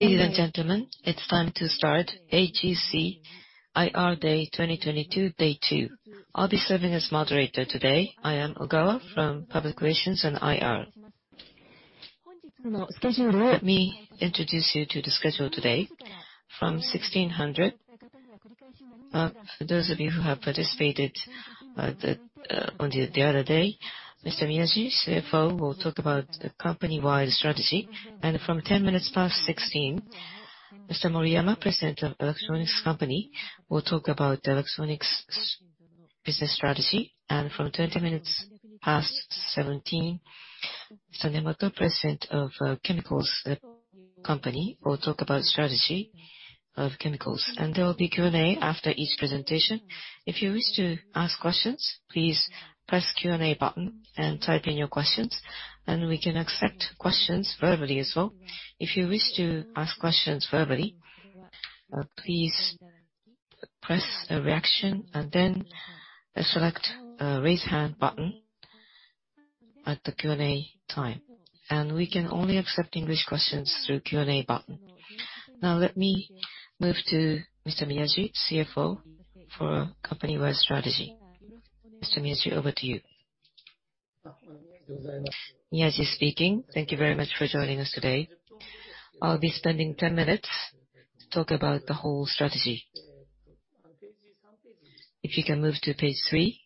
Ladies and gentlemen, it's time to start AGC IR Day 2022, day two. I'll be serving as moderator today. I am Ogawa from Public Relations and IR. Let me introduce you to the schedule today. From 4:00 P.M., for those of you who have participated on the other day, Mr. Miyaji, CFO, will talk about the company-wide strategy. From 4:10 P.M., Mr. Moriyama, President of Electronics Company, will talk about electronics business strategy. From 5:20 P.M., Mr. Nemoto, President of Chemicals Company, will talk about strategy of chemicals. There will be Q&A after each presentation. If you wish to ask questions, please press Q&A button and type in your questions, and we can accept questions verbally as well. If you wish to ask questions verbally, please press Reaction, and then select Raise Hand button at the Q&A time. We can only accept English questions through Q&A button. Now let me move to Mr. Miyaji, CFO, for company-wide strategy. Mr. Miyaji, over to you. Miyaji speaking. Thank you very much for joining us today. I'll be spending 10 minutes to talk about the whole strategy. If you can move to page three.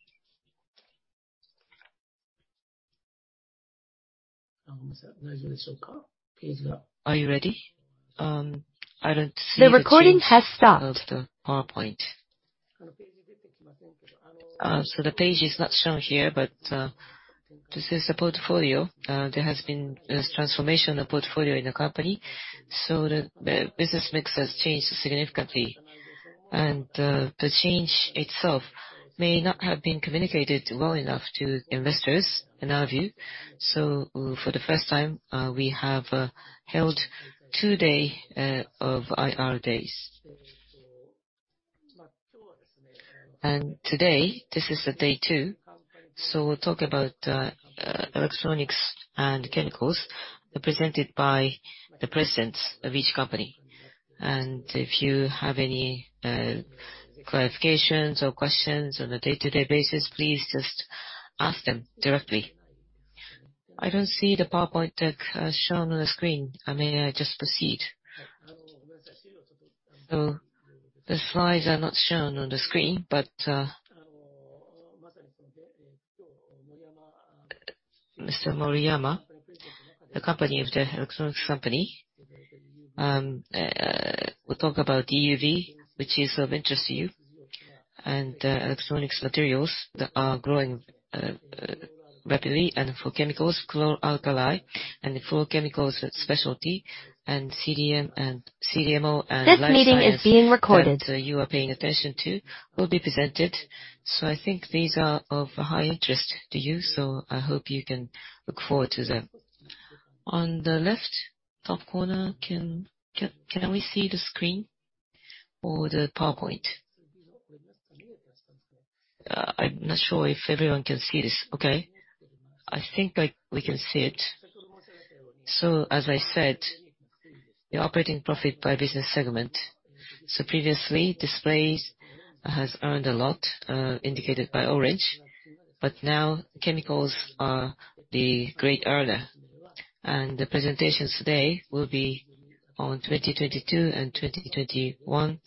Are you ready? I don't see- The recording has stopped.... of the PowerPoint. The page is not shown here, but this is a portfolio. There has been this transformation of portfolio in the company, so the business mix has changed significantly. The change itself may not have been communicated well enough to investors in our view. For the first time, we have held two-day IR days. Today, this is the day two, so we'll talk about electronics and chemicals presented by the presidents of each company. If you have any clarifications or questions on a day-to-day basis, please just ask them directly. I don't see the PowerPoint deck shown on the screen. I may just proceed. The slides are not shown on the screen, but Mr. Moriyama of the electronics company will talk about EUV, which is of interest to you, and electronic materials that are growing rapidly, and for chemicals, chlor-alkali, and specialty chemicals, and CDMO. This meeting is being recorded. That you are paying attention to will be presented. I think these are of high interest to you, so I hope you can look forward to them. On the left top corner, can we see the screen or the PowerPoint? I'm not sure if everyone can see this. Okay. I think, like, we can see it. As I said, the operating profit by business segment. Previously, Displays has earned a lot, indicated by orange, but now Chemicals are the great earner. The presentations today will be on 2022 and 2021.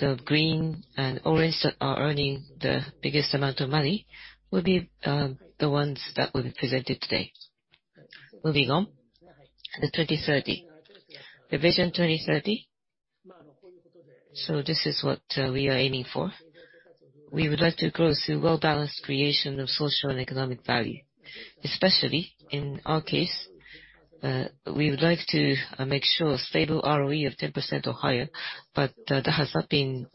The green and orange that are earning the biggest amount of money will be the ones that will be presented today. Moving on. The 2030. The Vision 2030. This is what we are aiming for. We would like to grow through well-balanced creation of social and economic value. Especially in our case, we would like to make sure stable ROE of 10% or higher, but that has not been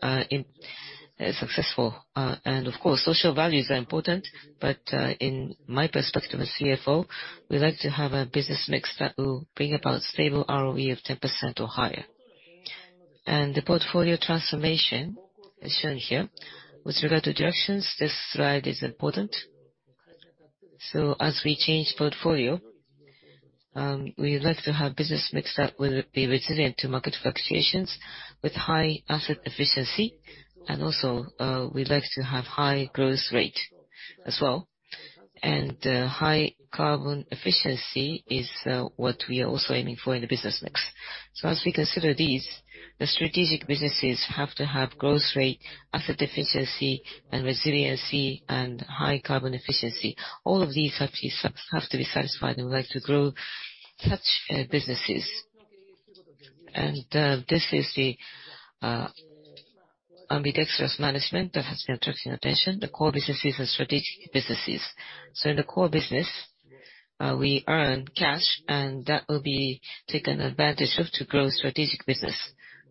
successful. Of course, social values are important, but in my perspective as CFO, we like to have a business mix that will bring about stable ROE of 10% or higher. The portfolio transformation is shown here. With regard to directions, this slide is important. As we change portfolio, we would like to have business mix that will be resilient to market fluctuations with high asset efficiency, and also, we'd like to have high growth rate as well. High carbon efficiency is what we are also aiming for in the business mix. As we consider these, the strategic businesses have to have growth rate, asset efficiency and resiliency and high carbon efficiency. All of these have to be satisfied, and we'd like to grow such businesses. This is the ambidextrous management that has been attracting attention, the core businesses and strategic businesses. In the core business, we earn cash, and that will be taken advantage of to grow strategic business.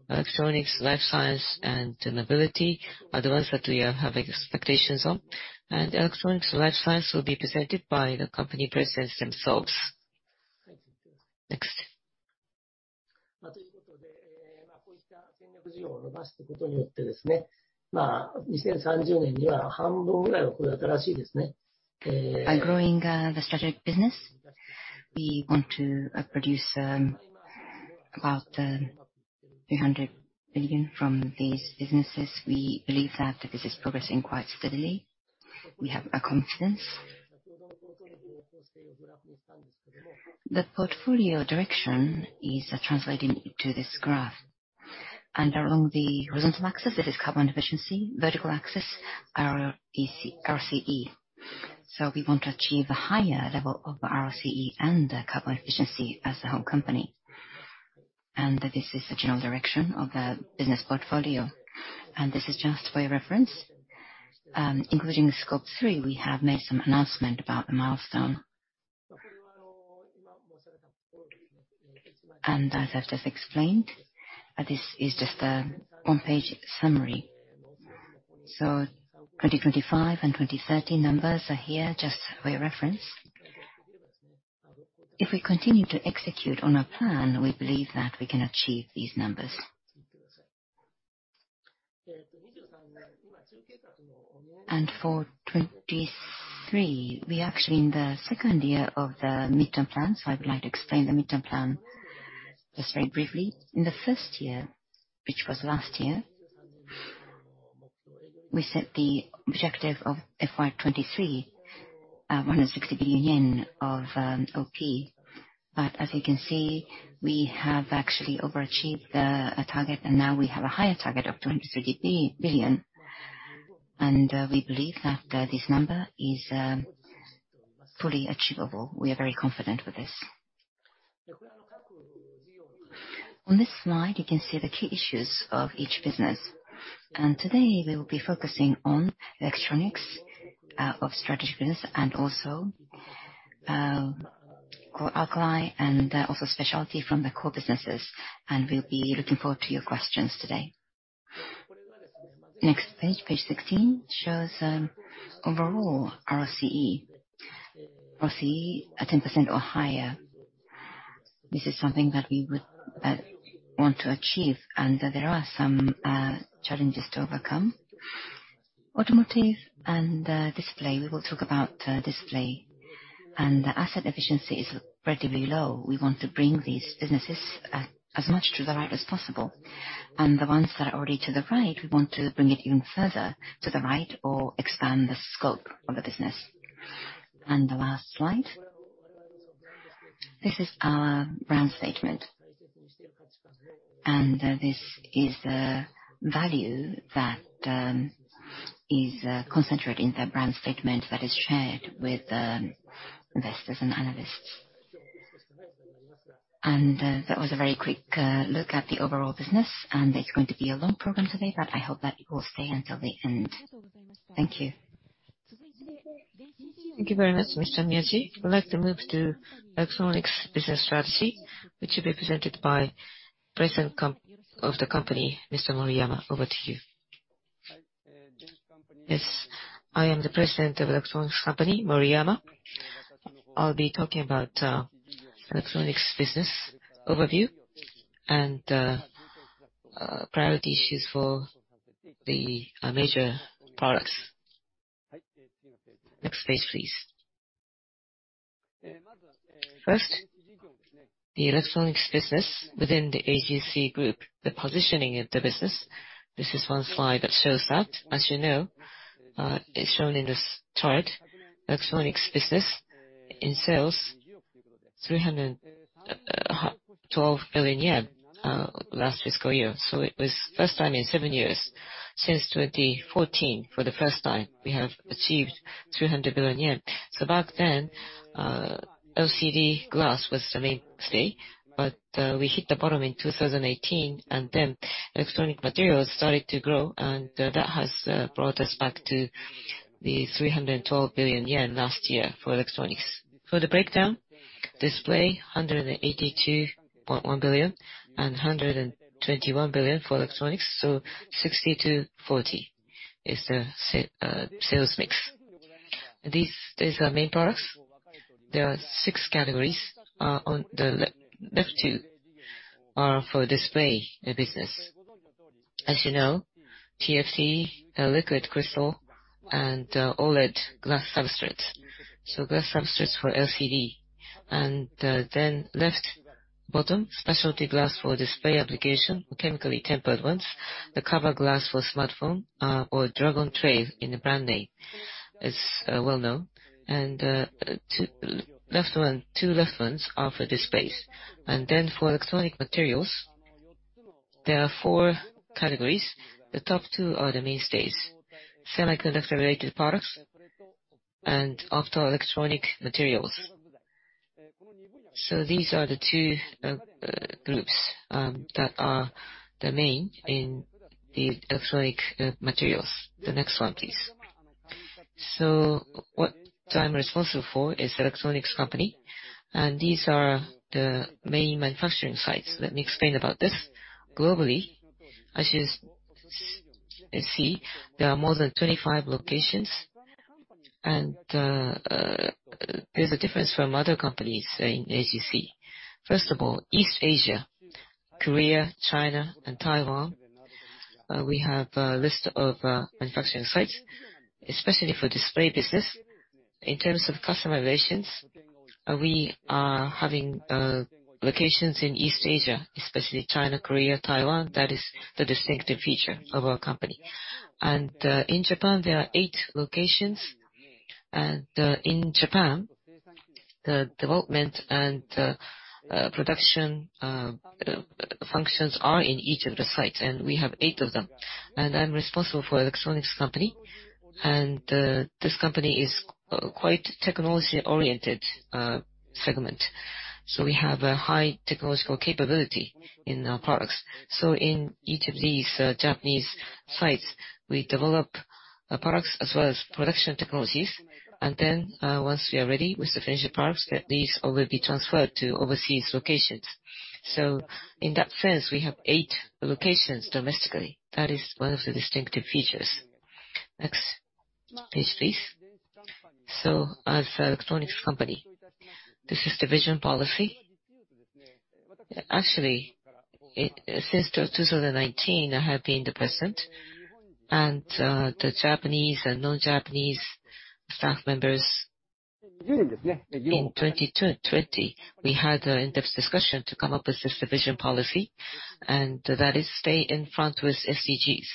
Electronics, life science and mobility are the ones that we are having expectations on. Electronics and life science will be presented by the company presidents themselves. Next. By growing the strategic business, we want to produce about 300 billion from these businesses. We believe that this is progressing quite steadily. We have a confidence. The portfolio direction is translating to this graph. Along the horizontal axis, it is carbon efficiency. Vertical axis, our ROCE. We want to achieve a higher level of ROCE and carbon efficiency as a whole company. This is the general direction of the business portfolio. This is just for your reference. Including the scope three, we have made some announcement about the milestone. As I've just explained, this is just one-page summary. 2025 and 2030 numbers are here just for your reference. If we continue to execute on our plan, we believe that we can achieve these numbers. For 2023, we're actually in the second year of the midterm plan, so I would like to explain the midterm plan just very briefly. In the first year, which was last year, we set the objective of FY 2023, one hundred and sixty billion yen of OP. As you can see, we have actually overachieved the target, and now we have a higher target of two hundred and sixty billion. We believe that this number is fully achievable. We are very confident with this. On this slide, you can see the key issues of each business. Today, we'll be focusing on the electronics of strategic business and also core alkali and also specialty from the core businesses. We'll be looking forward to your questions today. Next page 16, shows overall ROCE. ROCE at 10% or higher, this is something that we would want to achieve, and there are some challenges to overcome. Automotive and display, we will talk about display. The asset efficiency is relatively low. We want to bring these businesses as much to the right as possible. The ones that are already to the right, we want to bring it even further to the right or expand the scope of the business. The last slide. This is our brand statement. This is the value that is concentrated in the brand statement that is shared with investors and analysts. That was a very quick look at the overall business, and it's going to be a long program today, but I hope that you will stay until the end. Thank you. Thank you very much, Mr. Miyaji. We'd like to move to electronics business strategy, which will be presented by President of the company, Mr. Moriyama. Over to you. Yes. I am the President of electronics company, Moriyama. I'll be talking about electronics business overview and priority issues for the major products. Next page, please. First, the electronics business within the AGC Group, the positioning of the business. This is one slide that shows that. As you know, it's shown in this chart, electronics business in sales 312 billion yen last fiscal year. It was first time in seven years since 2014, for the first time, we have achieved 300 billion yen. Back then, LCD glass was the mainstay, but we hit the bottom in 2018, and then electronic materials started to grow. That has brought us back to 312 billion yen last year for electronics. For the breakdown, display 182.1 billion and 121 billion for electronics. 60/40 is the sales mix. These are main products. There are six categories. On the left two are for display business. As you know, TFT liquid crystal and OLED glass substrates. Glass substrates for LCD. Left bottom, specialty glass for display application, chemically tempered ones. The cover glass for smartphone or Dragontrail in the brand name is well known. Two left ones are for displays. For electronic materials, there are four categories. The top two are the mainstays, semiconductor-related products and optoelectronic materials. These are the two groups that are the main in the electronic materials. The next one, please. What I'm responsible for is Electronics Company, and these are the main manufacturing sites. Let me explain about this. Globally, let's see. There are more than 25 locations, and there's a difference from other companies in AGC. First of all, East Asia, Korea, China, and Taiwan, we have a list of manufacturing sites, especially for display business. In terms of customer relations, we are having locations in East Asia, especially China, Korea, Taiwan. That is the distinctive feature of our company. In Japan, there are eight locations, and in Japan, the development and production functions are in each of the sites, and we have eight of them. I'm responsible for Electronics Company, and this company is quite technology-oriented segment. We have a high technological capability in our products. In each of these Japanese sites, we develop products as well as production technologies. Then once we are ready with the finished products, that these will be transferred to overseas locations. In that sense, we have eight locations domestically. That is one of the distinctive features. Next page, please. As Electronics Company, this is division policy. Actually, since 2019, I have been the president, and the Japanese and non-Japanese staff members in 2020, we had in-depth discussion to come up with this division policy, and that is stay in front with SDGs.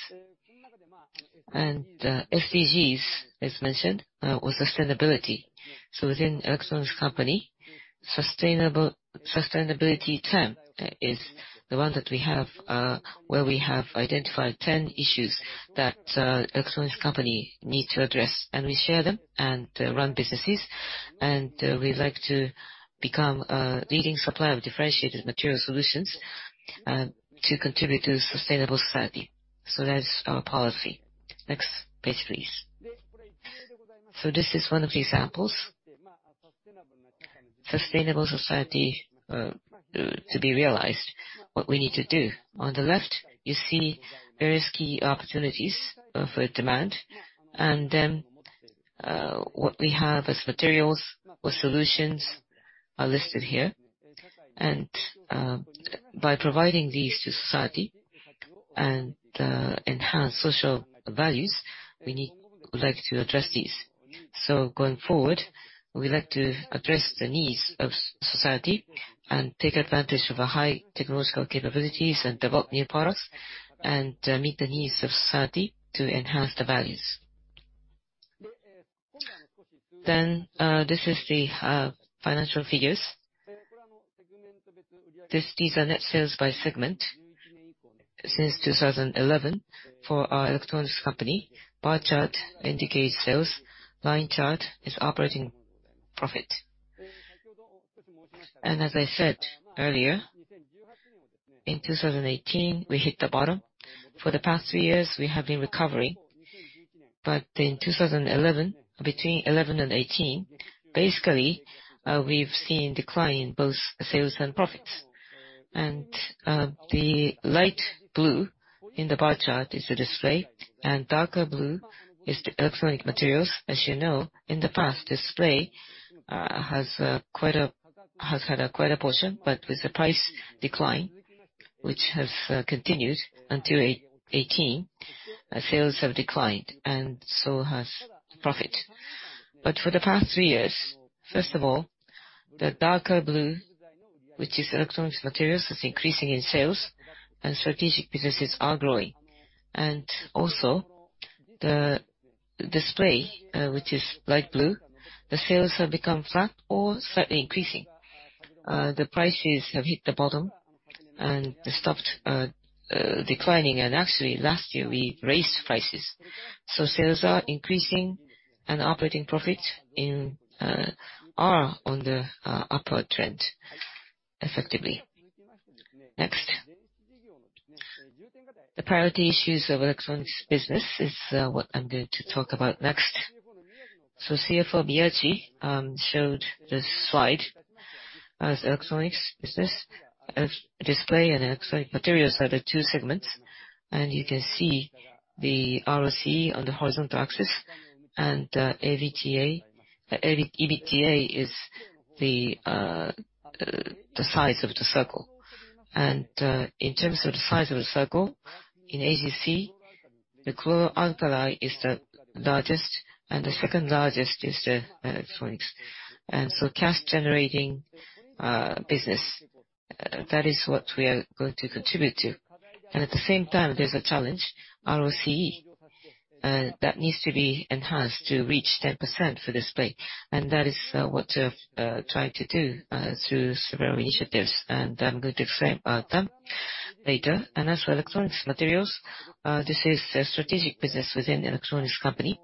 SDGs, as mentioned, was sustainability. Within electronics company, sustainability term is the one that we have where we have identified 10 issues that electronics company needs to address, and we share them and run businesses. We'd like to become a leading supplier of differentiated material solutions to contribute to sustainable society. That's our policy. Next page, please. This is one of the examples. Sustainable society to be realized, what we need to do. On the left, you see various key opportunities for demand. Then what we have as materials or solutions are listed here. By providing these to society and enhance social values, we would like to address these. Going forward, we'd like to address the needs of society and take advantage of the high technological capabilities and develop new products and meet the needs of society to enhance the values. This is the financial figures. These are net sales by segment since 2011 for our electronics company. Bar chart indicates sales. Line chart is operating profit. As I said earlier, in 2018, we hit the bottom. For the past three years, we have been recovering. In 2011, between 2011 and 2018, basically, we've seen decline in both sales and profits. The light blue in the bar chart is the display, and darker blue is the electronic materials. As you know, in the past, display has had quite a portion, but with the price decline, which has continued until 2018, sales have declined and so has profit. For the past three years, first of all, the darker blue, which is electronics materials, is increasing in sales and strategic businesses are growing. The display, which is light blue, sales have become flat or slightly increasing. The prices have hit the bottom and stopped declining. Actually, last year we raised prices. Sales are increasing and operating profit is on the upward trend effectively. Next. The priority issues of electronics business is what I'm going to talk about next. CFO Miyaji showed this slide as electronics business. Display and electronic materials are the two segments, and you can see the ROCE on the horizontal axis, and EBITDA. The EBITDA is the size of the circle. In terms of the size of the circle, in AGC, the chloralkali is the largest, and the second largest is the electronics. Cash generating business, that is what we are going to contribute to. At the same time, there's a challenge, ROCE, that needs to be enhanced to reach 10% for display. That is what we have tried to do through several initiatives. I'm going to explain about them later. As for electronics materials, this is a strategic business within the electronics company.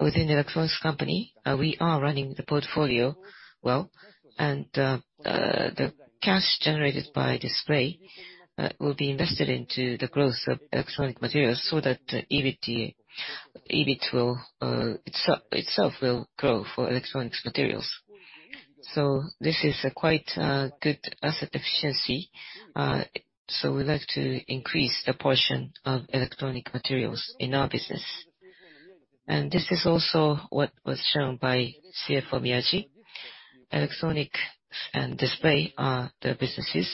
Within the electronics company, we are running the portfolio well, and the cash generated by display will be invested into the growth of electronic materials so that EVT will itself grow for electronics materials. This is a quite good asset efficiency. We'd like to increase the portion of electronic materials in our business. This is also what was shown by CFO Miyaji. Electronics and display are the businesses,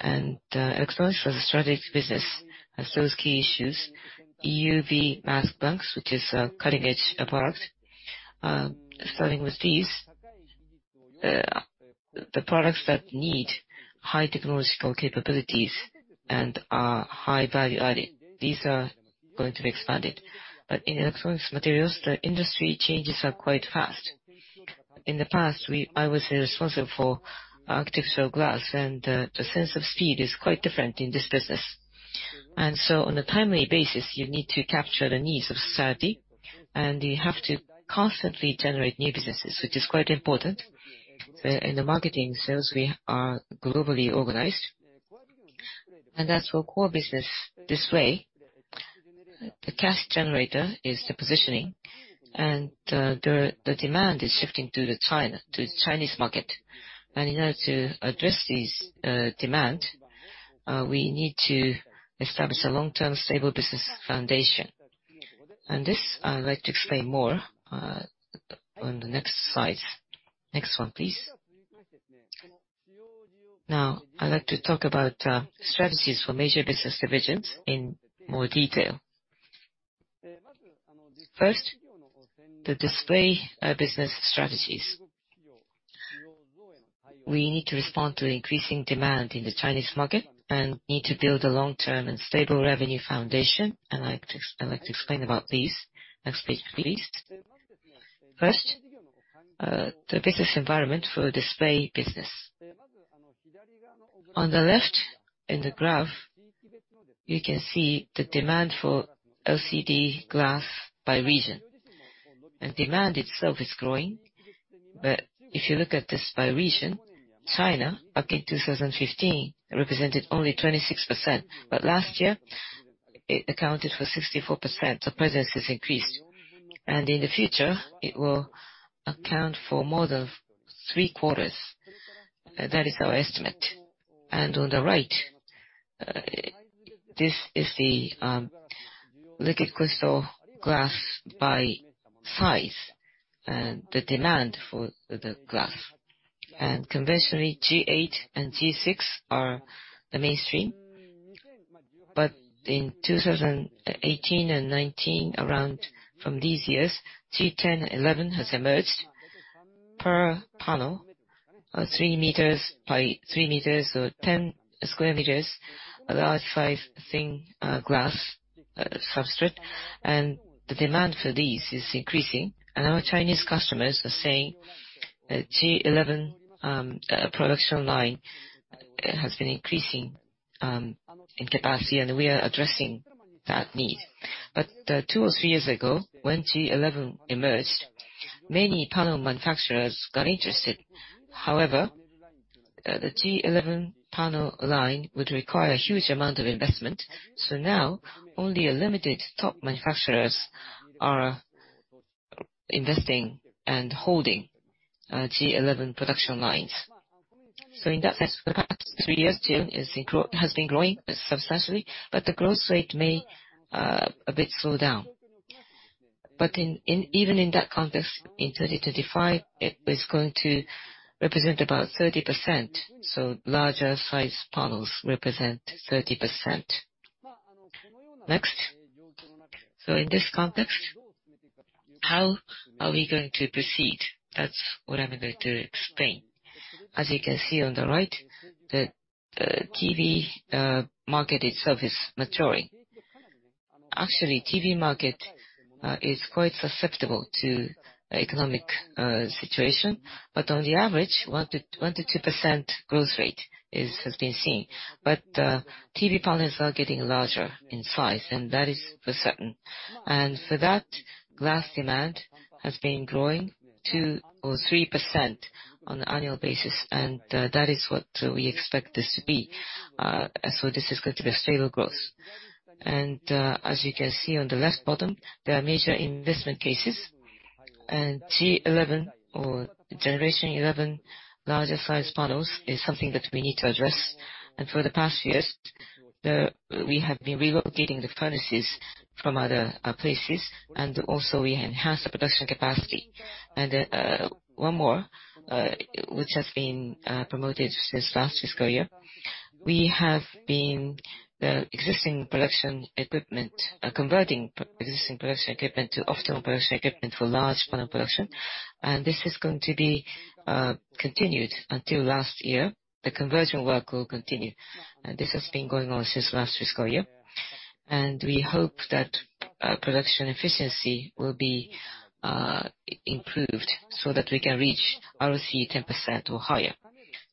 and electronics was a strategic business. As those key issues, EUV mask blanks, which is a cutting-edge product. Starting with these, the products that need high technological capabilities and are high value added, these are going to be expanded. In electronics materials, the industry changes are quite fast. In the past, we... I was responsible for flat glass, and the sense of speed is quite different in this business. On a timely basis, you need to capture the needs of society, and you have to constantly generate new businesses, which is quite important. In the marketing sales, we are globally organized. As for core business, this way, the cash generator is the positioning. The demand is shifting to China, to the Chinese market. In order to address these demand, we need to establish a long-term stable business foundation. This, I would like to explain more on the next slide. Next one, please. Now, I'd like to talk about strategies for major business divisions in more detail. First, the display business strategies. We need to respond to the increasing demand in the Chinese market and need to build a long-term and stable revenue foundation. I'd like to explain about these. Next page, please. First, the business environment for display business. On the left, in the graph, you can see the demand for LCD glass by region. Demand itself is growing, but if you look at this by region, China, back in 2015, represented only 26%. Last year, it accounted for 64%. The presence has increased. In the future, it will account for more than three-quarters. That is our estimate. On the right, this is the liquid crystal glass by size and the demand for the glass. Conventionally, G8 and G6 are the mainstream. In 2018 and 2019, around from these years, G10, G11 has emerged. Per panel, 3 meters by 3 meters, or 10 square meters, a large size thin glass substrate. The demand for these is increasing. Our Chinese customers are saying that G11 production line has been increasing in capacity, and we are addressing that need. Two or 3 years ago, when G11 emerged, many panel manufacturers got interested. However, the G11 panel line would require a huge amount of investment. Now, only a limited top manufacturers are investing and holding G11 production lines. In that sense, for the past 3 years, G11 has been growing substantially, but the growth rate may a bit slow down. Even in that context, in 30-35, it is going to represent about 30%. Larger size panels represent 30%. Next. In this context, how are we going to proceed? That's what I'm going to explain. As you can see on the right, the TV market itself is maturing. Actually, TV market is quite susceptible to economic situation. On the average, 1%-2% growth rate has been seen. TV panels are getting larger in size, and that is for certain. For that, glass demand has been growing 2% or 3% on an annual basis, and that is what we expect this to be. This is going to be a stable growth. As you can see on the left bottom, there are major investment cases, and G11 or generation 11 larger size panels is something that we need to address. For the past years, we have been relocating the furnaces from other places, and also we enhanced the production capacity. One more, which has been promoted since last fiscal year, we have been converting existing production equipment to optimal production equipment for large panel production. This is going to be continued until last year. The conversion work will continue. This has been going on since last fiscal year. We hope that production efficiency will be improved so that we can reach ROCE 10% or higher.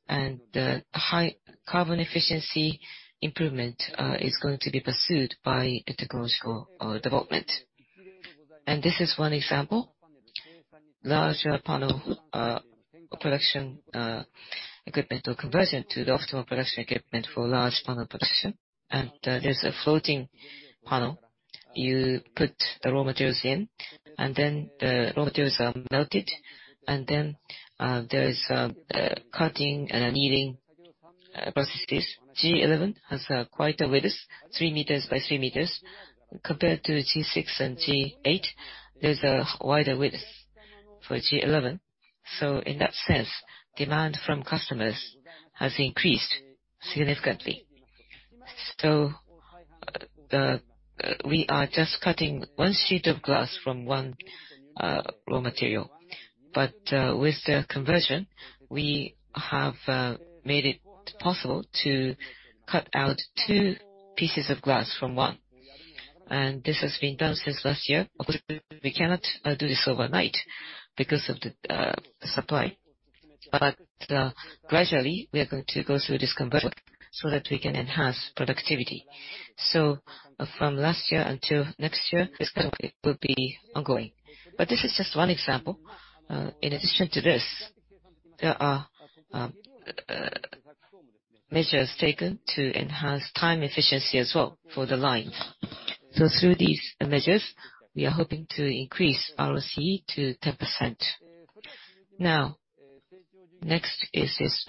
The high carbon efficiency improvement is going to be pursued by a technological development. This is one example, larger panel production equipment or conversion to the optimal production equipment for large panel production. There's a floating panel. You put the raw materials in, and then the raw materials are melted, and then there is cutting and kneading processes. G11 has quite a width, 3 meters by 3 meters. Compared to G6 and G8, there's a wider width for G11. In that sense, demand from customers has increased significantly. We are just cutting 1 sheet of glass from 1 raw material. With the conversion, we have made it possible to cut out 2 pieces of glass from 1. This has been done since last year. Of course, we cannot do this overnight because of the supply. Gradually, we are going to go through this conversion so that we can enhance productivity. From last year until next year, this kind of it will be ongoing. This is just one example. In addition to this, there are measures taken to enhance time efficiency as well for the lines. Through these measures, we are hoping to increase ROCE to 10%. Now, next is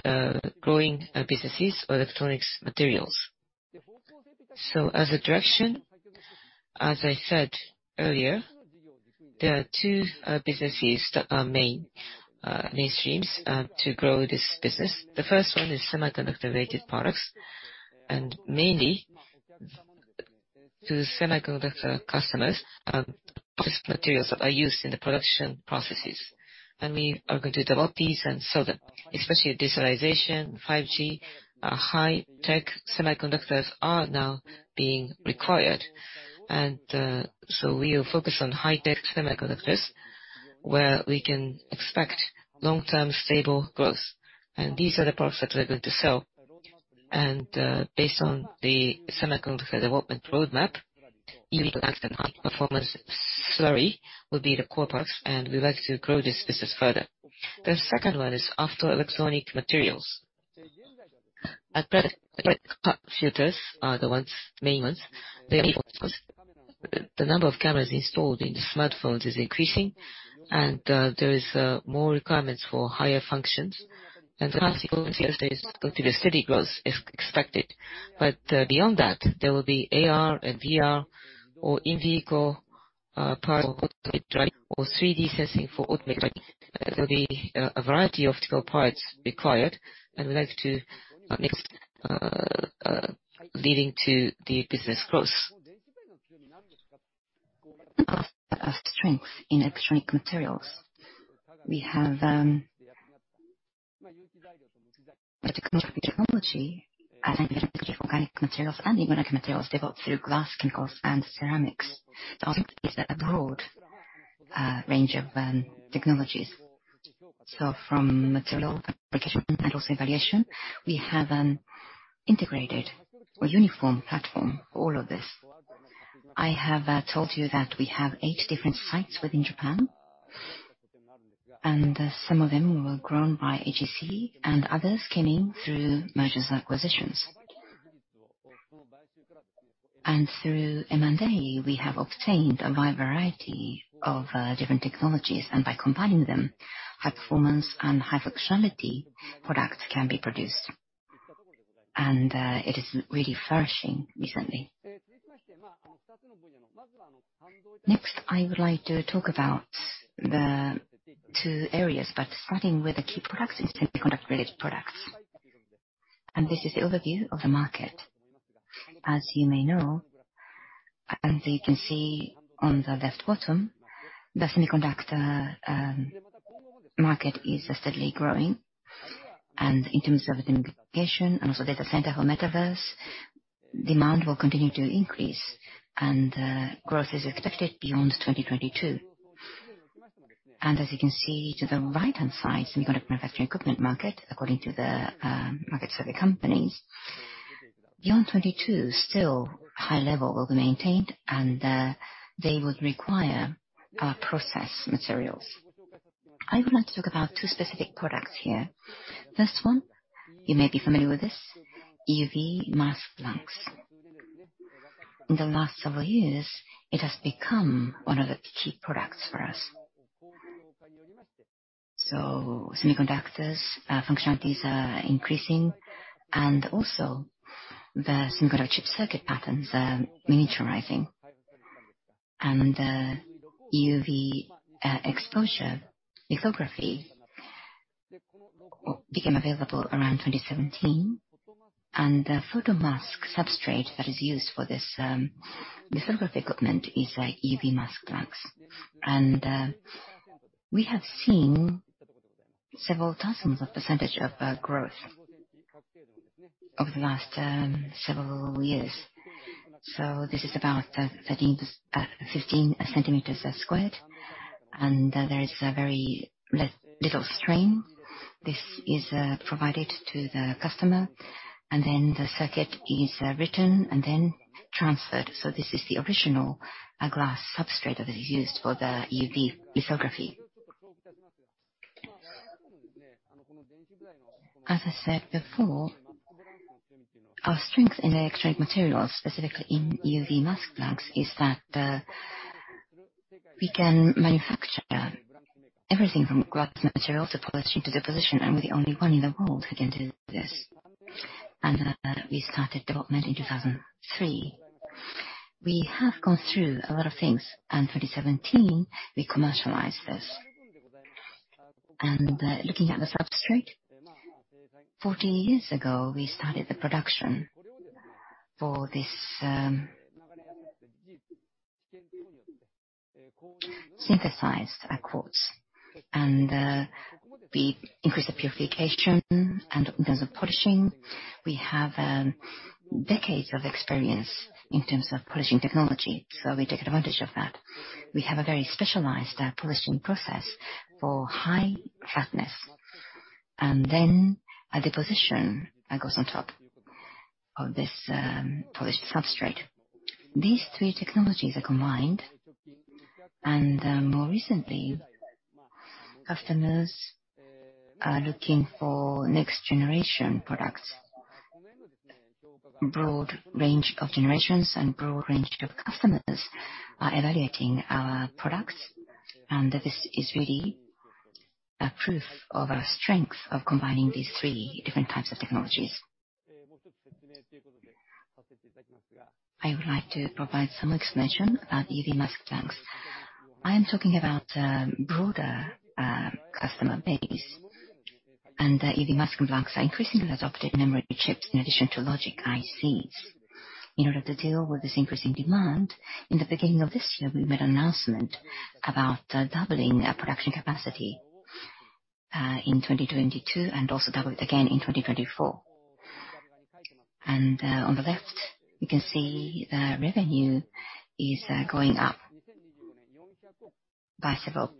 growing business of electronics materials. As a direction, as I said earlier, there are two businesses that are mainstream to grow this business. The first one is semiconductor-related products, and mainly to semiconductor customers and optics materials that are used in the production processes. We are going to develop these and sell them, especially digitalization, 5G, high-tech semiconductors are now being required. We are focused on high-tech semiconductors, where we can expect long-term stable growth. These are the products that we're going to sell. Based on the semiconductor development roadmap, EUV mask and high-performance slurry will be the core products, and we'd like to grow this business further. The second one is auto electronic materials. At present, filters are the main ones. The number of cameras installed in the smartphones is increasing, and there is more requirements for higher functions. The past few years, there is going to be a steady growth expected. Beyond that, there will be AR and VR or in-vehicle parts for automated driving or 3D sensing for automated driving. There will be a variety of technical parts required, and we'd like to mix leading to the business growth. Our strengths in electronic materials, we have particular technology and organic materials and inorganic materials developed through glass, chemicals, and ceramics. There are a broad range of technologies. From material application and also evaluation, we have an integrated or uniform platform for all of this. I have told you that we have eight different sites within Japan, and some of them were grown by AGC, and others came in through mergers and acquisitions. Through M&A, we have obtained a wide variety of different technologies, and by combining them, high performance and high functionality products can be produced. It is really flourishing recently. Next, I would like to talk about the two areas, but starting with the key products is semiconductor-related products. This is the overview of the market. As you may know, and you can see on the left bottom, the semiconductor market is steadily growing. In terms of the application, and also data center for metaverse, demand will continue to increase, and growth is expected beyond 2022. As you can see to the right-hand side, semiconductor manufacturing equipment market, according to the market survey companies, beyond 2022, still high level will be maintained, and they would require our process materials. I would like to talk about two specific products here. First one, you may be familiar with this, EUV mask blanks. In the last several years, it has become one of the key products for us. Semiconductors functionalities are increasing, and also the single chip circuit patterns are miniaturizing. EUV exposure lithography became available around 2017. The photomask substrate that is used for this lithography equipment is EUV mask blanks. We have seen several thousand percent growth over the last several years. This is about 13-15 centimeters squared, and there is a very little strain. This is provided to the customer, and then the circuit is written and then transferred. This is the original glass substrate that is used for the EUV lithography. As I said before, our strength in the electronic materials, specifically in EUV mask blanks, is that we can manufacture everything from glass materials to polishing, to deposition, and we're the only one in the world who can do this. We started development in 2003. We have gone through a lot of things, and in 2017 we commercialized this. Looking at the substrate, 14 years ago, we started the production for this synthetic quartz. We increased the purification and in terms of polishing, we have decades of experience in terms of polishing technology, so we take advantage of that. We have a very specialized polishing process for high flatness. Then a deposition that goes on top of this polished substrate. These three technologies are combined, and more recently, customers are looking for next-generation products. Broad range of generations and broad range of customers are evaluating our products, and this is really a proof of our strength of combining these three different types of technologies. I would like to provide some explanation about EUV mask blanks. I am talking about broader customer base, and EUV mask blanks are increasingly adopted memory chips in addition to logic ICs. In order to deal with this increasing demand, in the beginning of this year, we made announcement about doubling our production capacity in 2022, and also double it again in 2024. On the left, you can see the revenue is going up by several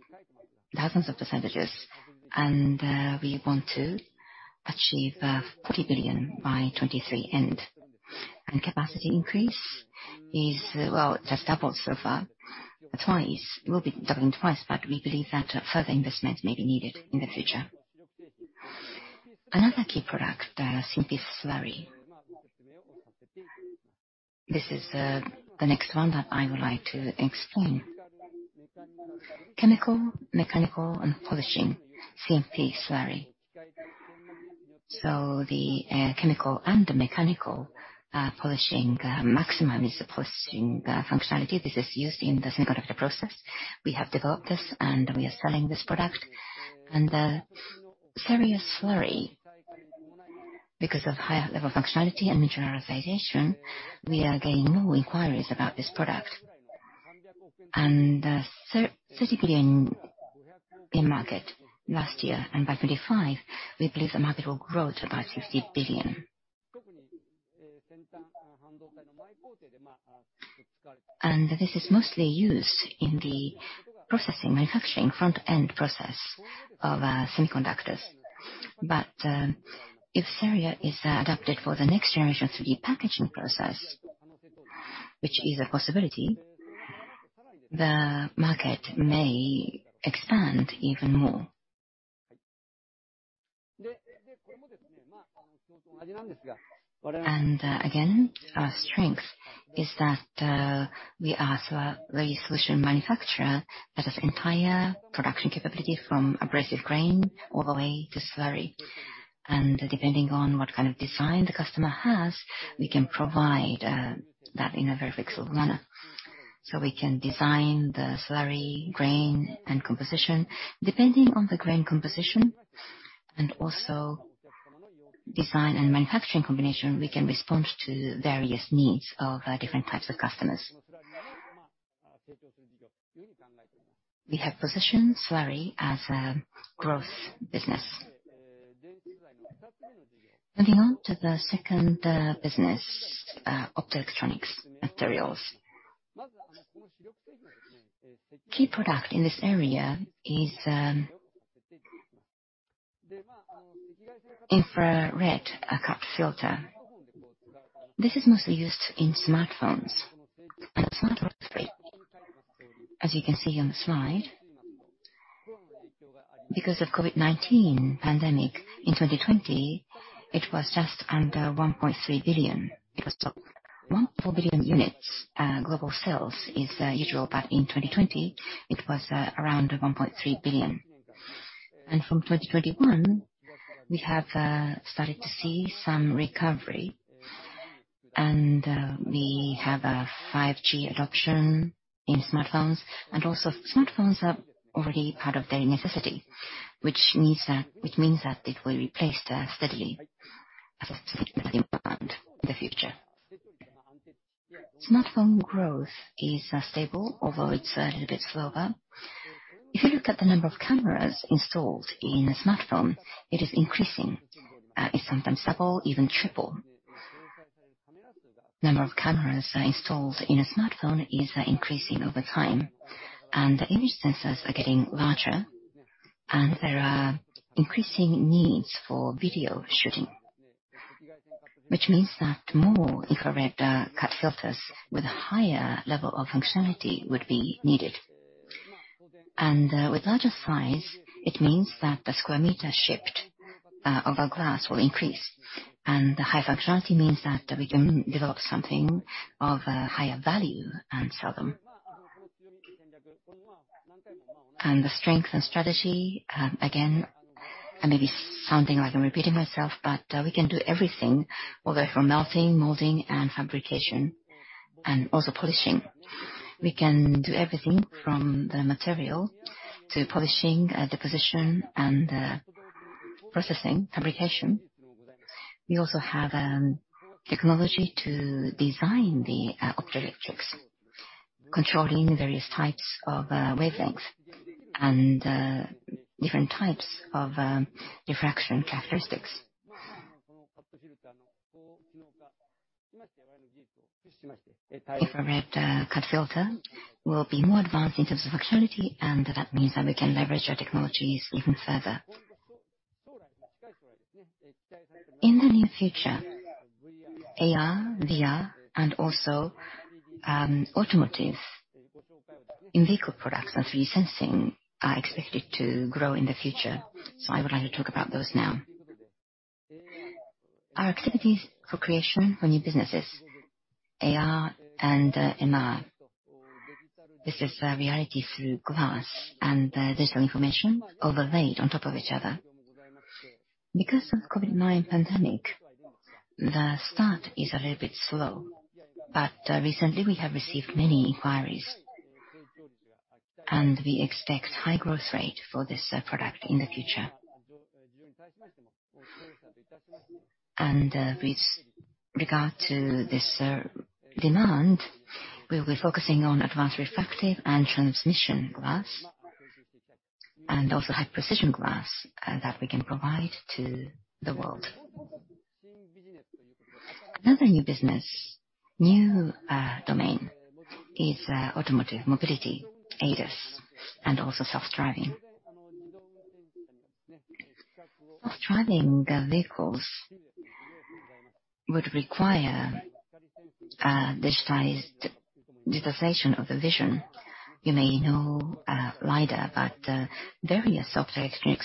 dozen%. We want to achieve 40 billion by 2023 end. Capacity increase is, well, just doubled so far. Twice. We'll be doubling twice, but we believe that further investment may be needed in the future. Another key product, the CMP slurry. This is the next one that I would like to explain. Chemical mechanical polishing CMP slurry. So the chemical and the mechanical polishing maximum is the polishing functionality. This is used in the semiconductor process. We have developed this, and we are selling this product. Ceria slurry, because of higher level functionality and materialization, we are getting more inquiries about this product. Specifically in market last year, and by 2025, we believe the market will grow to about 60 billion. This is mostly used in the processing, manufacturing front-end process of semiconductors. If ceria is adapted for the next generation 3D packaging process, which is a possibility, the market may expand even more. Again, our strength is that we are a slurry solution manufacturer that has entire production capability from abrasive grain all the way to slurry. Depending on what kind of design the customer has, we can provide that in a very flexible manner. We can design the slurry grain and composition. Depending on the grain composition and also design and manufacturing combination, we can respond to various needs of different types of customers. We have positioned slurry as a growth business. Moving on to the second business, optoelectronic materials. Key product in this area is infrared cut filter. This is mostly used in smartphones and smartphones only. As you can see on the slide, because of COVID-19 pandemic in 2020, it was just under 1.3 billion. It was to 1.4 billion units. Global sales usually, but in 2020, it was around 1.3 billion. From 2021, we have started to see some recovery. We have a 5G adoption in smartphones. Smartphones are already part of daily necessity, which means that it will replace the steady specific demand in the future. Smartphone growth is stable, although it's a little bit slower. If you look at the number of cameras installed in a smartphone, it is increasing. It's sometimes double, even triple. Number of cameras installed in a smartphone is increasing over time. The image sensors are getting larger, and there are increasing needs for video shooting. Which means that more infrared cut filters with higher level of functionality would be needed. With larger size, it means that the square meter shipped of our glass will increase. The high functionality means that we can develop something of a higher value and sell them. The strength and strategy, again, and maybe sounding like I'm repeating myself, but, we can do everything, although from melting, molding, and fabrication, and also polishing. We can do everything from the material to polishing, deposition and, processing, fabrication. We also have technology to design the optoelectronics, controlling various types of wavelengths and different types of diffraction characteristics. Infrared cut filter will be more advanced in terms of functionality, and that means that we can leverage our technologies even further. In the near future, AR, VR, and also automotives. In-vehicle products and 3D sensing are expected to grow in the future, so I would like to talk about those now. Our activities for creation for new businesses, AR and MR. This is reality through glass and digital information overlaid on top of each other. Because of COVID-19 pandemic, the start is a little bit slow. Recently we have received many inquiries, and we expect high growth rate for this, product in the future. With regard to this, demand, we'll be focusing on advanced reflective and transmission glass, and also high-precision glass, that we can provide to the world. Another new business, domain, is, automotive mobility, ADAS, and also self-driving. Self-driving, vehicles would require, digitized digitization of the vision. You may know, LiDAR, but, various optoelectronic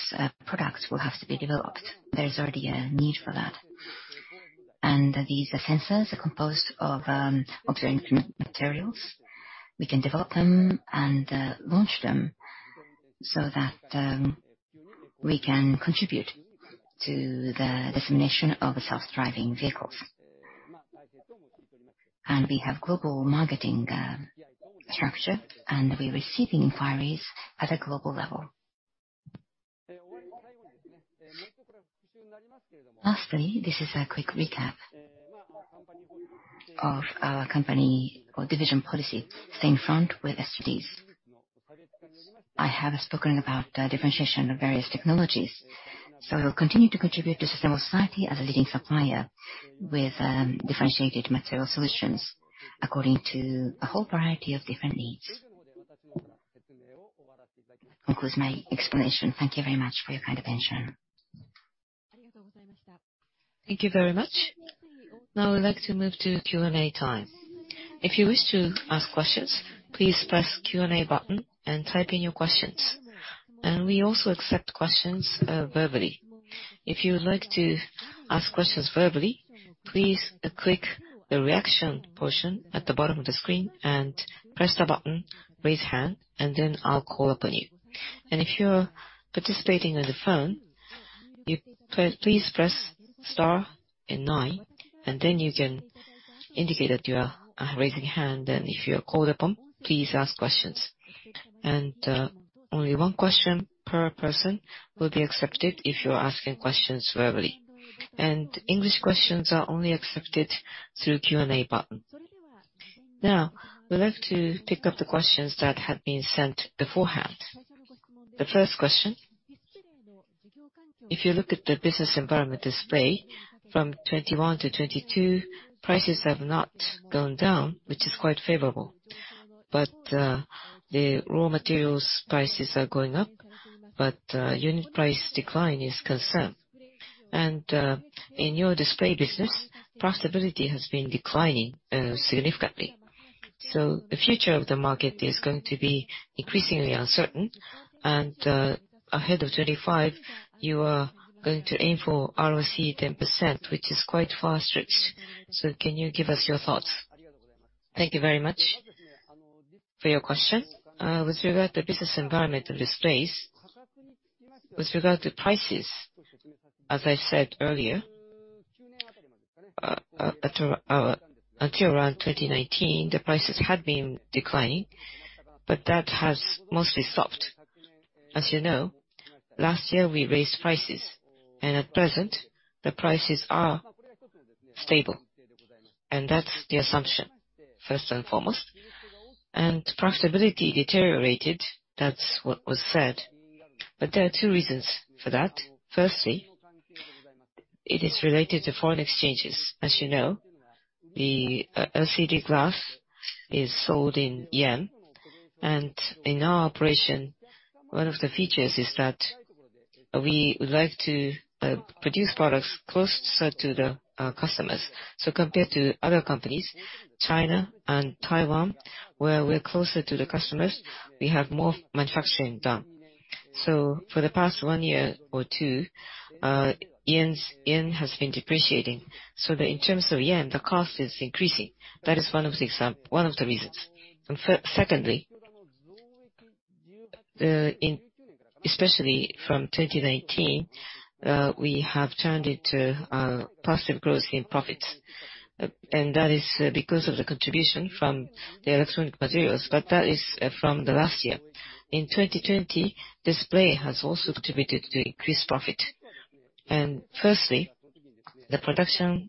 products will have to be developed. There is already a need for that. These sensors are composed of, optoelectronic materials. We can develop them and, launch them so that, we can contribute to the definition of self-driving vehicles. We have global marketing structure, and we're receiving inquiries at a global level. Lastly, this is a quick recap of our company or division policy, staying in front with SDGs. I have spoken about differentiation of various technologies, so we will continue to contribute to a sustainable society as a leading supplier with differentiated material solutions according to a whole variety of different needs. That concludes my explanation. Thank you very much for your kind attention. Thank you very much. Now we'd like to move to Q&A time. If you wish to ask questions, please press Q&A button and type in your questions. We also accept questions verbally. If you would like to ask questions verbally, please click the Reaction portion at the bottom of the screen and press the button, Raise Hand, and then I'll call upon you. If you're participating on the phone, you press, please press star and nine, and then you can indicate that you are raising a hand, and if you are called upon, please ask questions. Only one question per person will be accepted if you are asking questions verbally. English questions are only accepted through Q&A button. Now, we'd like to pick up the questions that have been sent beforehand. The first question, if you look at the business environment display from 2021 to 2022, prices have not gone down, which is quite favorable. The raw materials prices are going up, but unit price decline is concerning. In your display business, profitability has been declining significantly. The future of the market is going to be increasingly uncertain, and ahead of 2025, you are going to aim for ROCE 10%, which is quite far-fetched. Can you give us your thoughts? Thank you very much for your question. With regard to business environment displays, with regard to prices, as I said earlier, at around, until around 2019, the prices had been declining, but that has mostly stopped. As you know, last year we raised prices, and at present, the prices are stable. That's the assumption, first and foremost. Profitability deteriorated, that's what was said. There are two reasons for that. Firstly, it is related to foreign exchanges. As you know, LCD glass is sold in yen, and in our operation, one of the features is that we like to produce products closer to the customers. Compared to other companies, China and Taiwan, where we're closer to the customers, we have more manufacturing done. For the past one year or two, yen has been depreciating, so in terms of yen, the cost is increasing. That is one of the reasons. Secondly, especially from 2019, we have turned into positive growth in profits. That is because of the contribution from the electronic materials, but that is from the last year. In 2020, display has also contributed to increased profit. First, the production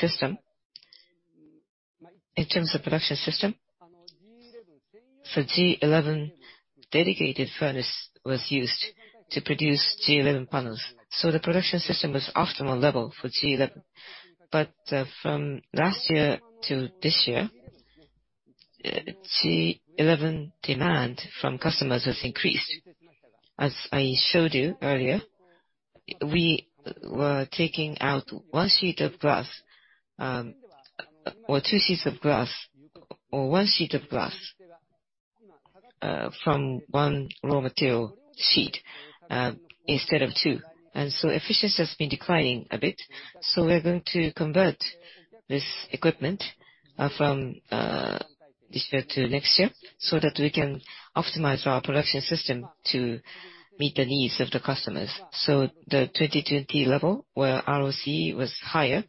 system, in terms of production system, for G11, dedicated furnace was used to produce G11 panels. The production system was optimal level for G11. From last year to this year, G11 demand from customers has increased. As I showed you earlier, we were taking out one sheet of glass or two sheets of glass from one raw material sheet, instead of two. Efficiency has been declining a bit. We're going to convert this equipment from this year to next year so that we can optimize our production system to meet the needs of the customers. The 2020 level, where ROCE was higher,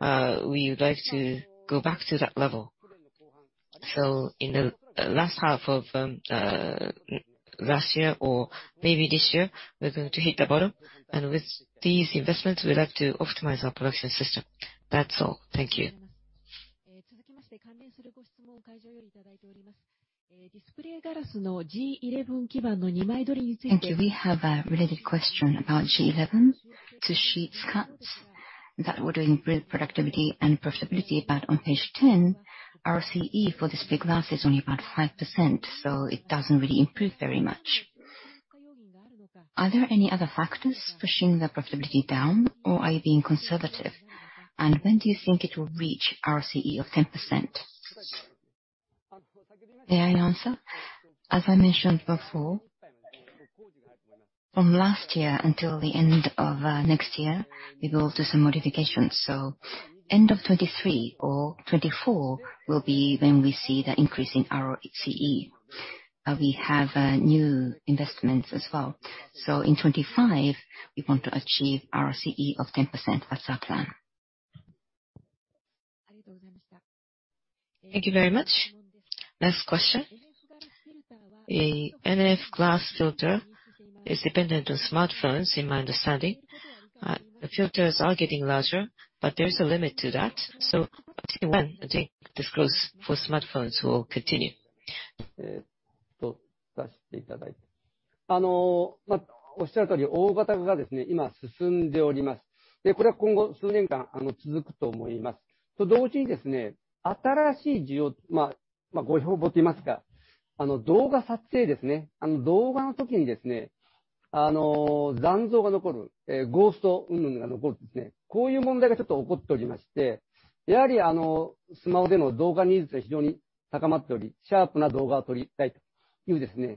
we would like to go back to that level. In the last half of last year or maybe this year, we're going to hit the bottom. With these investments, we'd like to optimize our production system. That's all. Thank you. Thank you. We have a related question about G11, two sheets cuts that would improve productivity and profitability, but on page 10, ROCE for display glass is only about 5%, so it doesn't really improve very much. Are there any other factors pushing the profitability down or are you being conservative? When do you think it will reach ROCE of 10%? May I answer? As I mentioned before, from last year until the end of next year, we will do some modifications. End of 2023 or 2024 will be when we see the increase in ROCE. We have new investments as well. In 2025, we want to achieve ROCE of 10% as our plan. Thank you very much. Next question. The NF glass filter is dependent on smartphones, in my understanding. The filters are getting larger, but there's a limit to that. Until when do you think this growth for smartphones will continue? Next question. In image sensor, miniaturization and larger size are the technological trend. For infrared cut filter, what is required to increase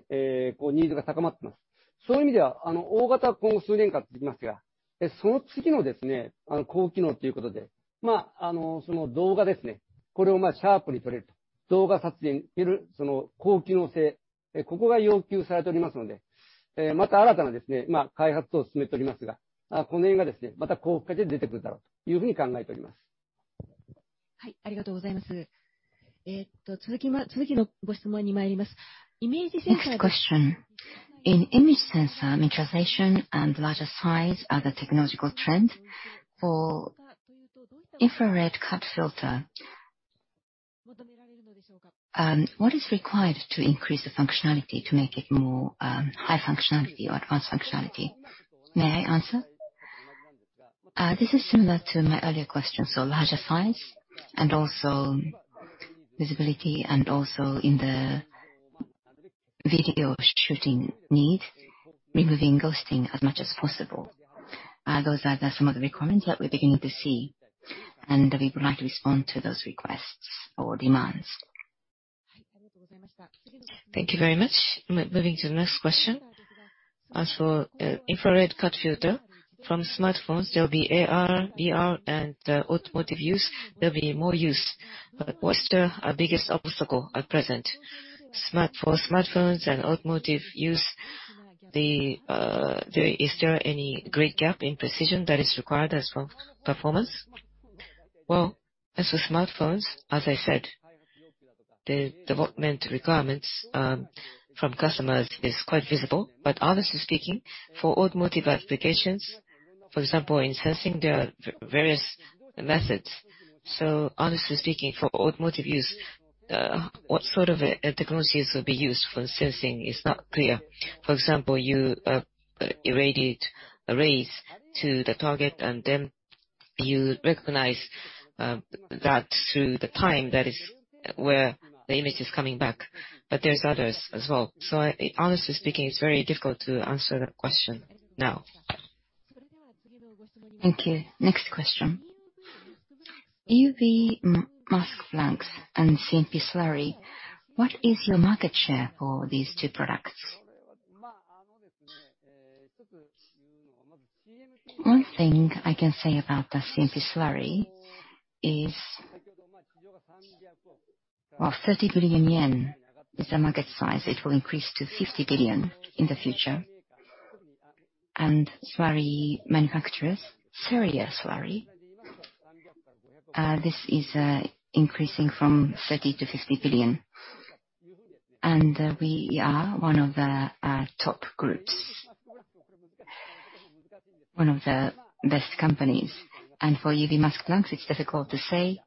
the functionality to make it more high functionality or advanced functionality? May I answer? This is similar to my earlier question. Larger size and also visibility and also in the video shooting need, removing ghosting as much as possible. Those are some of the requirements that we're beginning to see, and we would like to respond to those requests or demands. Thank you very much. Moving to the next question. As for infrared cut filter for smartphones, there'll be AR, VR and automotive use. There'll be more use. What's the biggest obstacle at present? For smartphones and automotive use, is there any great gap in precision that is required as well as performance? Well, as for smartphones, as I said, the development requirements from customers is quite visible. Honestly speaking, for automotive applications, for example, in sensing, there are various methods. Honestly speaking, for automotive use, what sort of technologies will be used for sensing is not clear. For example, you Irradiate arrays to the target, and then you recognize that through the time that is where the image is coming back. There's others as well. Honestly speaking, it's very difficult to answer that question now. Thank you. Next question. EUV mask blanks and CMP slurry, what is your market share for these two products? One thing I can say about the CMP slurry is, while 30 billion yen is the market size, it will increase to 50 billion in the future. Slurry manufacturers, ceria slurry, this is increasing from 30 billion to 50 billion. We are one of the top groups, one of the best companies. For EUV mask blanks, it's difficult to say,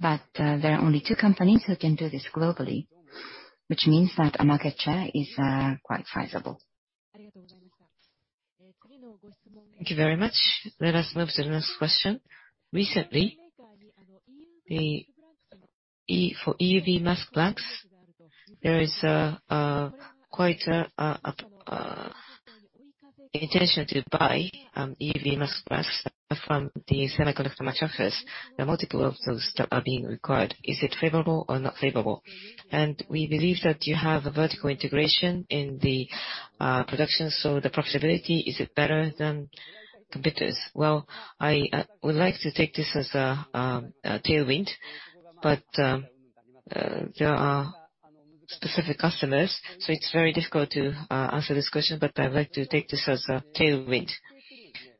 but there are only two companies who can do this globally, which means that our market share is quite sizable. Thank you very much. Let us move to the next question. Recently, for EUV mask blanks, there is quite intention to buy EUV mask blanks from the semiconductor manufacturers. There are multiple of those that are being required. Is it favorable or not favorable? We believe that you have a vertical integration in the production, so the profitability, is it better than competitors? Well, I would like to take this as a tailwind, but there are specific customers, so it's very difficult to answer this question, but I would like to take this as a tailwind.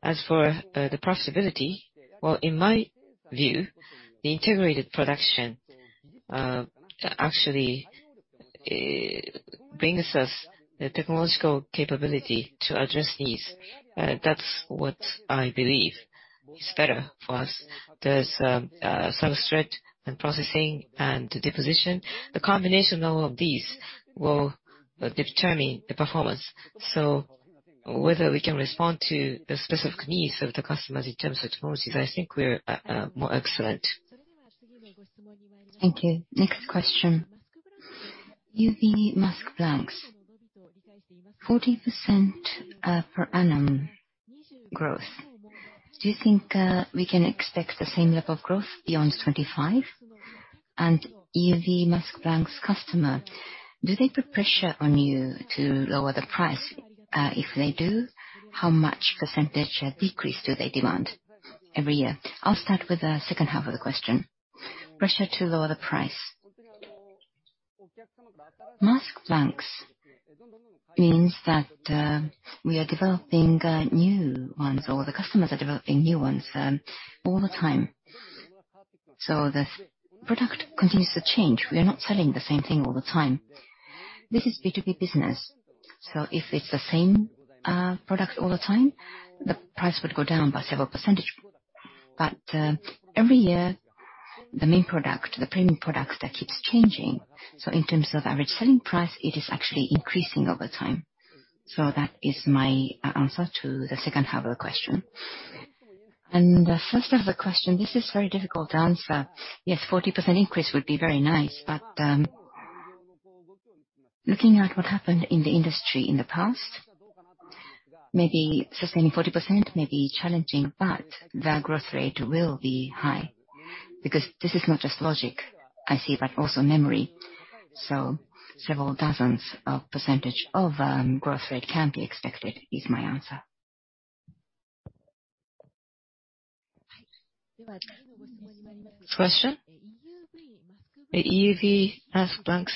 As for the profitability, well, in my view, the integrated production actually brings us the technological capability to address these. That's what I believe is better for us. There's substrate and processing and deposition. The combination of all of these will determine the performance. Whether we can respond to the specific needs of the customers in terms of technologies, I think we are at more excellent. Thank you. Next question. EUV mask blanks, 40% per annum growth. Do you think we can expect the same level of growth beyond 25? EUV mask blanks customer, do they put pressure on you to lower the price? If they do, how much percentage decrease do they demand every year? I'll start with the second half of the question. Pressure to lower the price. Mask blanks means that we are developing new ones, or the customers are developing new ones, all the time. The product continues to change. We are not selling the same thing all the time. This is B2B business, so if it's the same product all the time, the price would go down by several percent. Every year, the main product, the premium products that keeps changing. In terms of average selling price, it is actually increasing over time. That is my answer to the second half of the question. The first half of the question, this is very difficult to answer. Yes, 40% increase would be very nice, but looking at what happened in the industry in the past, maybe sustaining 40% may be challenging. The growth rate will be high because this is not just logic IC, but also memory. Several dozens of percent growth rate can be expected, is my answer. Question. EUV mask blanks,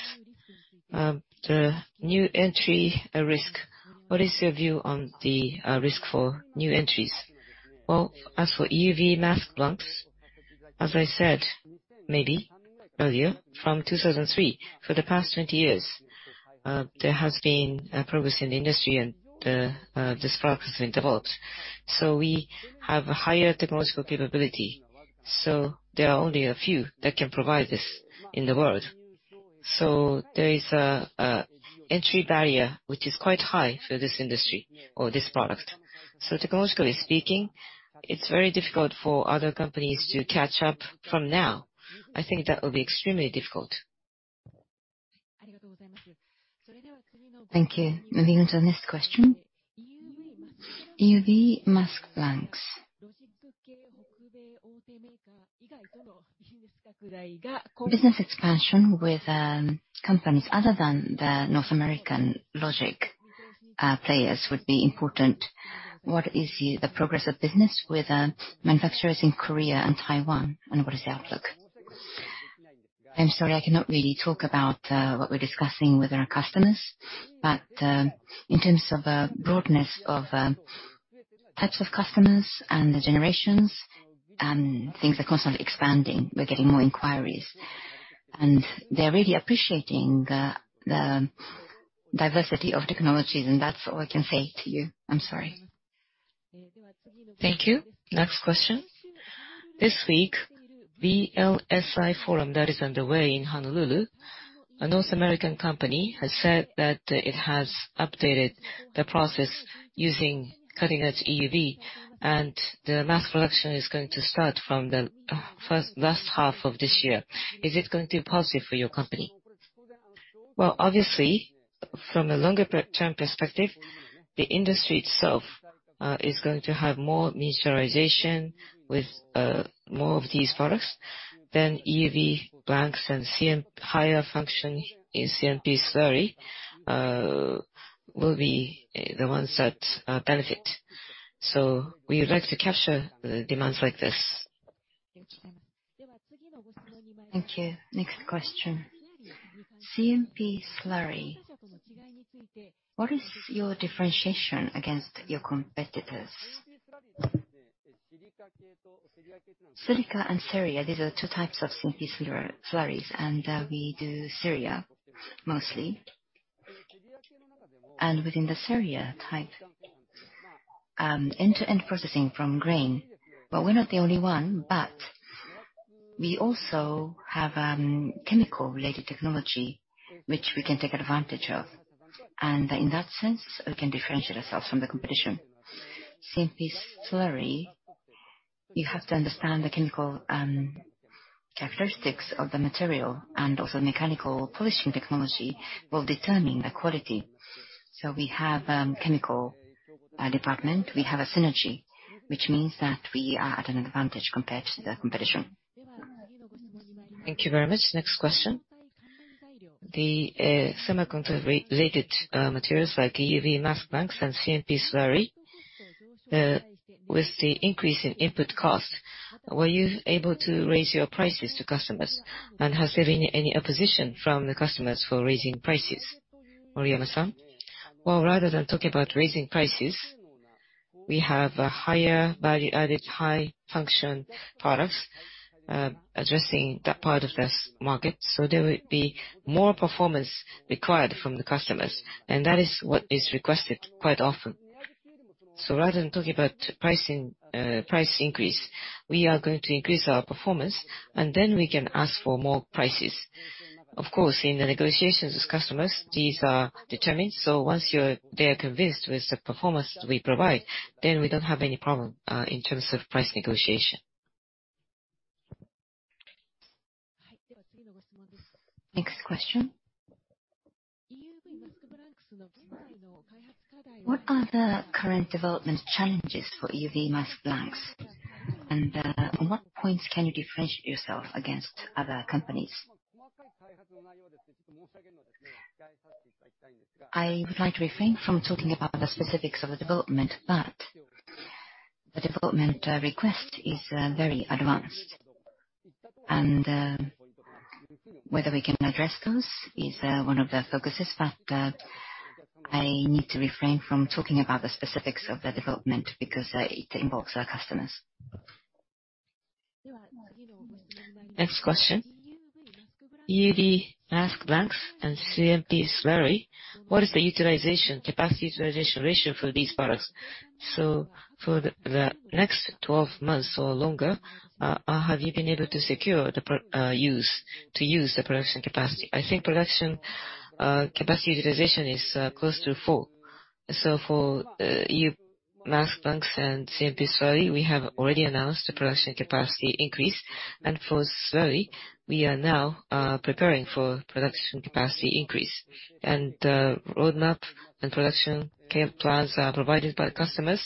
the new entry risk. What is your view on the risk for new entries? Well, as for EUV mask blanks, as I said, maybe earlier, from 2003, for the past 20 years, there has been a progress in the industry and this product has been developed. We have a higher technological capability, so there are only a few that can provide this in the world. There is an entry barrier which is quite high for this industry or this product. Technologically speaking, it's very difficult for other companies to catch up from now. I think that will be extremely difficult. Thank you. Moving on to the next question. EUV mask blanks. Business expansion with companies other than the North American logic players would be important. What is the progress of business with manufacturers in Korea and Taiwan, and what is the outlook? I'm sorry, I cannot really talk about what we're discussing with our customers. In terms of broadness of types of customers and the generations, things are constantly expanding. We're getting more inquiries, and they're really appreciating the diversity of technologies, and that's all I can say to you. I'm sorry. Thank you. Next question. This week, VLSI Symposium that is underway in Honolulu, a North American company has said that it has updated the process using cutting-edge EUV, and the mass production is going to start from the latter half of this year. Is it going to be positive for your company? Well, obviously, from a longer-term perspective, the industry itself is going to have more miniaturization with more of these products. EUV blanks and higher function in CMP slurry will be the ones that benefit. We would like to capture the demands like this. Thank you. Next question. CMP slurry, what is your differentiation against your competitors? Silica and ceria, these are two types of CMP slurries, and we do ceria mostly. Within the ceria type, end-to-end processing from grain, but we're not the only one, but we also have chemical related technology which we can take advantage of. In that sense, we can differentiate ourselves from the competition. CMP slurry, you have to understand the chemical characteristics of the material, and also mechanical polishing technology will determine the quality. We have chemical department. We have a synergy, which means that we are at an advantage compared to the competition. Thank you very much. Next question. The semiconductor-related materials like EUV mask blanks and CMP slurry with the increase in input costs, were you able to raise your prices to customers, and has there been any opposition from the customers for raising prices? Moriyama-san? Well, rather than talking about raising prices, we have higher value-added, high-function products addressing that part of this market. There will be more performance required from the customers, and that is what is requested quite often. Rather than talking about pricing, price increase, we are going to increase our performance, and then we can ask for more prices. Of course, in the negotiations with customers, these are determined, so once they're convinced with the performance we provide, then we don't have any problem in terms of price negotiation. Next question. What are the current development challenges for EUV mask blanks? On what points can you differentiate yourself against other companies? I would like to refrain from talking about the specifics of the development, but the development request is very advanced. Whether we can address those is one of the focuses, but I need to refrain from talking about the specifics of the development because it involves our customers. Next question. EUV mask blanks and CMP slurry, what is the utilization, capacity utilization ratio for these products? For the next 12 months or longer, have you been able to secure the use of the production capacity? I think production capacity utilization is close to full. For EUV mask blanks and CMP slurry, we have already announced a production capacity increase. For slurry, we are now preparing for production capacity increase. Roadmap and production capacity plans are provided by the customers.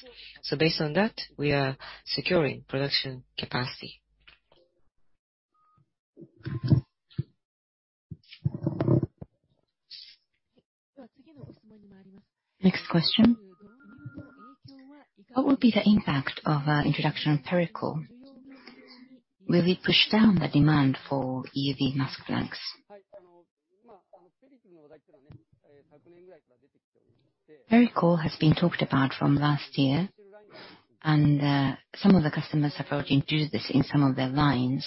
Based on that, we are securing production capacity. Next question. What will be the impact of introduction of pellicle? Will it push down the demand for EUV mask blanks? Pellicle has been talked about from last year, and some of the customers have already introduced this in some of their lines.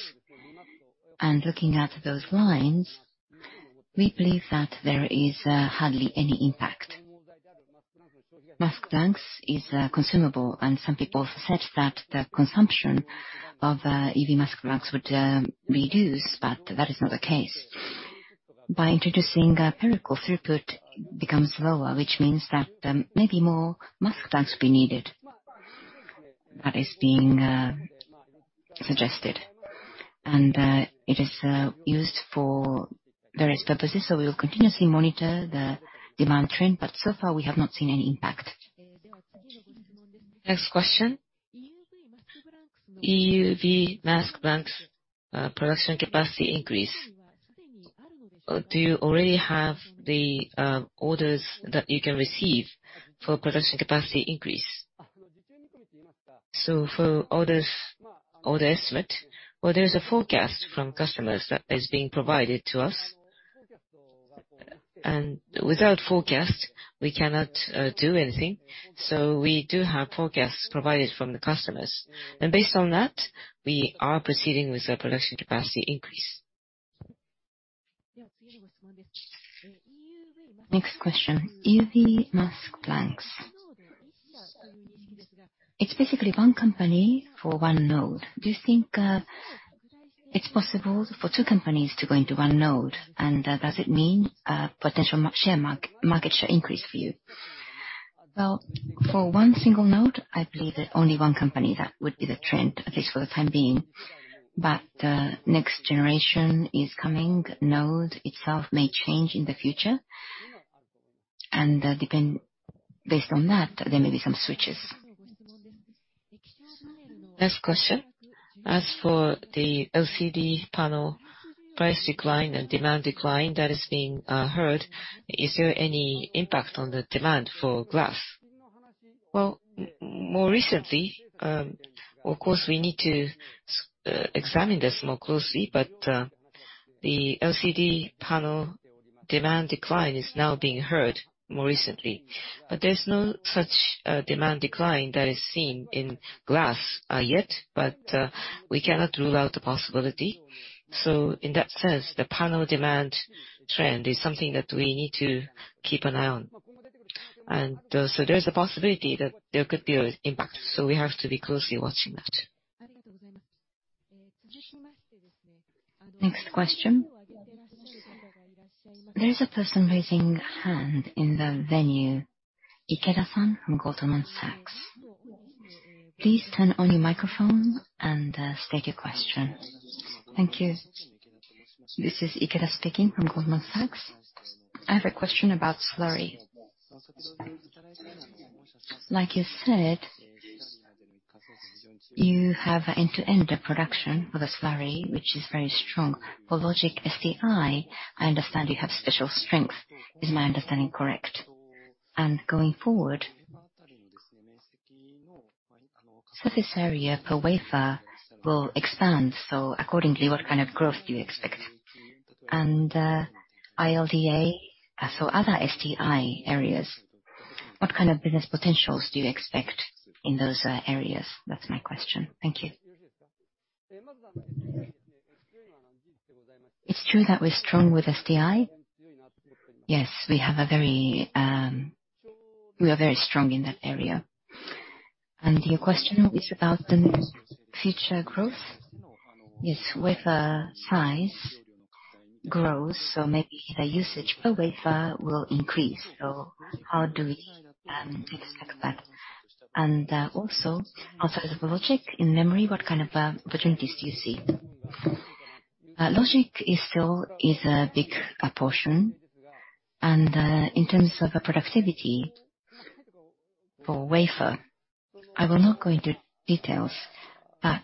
Looking at those lines, we believe that there is hardly any impact. Mask blanks is consumable, and some people have said that the consumption of EUV mask blanks would reduce, but that is not the case. By introducing pellicle, throughput becomes lower, which means that maybe more mask blanks will be needed. That is being suggested. It is used for various purposes, so we will continuously monitor the demand trend, but so far we have not seen any impact. Next question. EUV mask blanks, production capacity increase. Do you already have the orders that you can receive for production capacity increase? For orders, order estimate, well, there is a forecast from customers that is being provided to us. Without forecast, we cannot do anything. We do have forecasts provided from the customers. Based on that, we are proceeding with the production capacity increase. Next question, EUV mask blanks. It's basically one company for one node. Do you think it's possible for two companies to go into one node, and does it mean potential market share increase for you? Well, for one single node, I believe that only one company, that would be the trend, at least for the time being. Next generation is coming, node itself may change in the future. Based on that, there may be some switches. Next question. As for the LCD panel price decline and demand decline that is being heard, is there any impact on the demand for glass? Well, more recently, of course, we need to examine this more closely, but the LCD panel demand decline is now being heard more recently. There's no such demand decline that is seen in glass yet, but we cannot rule out the possibility. In that sense, the panel demand trend is something that we need to keep an eye on. There's a possibility that there could be an impact, so we have to be closely watching that. Next question. There is a person raising hand in the venue, Ikeda-san from Goldman Sachs. Please turn on your microphone and state your question. Thank you. This is Ikeda speaking from Goldman Sachs. I have a question about slurry. Like you said, you have end-to-end production for the slurry, which is very strong. For logic STI, I understand you have special strength. Is my understanding correct? And going forward, surface area per wafer will expand, so accordingly, what kind of growth do you expect? And ILD, so other STI areas, what kind of business potentials do you expect in those areas? That's my question. Thank you. It's true that we're strong with STI. Yes, we are very strong in that area. Your question was about the future growth? Yes. Wafer size grows, so maybe the usage per wafer will increase. So how do we expect that? Also, outside of logic, in memory, what kind of opportunities do you see? Logic is still a big portion, and in terms of the productivity for wafer, I will not go into details, but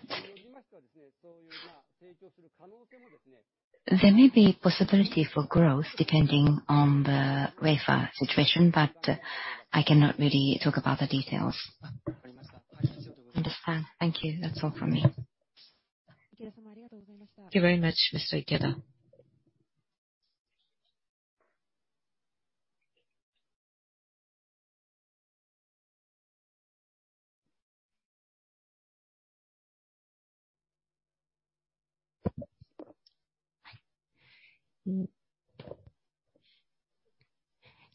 there may be possibility for growth depending on the wafer situation, but I cannot really talk about the details. Understand. Thank you. That's all from me. Thank you very much, Mr. Ikeda.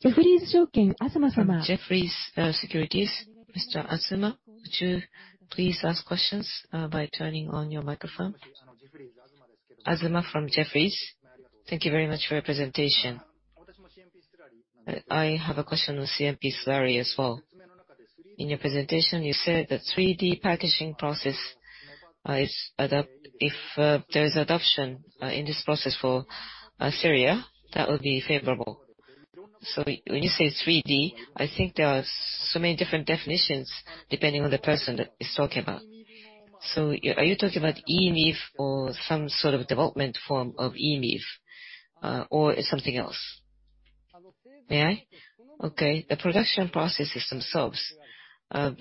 Jefferies Securities, Mr. Azuma, would you please ask questions by turning on your microphone? Azuma from Jefferies. Thank you very much for your presentation. I have a question on CMP slurry as well. In your presentation, you said that 3D packaging process. If there is adoption in this process for ceria, that would be favorable. When you say 3D, I think there are so many different definitions depending on the person that is talking about. Are you talking about EMIB or some sort of development form of EMIB, or something else? May I? Okay. The production processes themselves,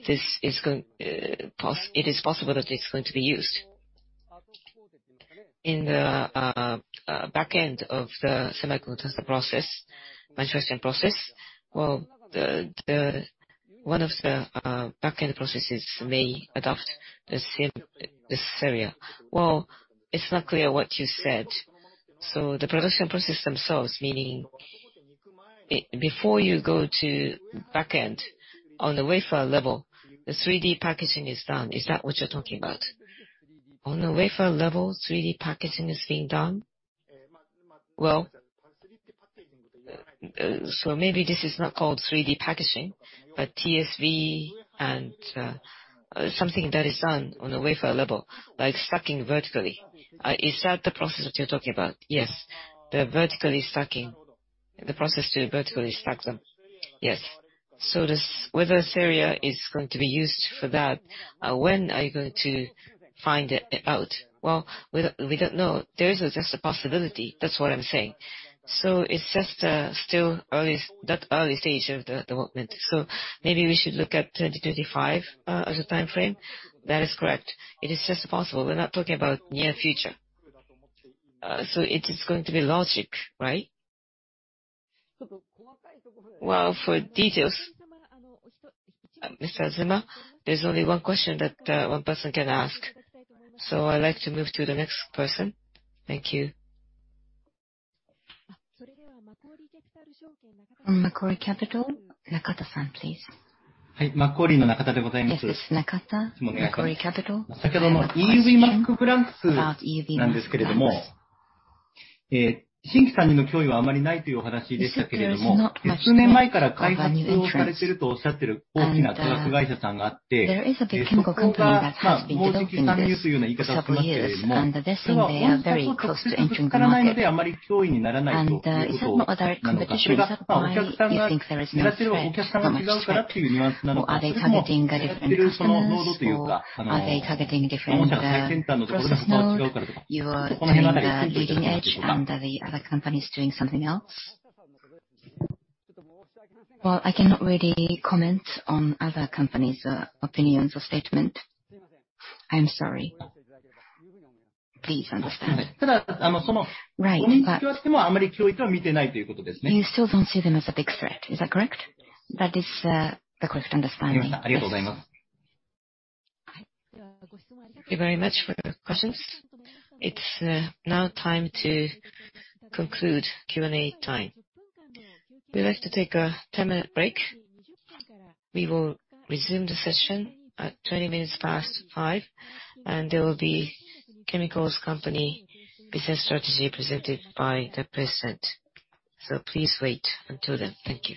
this is going. It is possible that it's going to be used. In the back end of the semiconductor process, manufacturing process? Well, one of the back end processes may adopt the same ceria. Well, it's not clear what you said. The production process themselves, meaning before you go to back end on the wafer level, the 3D packaging is done. Is that what you're talking about? On the wafer level, 3D packaging is being done? Well, maybe this is not called 3D packaging, but TSV and something that is done on a wafer level, like stacking vertically. Is that the process that you're talking about? Yes. The vertical stacking. The process to vertically stack them. Yes. Whether ceria is going to be used for that, when are you going to find it out? Well, we don't know. There is just a possibility. That's what I'm saying. It's just still early, that early stage of the development. Maybe we should look at 2025 as a timeframe? That is correct. It is just possible. We're not talking about near future. It is going to be logic, right? Well, for details. Mr. Azuma, there's only one question that one person can ask. I'd like to move to the next person. Thank you. From Macquarie Capital, Nakata, please. Hi. Nakata from Macquarie Capital. This is Nakata from Macquarie Capital. You said there is not much threat of a new entrant. There is a big chemical company that has been developing this for several years, and they're saying they are very close to entering the market. Is that not a direct competition? Is that why you think there is no threat from them? Or are they targeting different customers? Or are they targeting different process node? You are doing the leading edge and the other company is doing something else? Well, I cannot really comment on other companies' opinions or statement. I am sorry. Please understand. Right, you still don't see them as a big threat. Is that correct? That is the correct understanding. Yes. Thank you very much for your questions. It's now time to conclude Q&A time. We'd like to take a 10-minute break. We will resume the session at 20 minutes past 5, and there will be Chemicals Company business strategy presented by the president. Please wait until then. Thank you.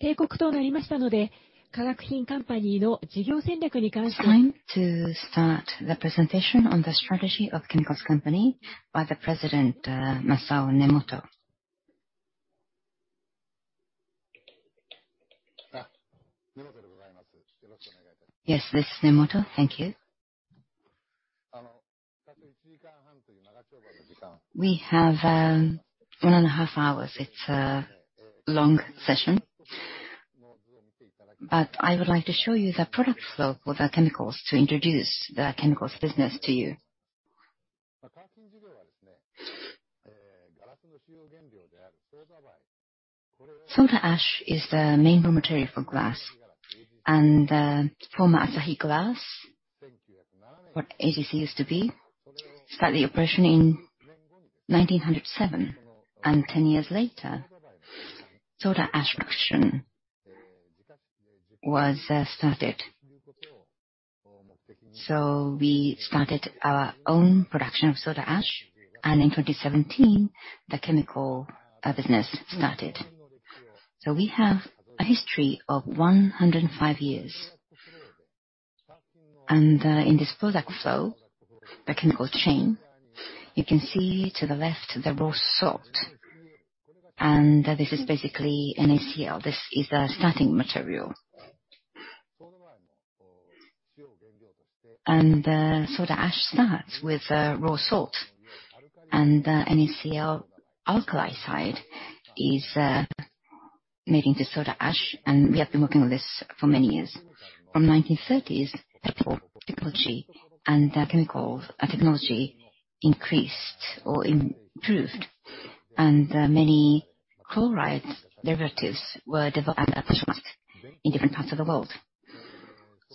Time to start the presentation on the strategy of Chemicals Company by the president, Masao Nemoto. Yes, this is Nemoto. Thank you. We have one and a half hours. It's a long session. I would like to show you the product flow for the chemicals to introduce the chemicals business to you. Soda ash is the main raw material for glass. Former Asahi Glass, what AGC used to be, started operation in 1907, and 10 years later, soda ash production was started. We started our own production of soda ash, and in 2017, the chemical business started. We have a history of 105 years. In this product flow, the chemical chain, you can see to the left, the raw salt. This is basically NaCl. This is a starting material. The soda ash starts with raw salt. The chlor-alkali side is making the soda ash, and we have been working on this for many years. From 1930s, technology and the chemical technology increased or improved. Many chloride derivatives were developed in different parts of the world.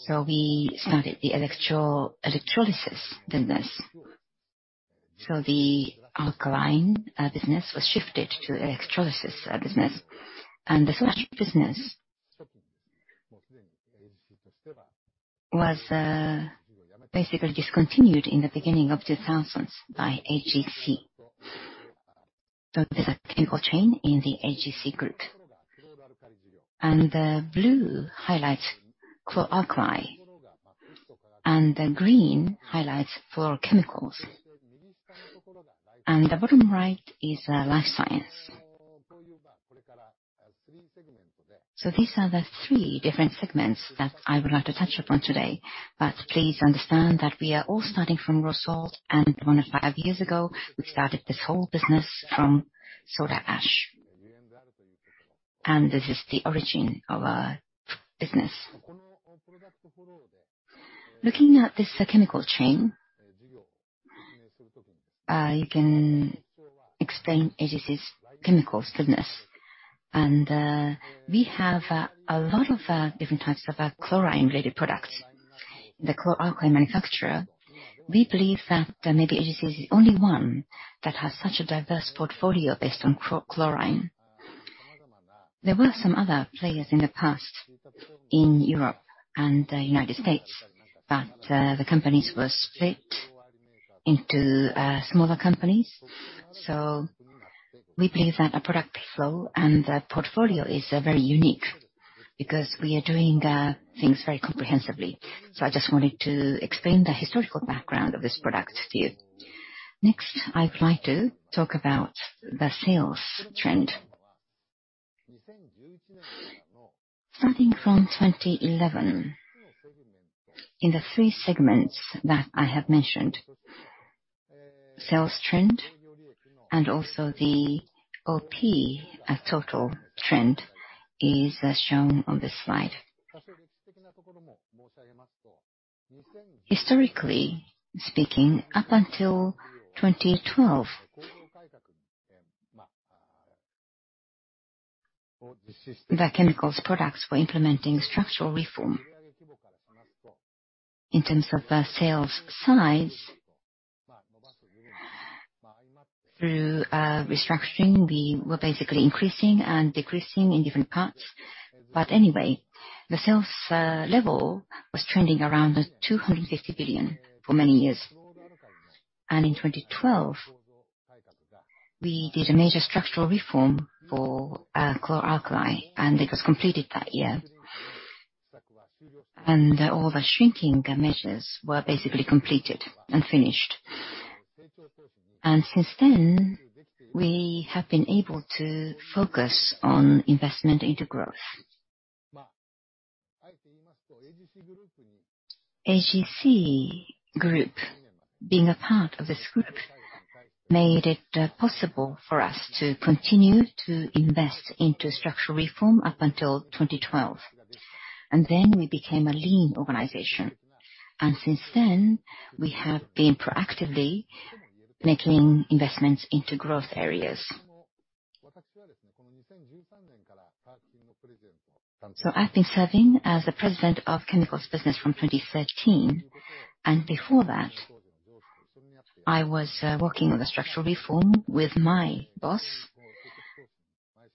We started the electrolysis business. The alkaline business was shifted to electrolysis business. The business was basically discontinued in the beginning of 2000s by AGC. There's a chemical chain in the AGC group. The blue highlights chloralkali, and the green highlights for chemicals. The bottom right is life science. These are the three different segments that I would like to touch upon today. Please understand that we are all starting from raw salt, and 105 years ago, we started this whole business from soda ash. This is the origin of our business. Looking at this chemical chain, you can explain AGC's chemicals business. We have a lot of different types of chlorine-related products. The chloralkali manufacturer, we believe that maybe AGC is the only one that has such a diverse portfolio based on chlorine. There were some other players in the past in Europe and the United States, but the companies were split into smaller companies. We believe that our product flow and the portfolio is very unique because we are doing things very comprehensively. I just wanted to explain the historical background of this product to you. Next, I'd like to talk about the sales trend. Starting from 2011, in the three segments that I have mentioned, sales trend and also the OP total trend is shown on this slide. Historically speaking, up until 2012, the chemicals products were implementing structural reform. In terms of the sales size, through restructuring, we were basically increasing and decreasing in different parts. But anyway, the sales level was trending around 250 billion for many years. In 2012, we did a major structural reform for chloralkali, and it was completed that year. All the shrinking measures were basically completed and finished. Since then, we have been able to focus on investment into growth. AGC Group, being a part of this group, made it possible for us to continue to invest into structural reform up until 2012. Then we became a lean organization. Since then, we have been proactively making investments into growth areas. I've been serving as the president of chemicals business from 2013, and before that, I was working on the structural reform with my boss.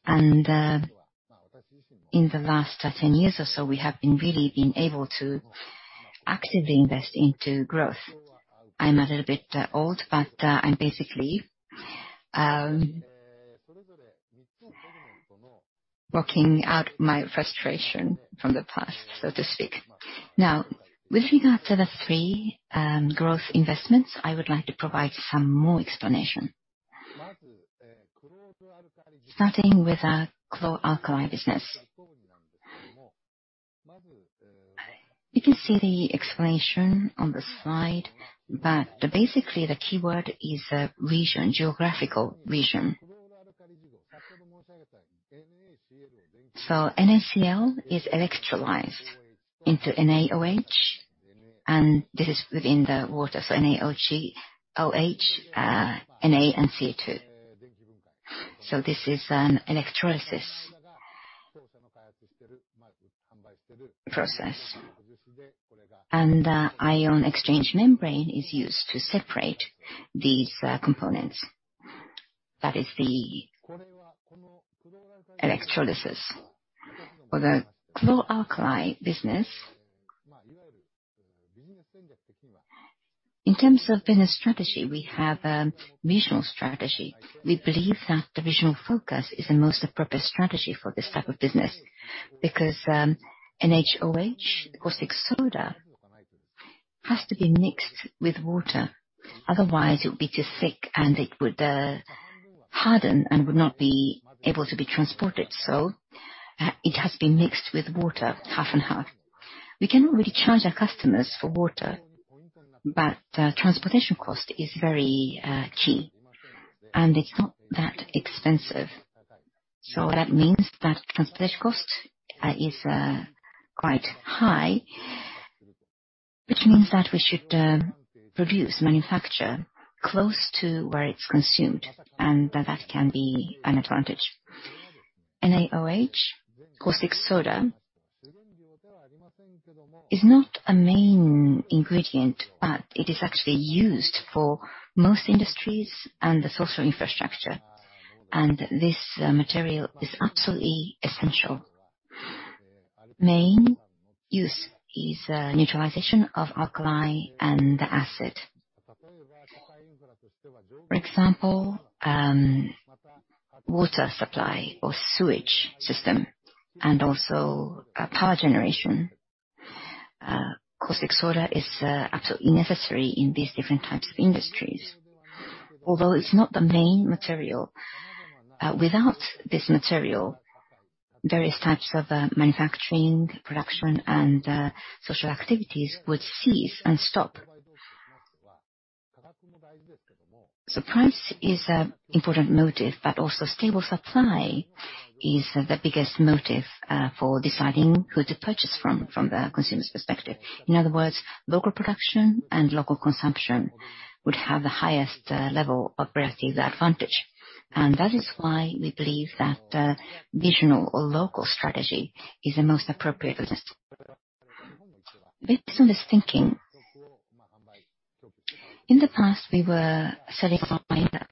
In the last 10 years or so, we have been really able to actively invest into growth. I'm a little bit old, but I'm basically working out my frustration from the past, so to speak. Now, with regards to the 3 growth investments, I would like to provide some more explanation. Starting with our chloralkali business. You can see the explanation on the slide, but basically, the keyword is region, geographical region. NaCl is electrolyzed into NaOH, and this is within the water, so NaOH, Na, and CO2. This is an electrolysis process. The ion exchange membrane is used to separate these components. That is electrolysis. For the chloralkali business, in terms of business strategy, we have a regional strategy. We believe that the regional focus is the most appropriate strategy for this type of business, because NaOH, caustic soda, has to be mixed with water. Otherwise, it would be too thick, and it would harden and would not be able to be transported. It has to be mixed with water half and half. We cannot really charge our customers for water, but transportation cost is very key, and it's not that expensive. That means that transportation cost is quite high, which means that we should produce, manufacture close to where it's consumed, and that can be an advantage. NaOH, caustic soda, is not a main ingredient, but it is actually used for most industries and the social infrastructure, and this material is absolutely essential. Main use is neutralization of alkali and acid. For example, water supply or sewage system, and also power generation. Caustic soda is absolutely necessary in these different types of industries. Although it's not the main material, without this material, various types of manufacturing, production, and social activities would cease and stop. Price is a important motive, but also stable supply is the biggest motive for deciding who to purchase from the consumer's perspective. In other words, local production and local consumption would have the highest level of relative advantage. That is why we believe that regional or local strategy is the most appropriate business. Based on this thinking, in the past, we were selling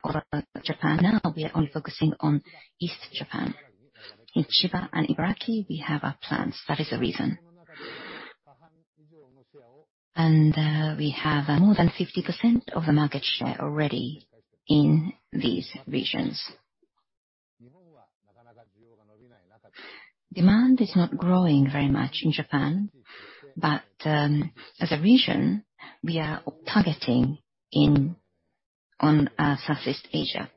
all of Japan. Now we are only focusing on East Japan. In Chiba and Ibaraki, we have our plants. That is the reason. We have more than 50% of the market share already in these regions. Demand is not growing very much in Japan, but as a region, we are targeting Southeast Asia.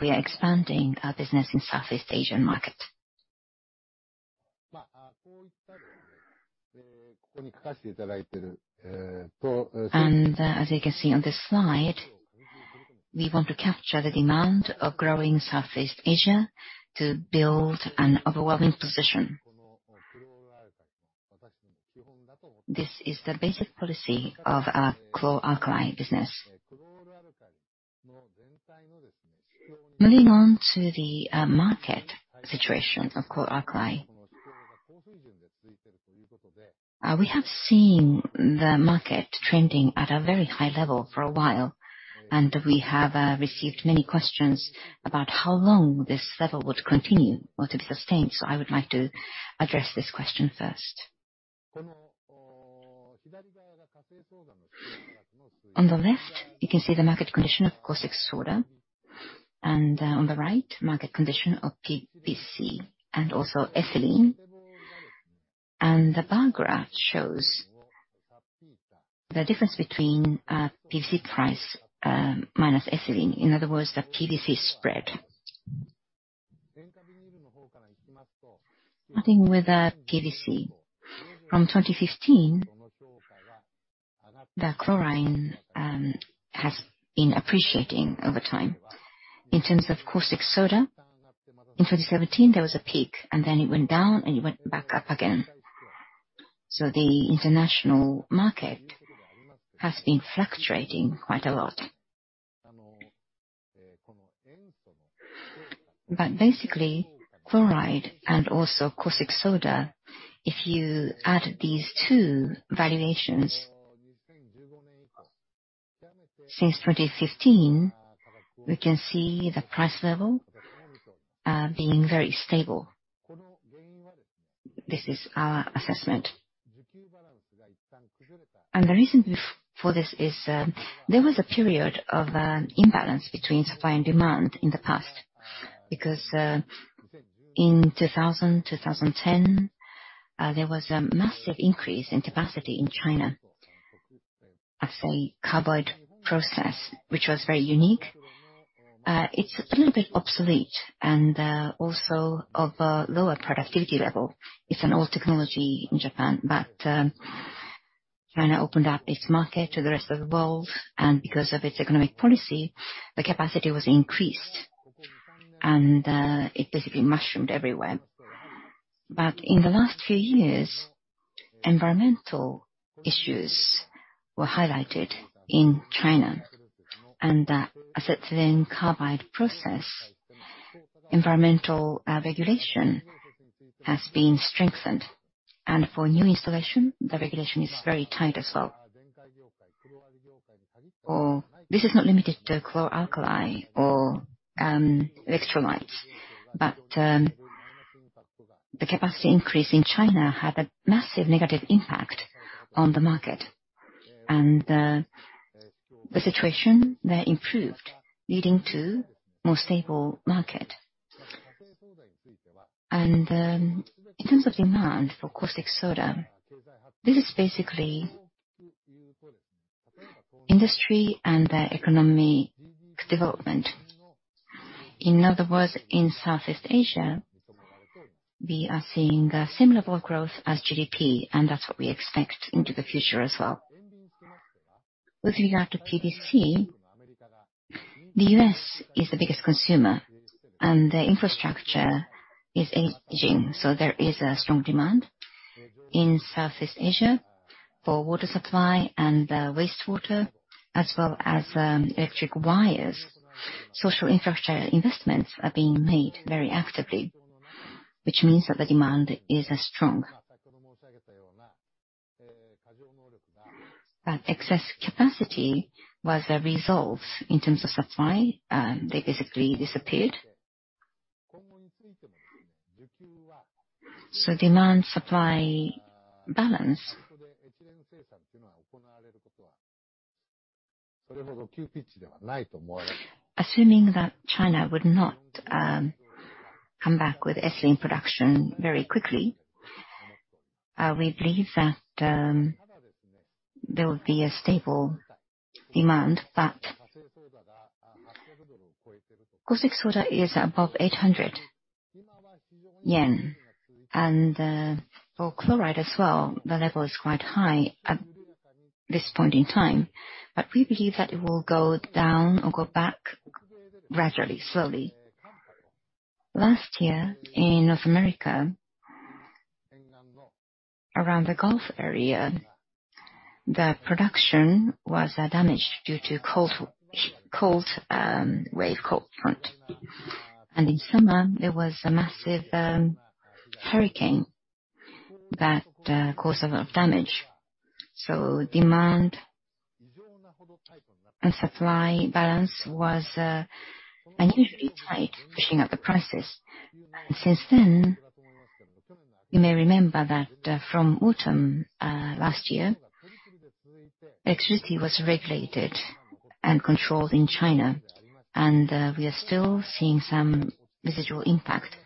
We are expanding our business in Southeast Asian market. As you can see on this slide, we want to capture the growing demand in Southeast Asia to build an overwhelming position. This is the basic policy of our chloralkali business. Moving on to the market situation of chloralkali. We have seen the market trending at a very high level for a while, and we have received many questions about how long this level would continue or to sustain. I would like to address this question first. On the left, you can see the market condition of caustic soda, and on the right, market condition of PVC and also ethylene. The bar graph shows the difference between PVC price minus ethylene. In other words, the PVC spread. Starting with the PVC. From 2015, the chlorine has been appreciating over time. In terms of caustic soda, in 2017 there was a peak, and then it went down, and it went back up again. The international market has been fluctuating quite a lot. Basically, chlorine and also caustic soda, if you add these two valuations, since 2015, we can see the price level being very stable. This is our assessment. The reason for this is, there was a period of imbalance between supply and demand in the past, because, in 2010, there was a massive increase in capacity in China as a carbide process, which was very unique. It's a little bit obsolete, and also of a lower productivity level. It's an old technology in Japan. China opened up its market to the rest of the world, and because of its economic policy, the capacity was increased, and it basically mushroomed everywhere. In the last few years, environmental issues were highlighted in China. The acetylene carbide process environmental regulations have been strengthened. For new installation, the regulation is very tight as well. This is not limited to chloralkali or electrolytes, but the capacity increase in China had a massive negative impact on the market. The situation there improved, leading to more stable market. In terms of demand for caustic soda, this is basically industry and economic development. In other words, in Southeast Asia, we are seeing a similar growth as GDP, and that's what we expect into the future as well. With regard to PVC, the U.S. is the biggest consumer, and the infrastructure is aging, so there is a strong demand in Southeast Asia for water supply and wastewater as well as electric wires. Social infrastructure investments are being made very actively, which means that the demand is strong. Excess capacity was resolved in terms of supply, and they basically disappeared. Demand-supply balance. Assuming that China would not come back with ethylene production very quickly, we believe that there will be a stable demand. Caustic soda is above 800 yen. For chlorine as well, the level is quite high at this point in time. We believe that it will go down or go back gradually, slowly. Last year in North America, around the Gulf area, the production was damaged due to cold wave, cold front. In summer, there was a massive hurricane that caused a lot of damage. Demand and supply balance was unusually tight, pushing up the prices. Since then, you may remember that, from autumn last year, electricity was regulated and controlled in China, and we are still seeing some residual impact.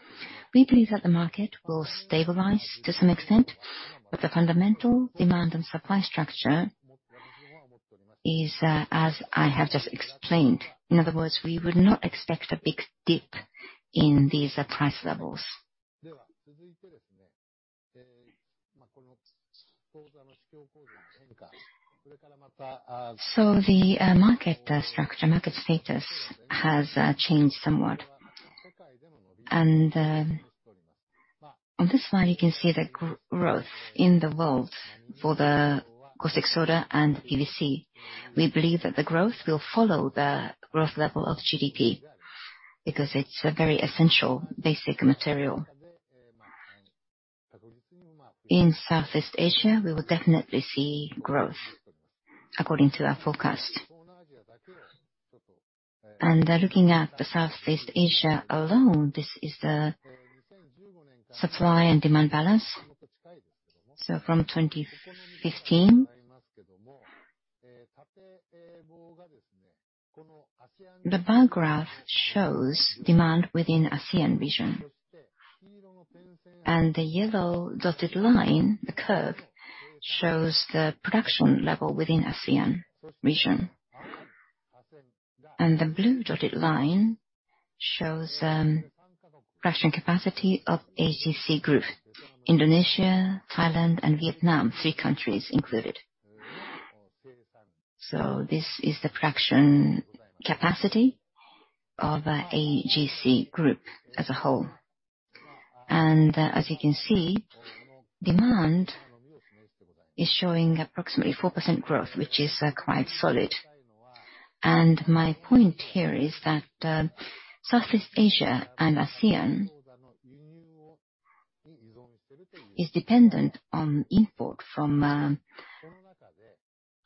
We believe that the market will stabilize to some extent, but the fundamental demand and supply structure is, as I have just explained. In other words, we would not expect a big dip in these price levels. The market structure status has changed somewhat. On this slide, you can see the growth in the world for the caustic soda and PVC. We believe that the growth will follow the growth level of GDP because it's a very essential basic material. In Southeast Asia, we will definitely see growth according to our forecast. Looking at the Southeast Asia alone, this is the supply and demand balance. From 2015. The bar graph shows demand within ASEAN region. The yellow dotted line, the curve, shows the production level within ASEAN region. The blue dotted line shows production capacity of AGC Group. Indonesia, Thailand and Vietnam, three countries included. This is the production capacity of AGC Group as a whole. As you can see, demand is showing approximately 4% growth, which is quite solid. My point here is that Southeast Asia and ASEAN is dependent on import from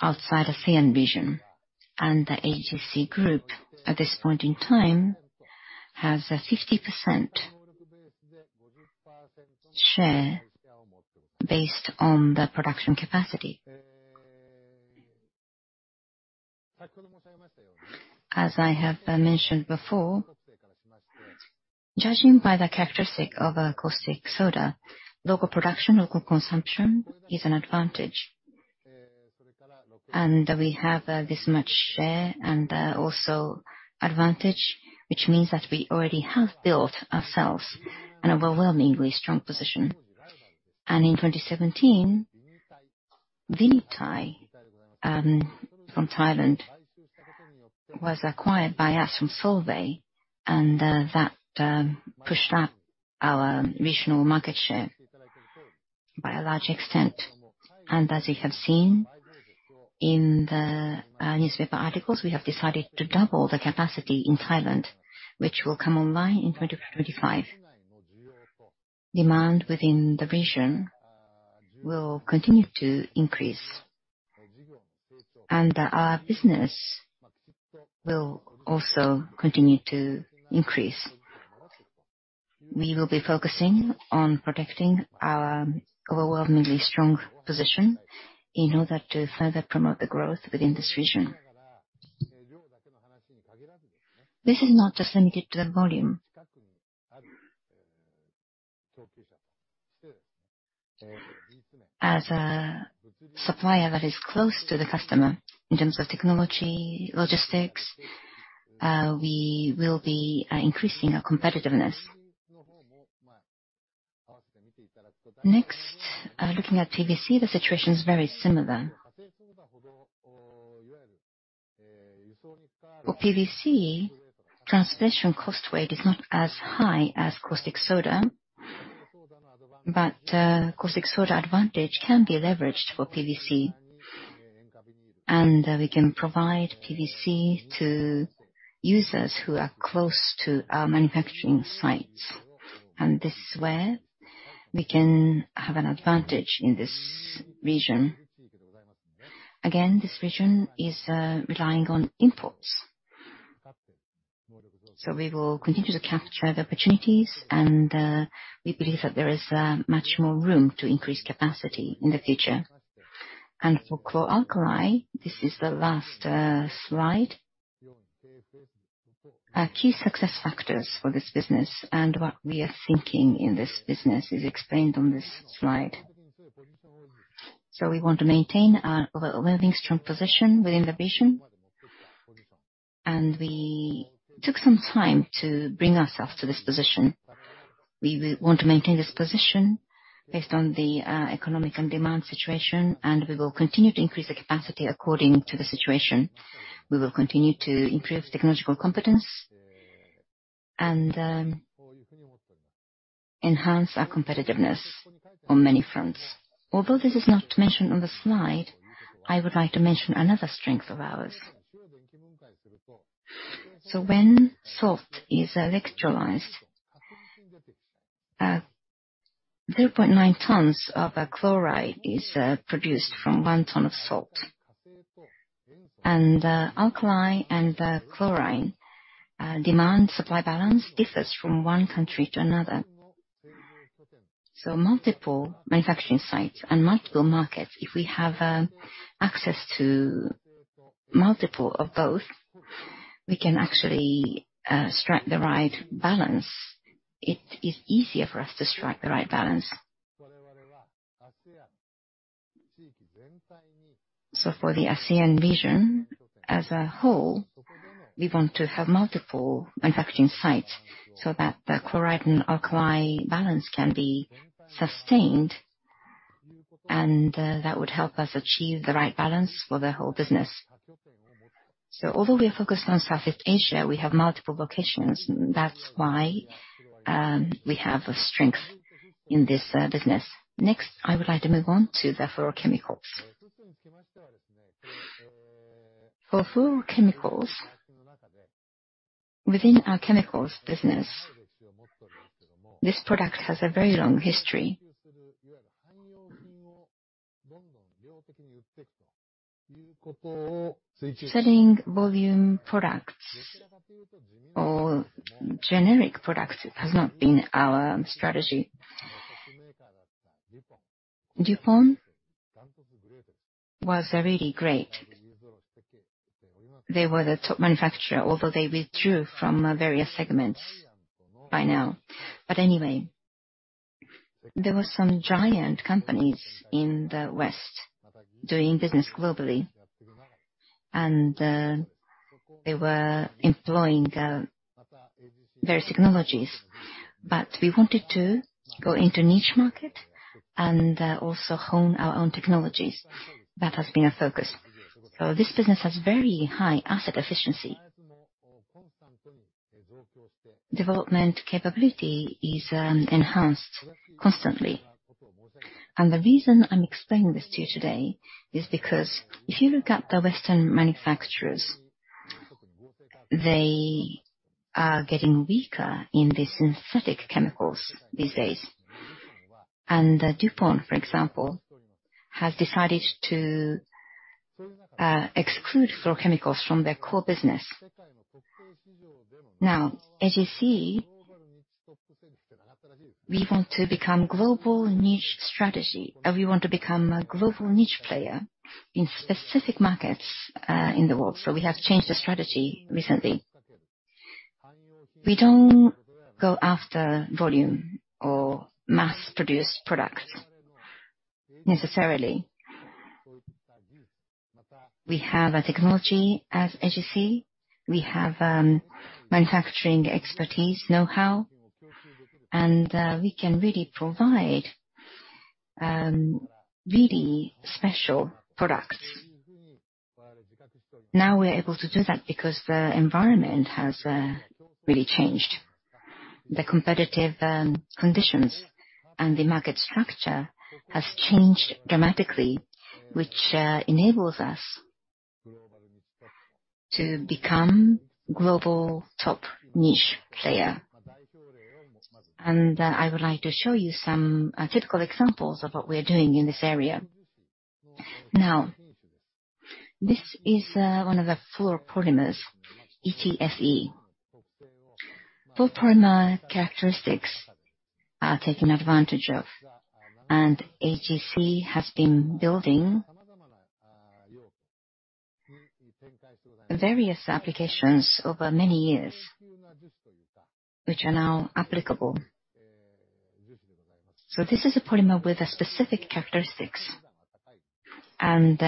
outside ASEAN region. The AGC Group, at this point in time, has a 50% share based on the production capacity. As I have mentioned before, judging by the characteristic of a caustic soda, local production, local consumption is an advantage. We have this much share and also advantage, which means that we already have built ourselves an overwhelmingly strong position. In 2017, Vinythai from Thailand was acquired by us from Solvay, and that pushed up our regional market share. By a large extent. As you have seen in the newspaper articles, we have decided to double the capacity in Thailand, which will come online in 2025. Demand within the region will continue to increase, and our business will also continue to increase. We will be focusing on protecting our overwhelmingly strong position in order to further promote the growth within this region. This is not just limited to the volume. As a supplier that is close to the customer in terms of technology, logistics, we will be increasing our competitiveness. Next, looking at PVC, the situation is very similar. For PVC, transmission cost weight is not as high as caustic soda, but, caustic soda advantage can be leveraged for PVC. We can provide PVC to users who are close to our manufacturing sites, and this is where we can have an advantage in this region. Again, this region is relying on imports. We will continue to capture the opportunities and, we believe that there is, much more room to increase capacity in the future. For chlor-alkali, this is the last, slide. Our key success factors for this business and what we are thinking in this business is explained on this slide. We want to maintain our overwhelmingly strong position within the region, and we took some time to bring ourselves to this position. We will want to maintain this position based on the economic and demand situation, and we will continue to increase the capacity according to the situation. We will continue to improve technological competence and enhance our competitiveness on many fronts. Although this is not mentioned on the slide, I would like to mention another strength of ours. When salt is electrolyzed, 0.9 tons of chlorine is produced from 1 ton of salt. Alkali and the chlorine demand-supply balance differs from one country to another. Multiple manufacturing sites and multiple markets, if we have access to multiple of both, we can actually strike the right balance. It is easier for us to strike the right balance. For the ASEAN region as a whole, we want to have multiple manufacturing sites so that the chlor-alkali balance can be sustained, and that would help us achieve the right balance for the whole business. Although we are focused on Southeast Asia, we have multiple locations. That's why we have a strength in this business. Next, I would like to move on to the fluorochemicals. For fluorochemicals, within our chemicals business, this product has a very long history. Selling volume products or generic products has not been our strategy. DuPont was really great. They were the top manufacturer, although they withdrew from various segments by now. Anyway, there were some giant companies in the West doing business globally, and they were employing various technologies. We wanted to go into niche market and also hone our own technologies. That has been our focus. This business has very high asset efficiency. Development capability is enhanced constantly. The reason I'm explaining this to you today is because if you look at the Western manufacturers, they are getting weaker in the synthetic chemicals these days. DuPont, for example, has decided to exclude fluorochemicals from their core business. Now, AGC, we want to become global niche strategy, and we want to become a global niche player in specific markets in the world. We have changed the strategy recently. We don't go after volume or mass-produced products necessarily. We have a technology as AGC. We have manufacturing expertise, know-how, and we can really provide really special products. Now we're able to do that because the environment has really changed. The competitive conditions and the market structure has changed dramatically, which enables us to become global top niche player. I would like to show you some typical examples of what we're doing in this area. Now, this is one of the fluoropolymers, ETFE. Fluoropolymer characteristics are taken advantage of, and AGC has been building various applications over many years, which are now applicable. This is a polymer with specific characteristics, and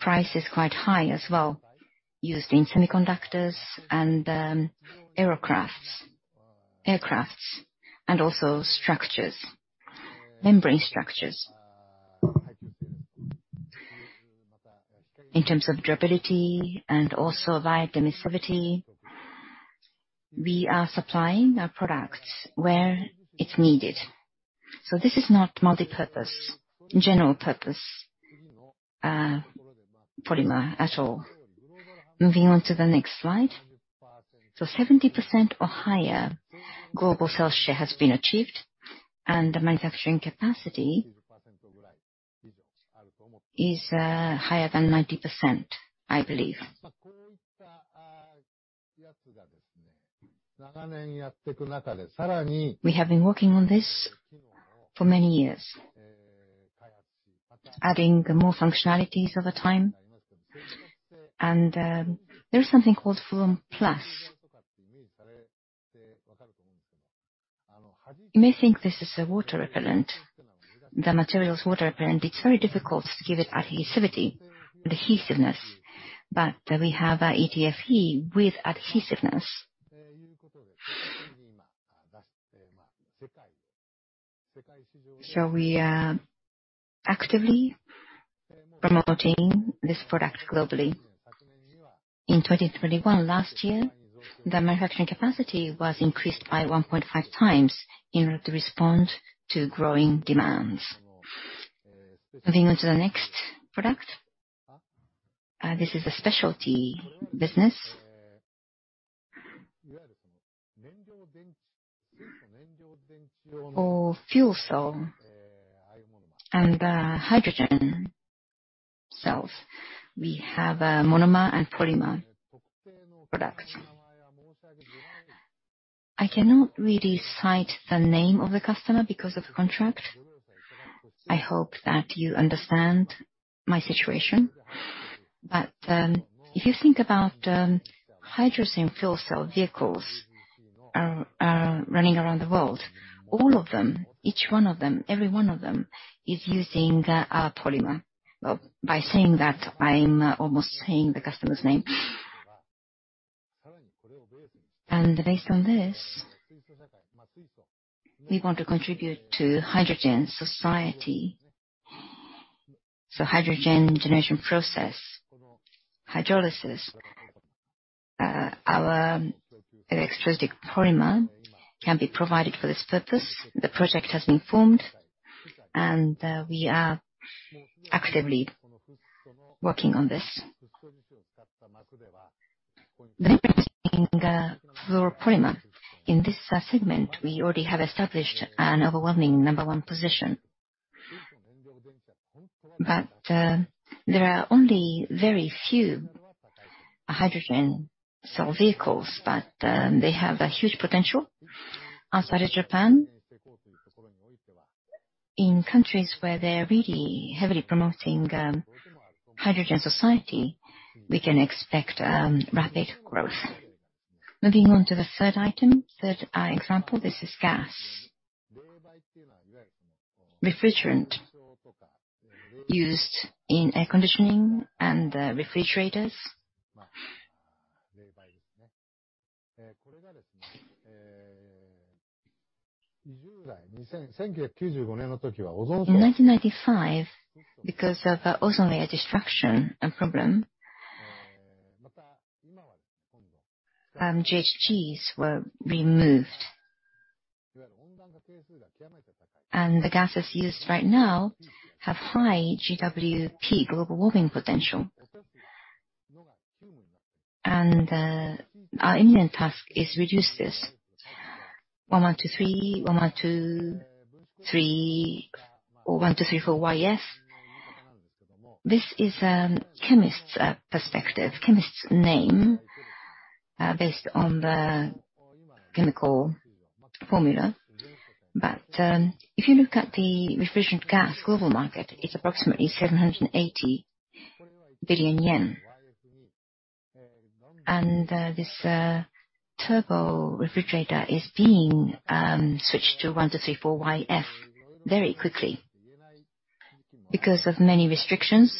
price is quite high as well. Used in semiconductors and aircrafts, and also structures, membrane structures. In terms of durability and also biocompatibility, we are supplying our products where it's needed. This is not multipurpose, general purpose polymer at all. Moving on to the next slide. 70% or higher global sales share has been achieved, and the manufacturing capacity is higher than 90%, I believe. We have been working on this for many years, adding more functionalities over time. There is something called Fluon+. You may think this is a water repellent. The material is water repellent. It's very difficult to give it adhesivity, adhesiveness. We have ETFE with adhesiveness. We are actively promoting this product globally. In 2021, last year, the manufacturing capacity was increased by 1.5 times in order to respond to growing demands. Moving on to the next product. This is a specialty business. For fuel cell and hydrogen cells, we have a monomer and polymer products. I cannot really cite the name of the customer because of contract. I hope that you understand my situation. If you think about hydrogen fuel cell vehicles running around the world, all of them, each one of them, every one of them, is using our polymer. Well, by saying that, I'm almost saying the customer's name. Based on this, we want to contribute to hydrogen society. Hydrogen generation process, electrolysis. Our electrolyte polymer can be provided for this purpose. The project has been formed, and we are actively working on this. Using a fluoropolymer, in this segment, we already have established an overwhelming number one position. There are only very few hydrogen fuel cell vehicles, but they have a huge potential outside of Japan. In countries where they're really heavily promoting hydrogen society, we can expect rapid growth. Moving on to the third example. This is gas. Refrigerant used in air conditioning and refrigerators. In 1995, because of ozone layer destruction and problem, GHGs were removed. The gases used right now have high GWP, global warming potential. Our imminent task is reduce this. HFO-1123. HFO-1234yf. This is chemist's perspective, chemist's nomenclature based on the chemical formula. If you look at the refrigerant gas global market, it's approximately 780 billion yen. This turbo refrigerator is being switched to HFO-1234yf very quickly. Because of many restrictions,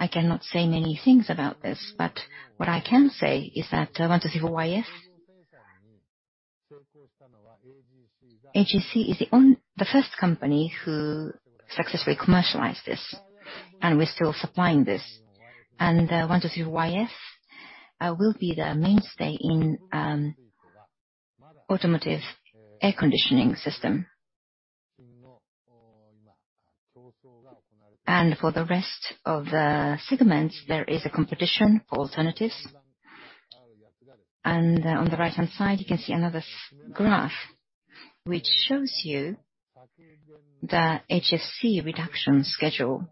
I cannot say many things about this, but what I can say is that HFO-1234yf AGC is the first company who successfully commercialized this, and we're still supplying this. 123yf will be the mainstay in automotive air conditioning system. For the rest of the segments, there is a competition for alternatives. On the right-hand side, you can see another graph which shows you the HFC reduction schedule.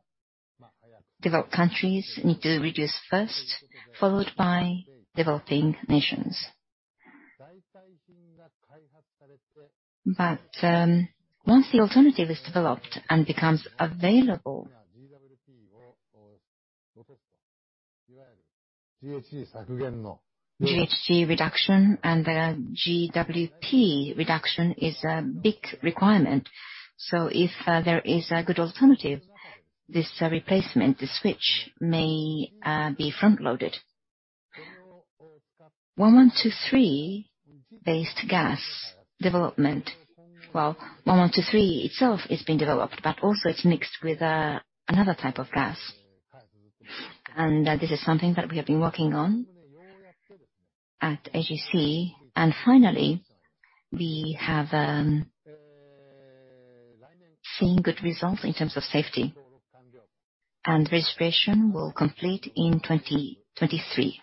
Developed countries need to reduce first, followed by developing nations. Once the alternative is developed and becomes available, HFC reduction and GWP reduction is a big requirement. If there is a good alternative, this replacement, the switch may be front-loaded. 1123-based gas development. 1123 itself is being developed, but also it's mixed with another type of gas. This is something that we have been working on at AGC. Finally, we have seen good results in terms of safety. Registration will complete in 2023.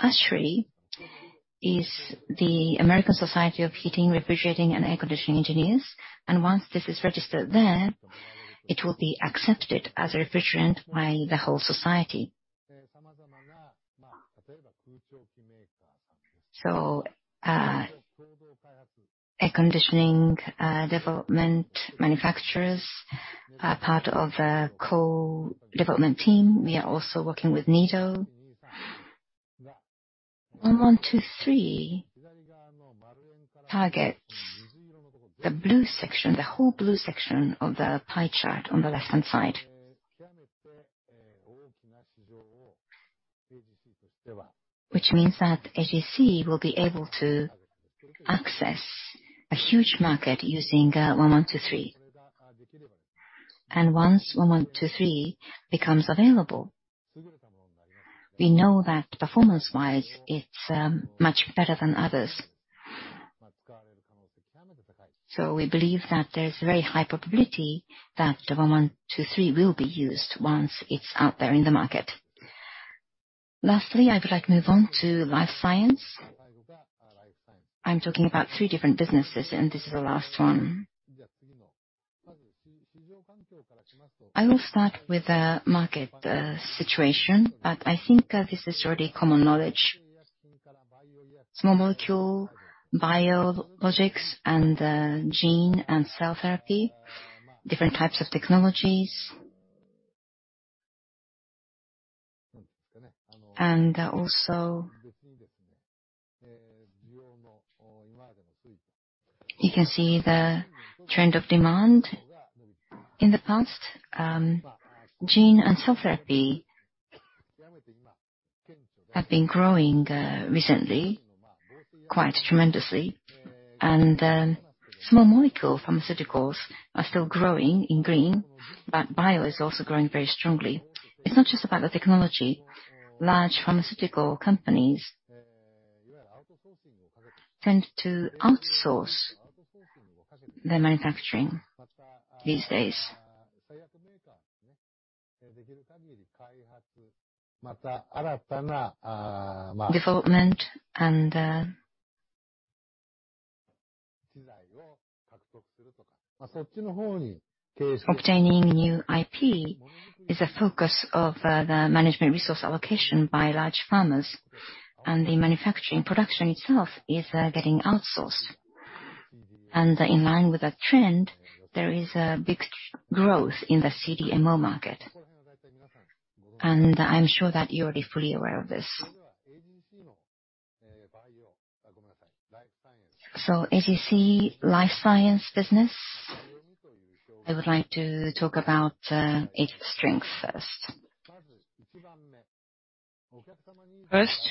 ASHRAE is the American Society of Heating, Refrigerating and Air-Conditioning Engineers. Once this is registered there, it will be accepted as a refrigerant by the whole society. Air conditioning development manufacturers are part of a co-development team. We are also working with NEDO. HFO-1123 targets the blue section, the whole blue section of the pie chart on the left-hand side. Which means that AGC will be able to access a huge market using HFO-1123. Once HFO-1123 becomes available, we know that performance-wise it's much better than others. We believe that there's a very high probability that the HFO-1123 will be used once it's out there in the market. Lastly, I would like to move on to life science. I'm talking about three different businesses, and this is the last one. I will start with the market, situation, but I think, this is already common knowledge. Small molecule biologics and, gene and cell therapy, different types of technologies. also, you can see the trend of demand in the past. gene and cell therapy have been growing, recently quite tremendously. small molecule pharmaceuticals are still growing in green, but bio is also growing very strongly. It's not just about the technology. Large pharmaceutical companies tend to outsource their manufacturing these days. Development and, obtaining new IP is a focus of, the management resource allocation by large pharmas. the manufacturing production itself is, getting outsourced. in line with that trend, there is a big growth in the CDMO market. I'm sure that you're already fully aware of this. AGC Biologics, I would like to talk about its strengths first. First,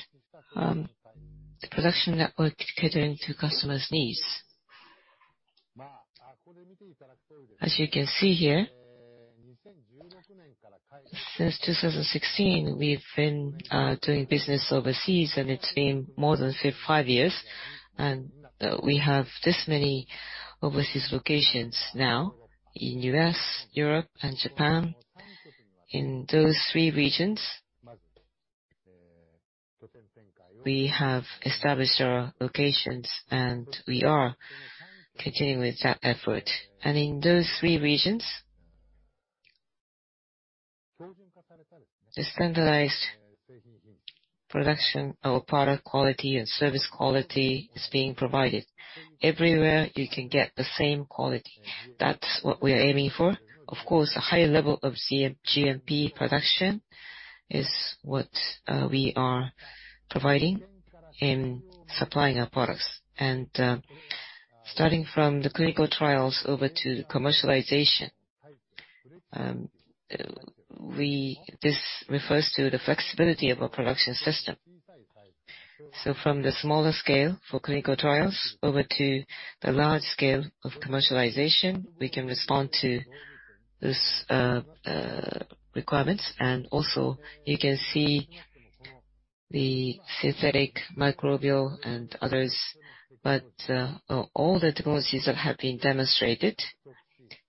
the production network catering to customers' needs. As you can see here, since 2016, we've been doing business overseas, and it's been more than five years. We have this many overseas locations now in U.S., Europe and Japan. In those three regions, we have established our locations, and we are continuing with that effort. In those three regions, the standardized production of product quality and service quality is being provided. Everywhere you can get the same quality. That's what we're aiming for. Of course, a high level of CDMO GMP production is what we are providing in supplying our products, starting from the clinical trials over to commercialization. This refers to the flexibility of our production system. From the smaller scale for clinical trials over to the large scale of commercialization, we can respond to those requirements. Also you can see the synthetic, microbial, and others. All the technologies that have been demonstrated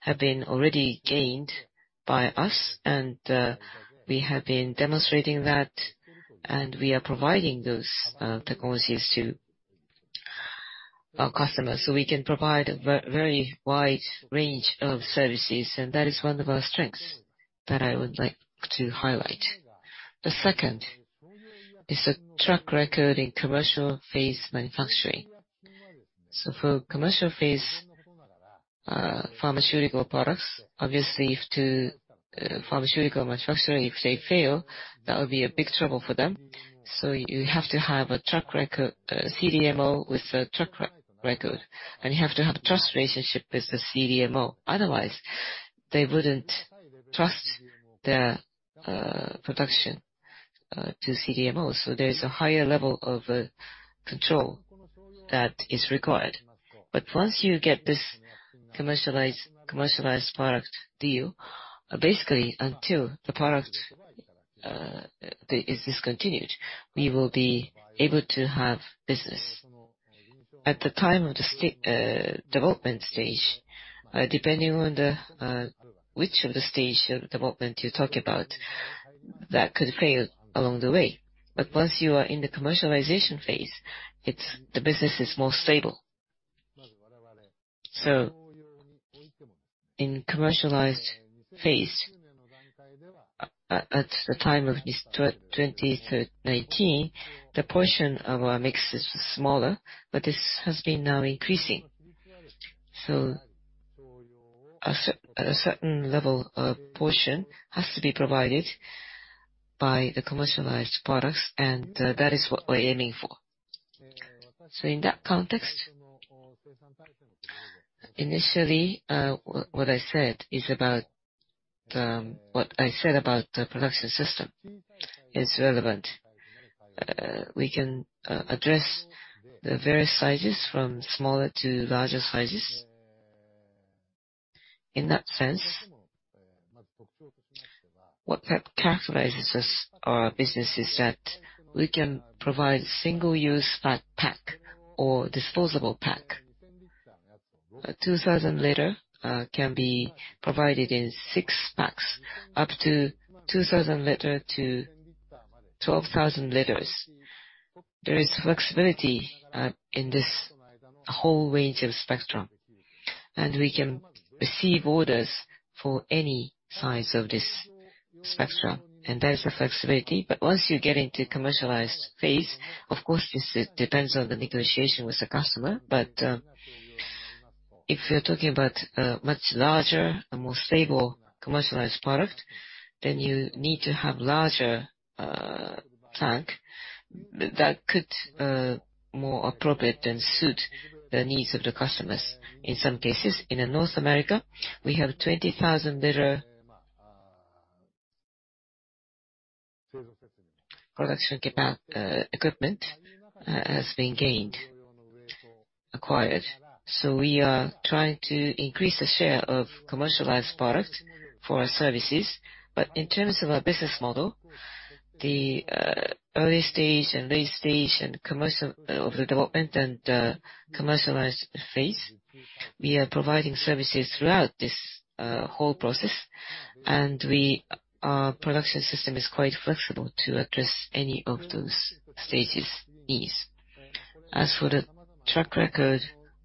have been already gained by us, and we have been demonstrating that, and we are providing those technologies to our customers. We can provide a very wide range of services, and that is one of our strengths that I would like to highlight. The second is a track record in commercial phase manufacturing. For commercial phase pharmaceutical products, obviously if to pharmaceutical manufacturing, if they fail, that would be a big trouble for them. You have to have a track record, CDMO with a track record, and you have to have trust relationship with the CDMO. Otherwise, they wouldn't trust their production to CDMO. There is a higher level of control that is required. Once you get this commercialized product deal, basically, until the product is discontinued, we will be able to have business. At the time of the development stage, depending on which stage of development you talk about, that could fail along the way. Once you are in the commercialization phase, it's the business is more stable. In commercialized phase, at the time of this 2013-2019, the portion of our mix is smaller, but this has been now increasing. A certain portion has to be provided by the commercialized products, and that is what we're aiming for. In that context, initially, what I said about the production system is relevant. We can address the various sizes from smaller to larger sizes. In that sense, what characterizes us, our business is that we can provide single-use flat pack or disposable pack. A 2,000-liter can be provided in 6 packs, up to 2,000 liters to 12,000 liters. There is flexibility in this whole range of spectrum, and we can receive orders for any size of this spectrum, and there's a flexibility. Once you get into commercialized phase, of course, this it depends on the negotiation with the customer. If you're talking about a much larger, a more stable commercialized product, then you need to have larger tank that could be more appropriate and suit the needs of the customers. In some cases, in North America, we have 20,000-liter production equipment that has been acquired. We are trying to increase the share of commercialized product for our services. In terms of our business model, the early stage and late stage and commercial of the development and commercialized phase, we are providing services throughout this whole process. Our production system is quite flexible to address any of those stages' needs. As for the track record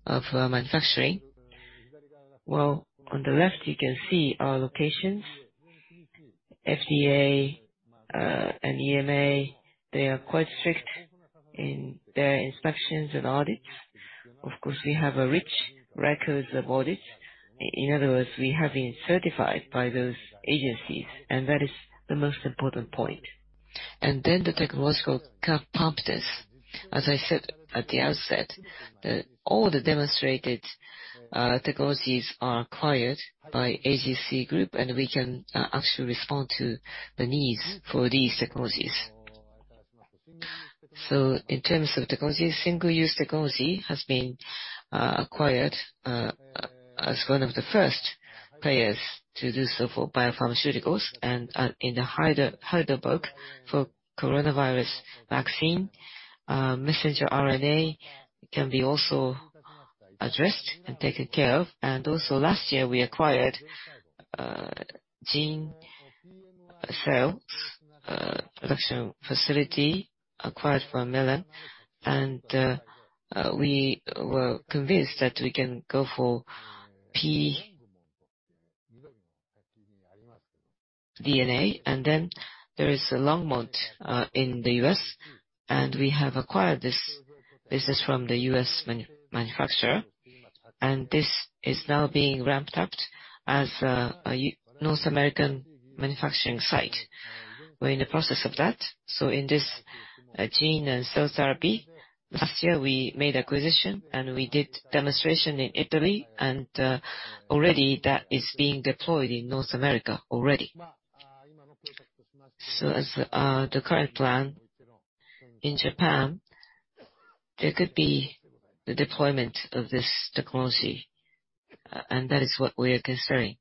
of our manufacturing, well, on the left, you can see our locations. FDA and EMA, they are quite strict in their inspections and audits. Of course, we have a rich record of audits. In other words, we have been certified by those agencies, and that is the most important point. Then the technological competence. As I said at the outset, all the demonstrated technologies are acquired by AGC Group, and we can actually respond to the needs for these technologies. In terms of technology, single-use technology has been acquired as one of the first players to do so for biopharmaceuticals and in Heidelberg for coronavirus vaccine. Messenger RNA can also be addressed and taken care of. Also last year, we acquired cell and gene production facility from MolMed. We were convinced that we can go for pDNA. Then there is Longmont in the US, and we have acquired this business from the US manufacturer. This is now being ramped up as a North American manufacturing site. We're in the process of that. In this gene and cell therapy, last year we made acquisition, and we did demonstration in Italy, and already that is being deployed in North America already. As the current plan in Japan, there could be the deployment of this technology, and that is what we are considering.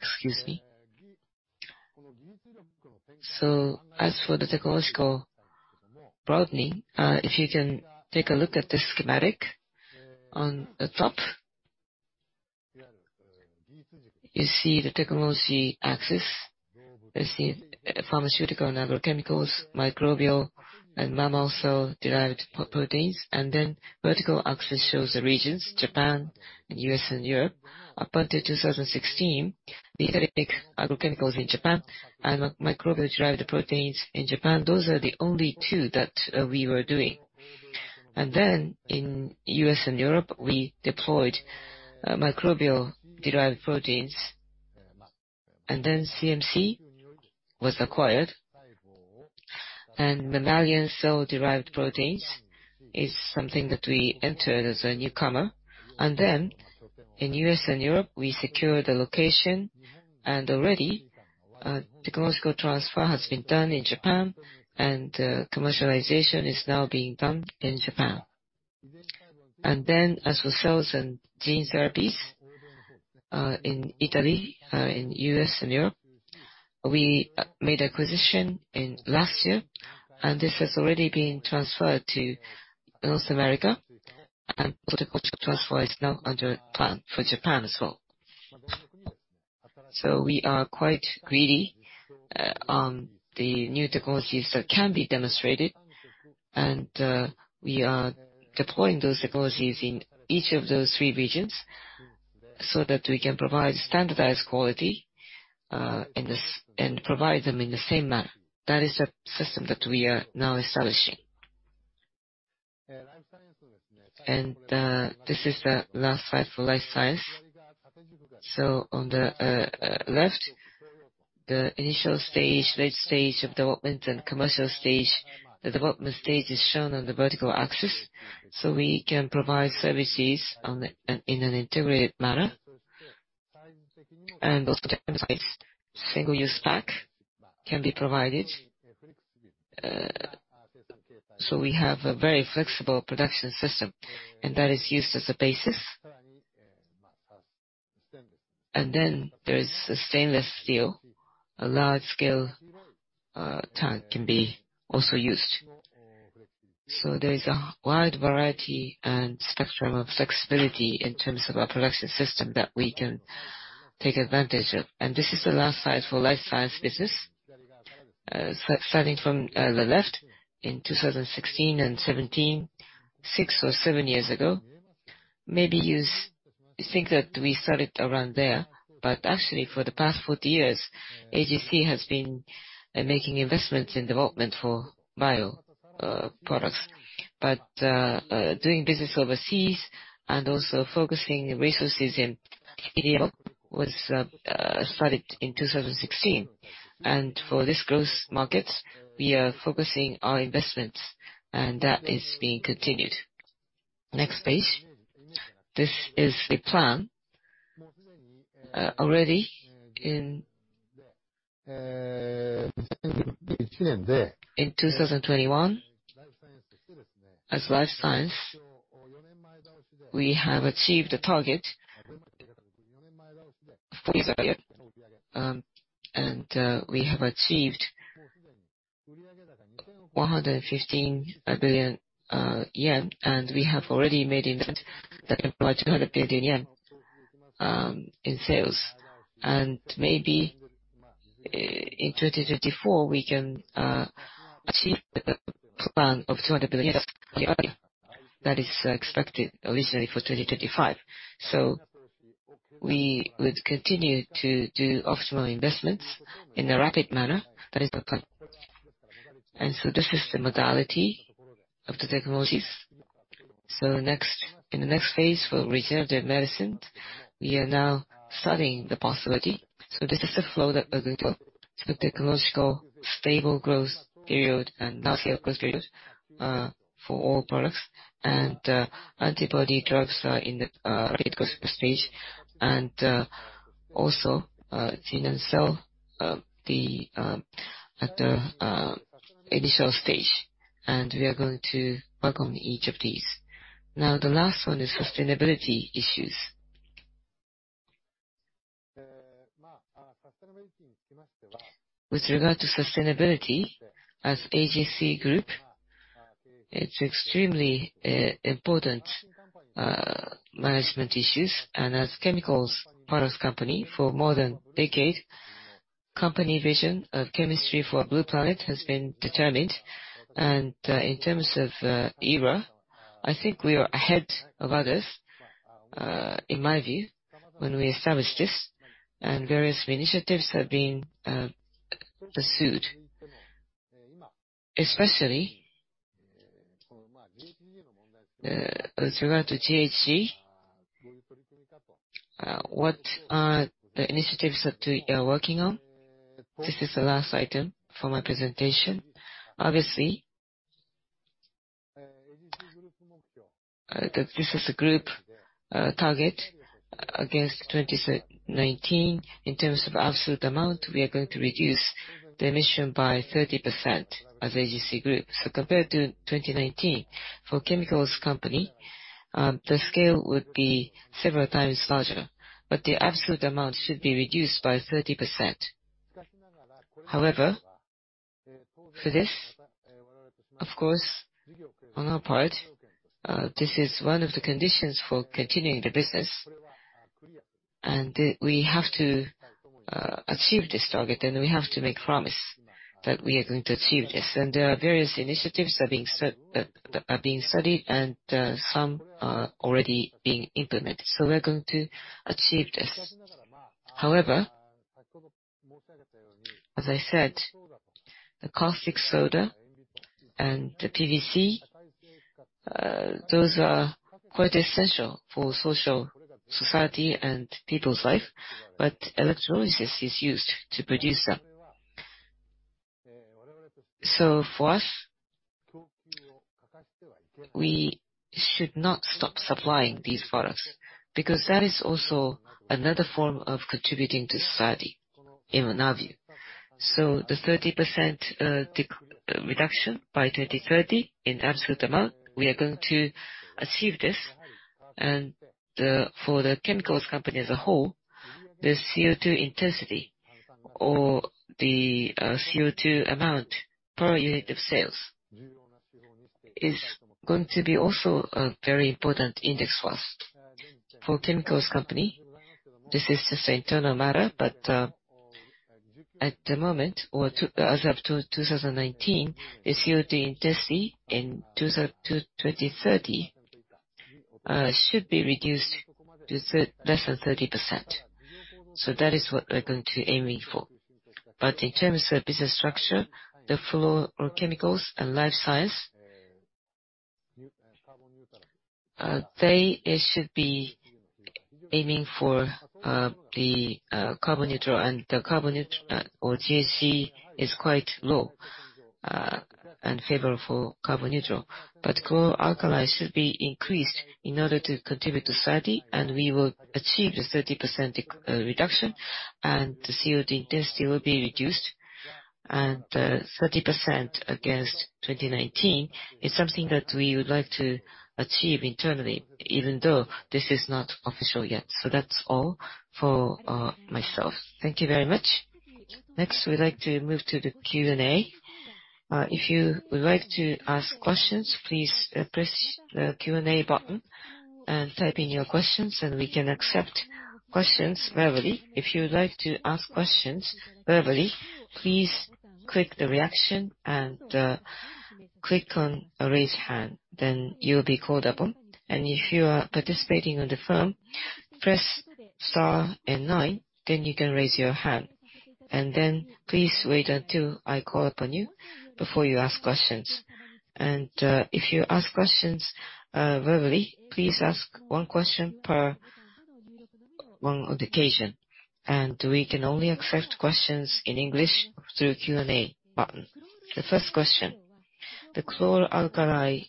Excuse me. As for the technological broadening, if you can take a look at this schematic. On the top you see the technology axis. You see pharmaceutical and agrochemicals, microbial and mammal cell-derived proteins. Then vertical axis shows the regions, Japan and U.S. and Europe. Up until 2016, the agrochemicals in Japan and microbial-derived proteins in Japan, those are the only two that we were doing. In the U.S. and Europe, we deployed microbial-derived proteins. CMC was acquired. Mammalian cell-derived proteins is something that we entered as a newcomer. In the U.S. and Europe, we secured the location. Already, technology transfer has been done in Japan, and commercialization is now being done in Japan. As for cell and gene therapies, in Italy, in the U.S. and Europe, we made acquisition last year, and this has already been transferred to North America. Technology transfer is now planned for Japan as well. We are quite greedy on the new technologies that can be demonstrated. We are deploying those technologies in each of those three regions so that we can provide standardized quality in this and provide them in the same manner. That is a system that we are now establishing. This is the last slide for life science. On the left, the initial stage, late stage of development and commercial stage, the development stage is shown on the vertical axis, so we can provide services in an integrated manner. Also to emphasize, single-use pack can be provided. We have a very flexible production system, and that is used as a basis. There is a stainless steel, large scale tank can also be used. There is a wide variety and spectrum of flexibility in terms of our production system that we can take advantage of. This is the last slide for life science business. Starting from the left, in 2016 and 2017, six or seven years ago, maybe you think that we started around there, but actually for the past 40 years, AGC has been making investments in development for bio products. Doing business overseas and also focusing resources, it was started in 2016. For this growth market, we are focusing our investments, and that is being continued. Next page. This is the plan. Already in 2021, as life science, we have achieved the target and we have achieved 115 billion yen, and we have already made that over 100 billion yen in sales. Maybe in 2024, we can achieve the plan of 200 billion that is expected originally for 2025. We would continue to do optimal investments in a rapid manner. That is the plan. This system modality of the technologies. Next, in the next phase for regenerative medicines, we are now studying the possibility. This is the flow that we're going to. Technological stable growth period and growth period for all products. Antibody drugs are in the stage. Also, gene and cell at the initial stage. We are going to work on each of these. Now the last one is sustainability issues. With regard to sustainability, as AGC Group, it's extremely important management issues. As chemicals products company for more than decade, company vision of Chemistry for a Blue Planet has been determined. In terms of era, I think we are ahead of others, in my view, when we established this. Various initiatives have been pursued. Especially, with regard to GHG, what are the initiatives that we are working on? This is the last item for my presentation. Obviously, this is a group target against 2019. In terms of absolute amount, we are going to reduce the emission by 30% as AGC Group. Compared to 2019, for chemicals company, the scale would be several times larger, but the absolute amount should be reduced by 30%. However, for this, of course, on our part, this is one of the conditions for continuing the business, and we have to achieve this target, and we have to make promise that we are going to achieve this. There are various initiatives that are being studied and some are already being implemented. We're going to achieve this. However, as I said, the caustic soda and the PVC, those are quite essential for society and people's life, but electrolysis is used to produce them. For us, we should not stop supplying these products because that is also another form of contributing to society, in our view. The 30% reduction by 2030 in absolute amount, we are going to achieve this. For the Chemicals Company as a whole, the CO2 intensity or the CO2 amount per unit of sales is going to be also a very important index for us. For Chemicals Company, this is just internal matter, but as of 2019, the CO2 intensity to 2030 should be reduced to less than 30%. That is what we're going to be aiming for. In terms of business structure, the fluorochemicals and life sciences, they should be aiming for carbon neutral. The GHG is quite low and favorable for carbon neutral. Chloralkali should be increased in order to contribute to society, and we will achieve the 30% reduction, and the CO2 intensity will be reduced. 30% against 2019 is something that we would like to achieve internally, even though this is not official yet. So that's all for myself. Thank you very much. Next, we'd like to move to the Q&A. If you would like to ask questions, please press the Q&A button and type in your questions, and we can accept questions verbally. If you would like to ask questions verbally, please click the reaction and click on Raise Hand, then you'll be called upon. If you are participating on the phone, press star and nine, then you can raise your hand. Please wait until I call upon you before you ask questions. If you ask questions verbally, please ask one question per one occasion. We can only accept questions in English through Q&A button. The first question. The chloralkali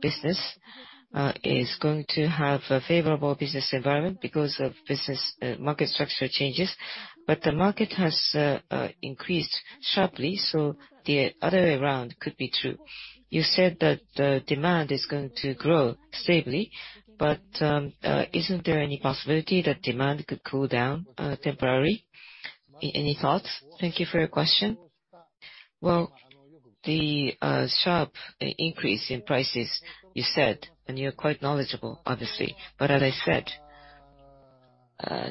business is going to have a favorable business environment because of business market structure changes. The market has increased sharply, so the other way around could be true. You said that the demand is going to grow stably, but isn't there any possibility that demand could cool down temporarily? Any thoughts? Thank you for your question. Well, the sharp increase in prices, you said, and you're quite knowledgeable, obviously. As I said,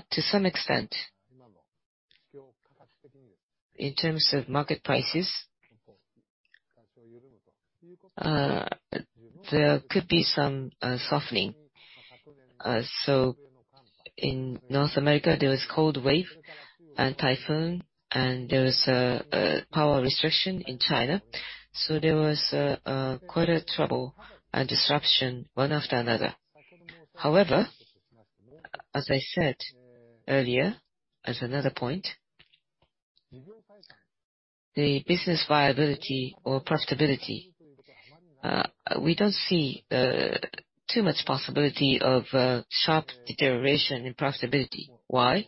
to some extent, in terms of market prices, there could be some softening. In North America, there was cold wave and typhoon, and there was a power restriction in China. There was quite a trouble and disruption one after another. However, as I said earlier, as another point, the business viability or profitability, we don't see too much possibility of sharp deterioration in profitability. Why?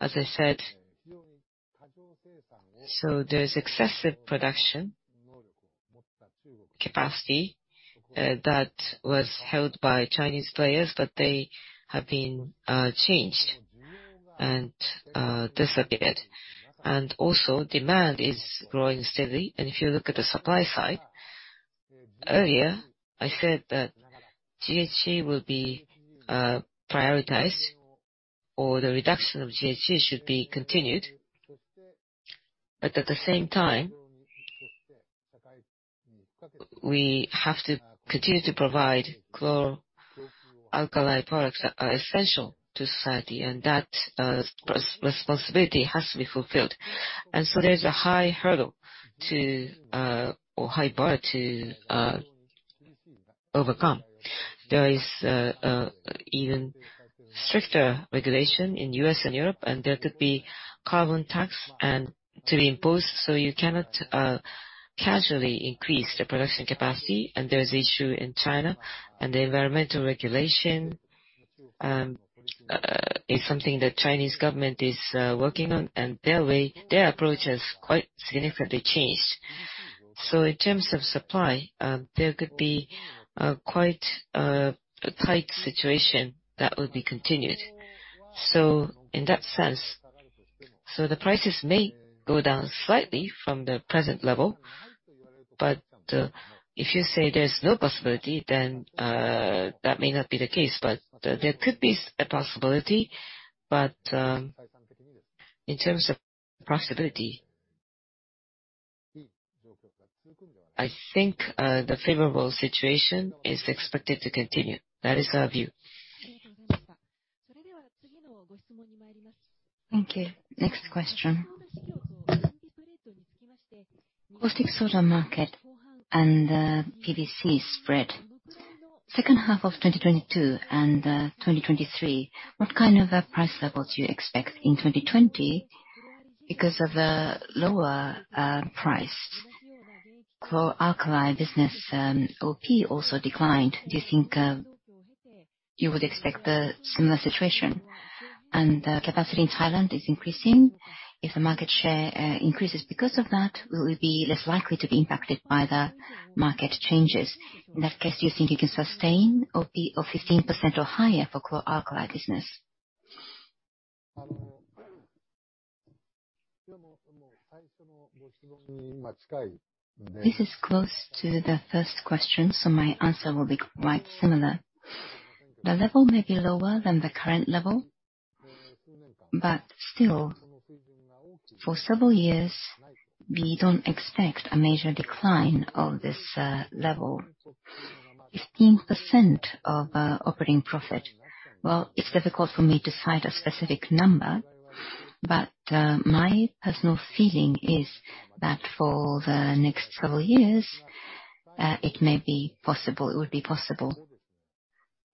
As I said, so there's excessive production capacity that was held by Chinese players, but they have been changed and disappeared. Also demand is growing steadily. If you look at the supply side, earlier I said that GHG will be prioritized, or the reduction of GHG should be continued. At the same time, we have to continue to provide chloralkali. Alkali products are essential to society, and that responsibility has to be fulfilled. There's a high hurdle or high bar to overcome. There is even stricter regulation in the U.S. and Europe, and there could be carbon tax to be imposed, so you cannot casually increase the production capacity. There is issue in China, and the environmental regulation is something the Chinese government is working on. Their approach has quite significantly changed. In terms of supply, there could be quite a tight situation that will be continued. In that sense, the prices may go down slightly from the present level. If you say there's no possibility, then that may not be the case. There could be a possibility. In terms of possibility, I think, the favorable situation is expected to continue. That is our view. Thank you. Next question. Caustic soda market and, PVC spread. Second half of 2022 and, 2023, what kind of a price levels do you expect? In 2020, because of the lower, price, chloralkali business, OP also declined. Do you think, you would expect a similar situation? The capacity in Thailand is increasing. If the market share, increases because of that, will we be less likely to be impacted by the market changes? In that case, do you think you can sustain OP of 15% or higher for chloralkali business? This is close to the first question, so my answer will be quite similar. The level may be lower than the current level, but still, for several years, we don't expect a major decline of this level. 15% of operating profit. Well, it's difficult for me to cite a specific number, but my personal feeling is that for the next several years, it may be possible. It would be possible.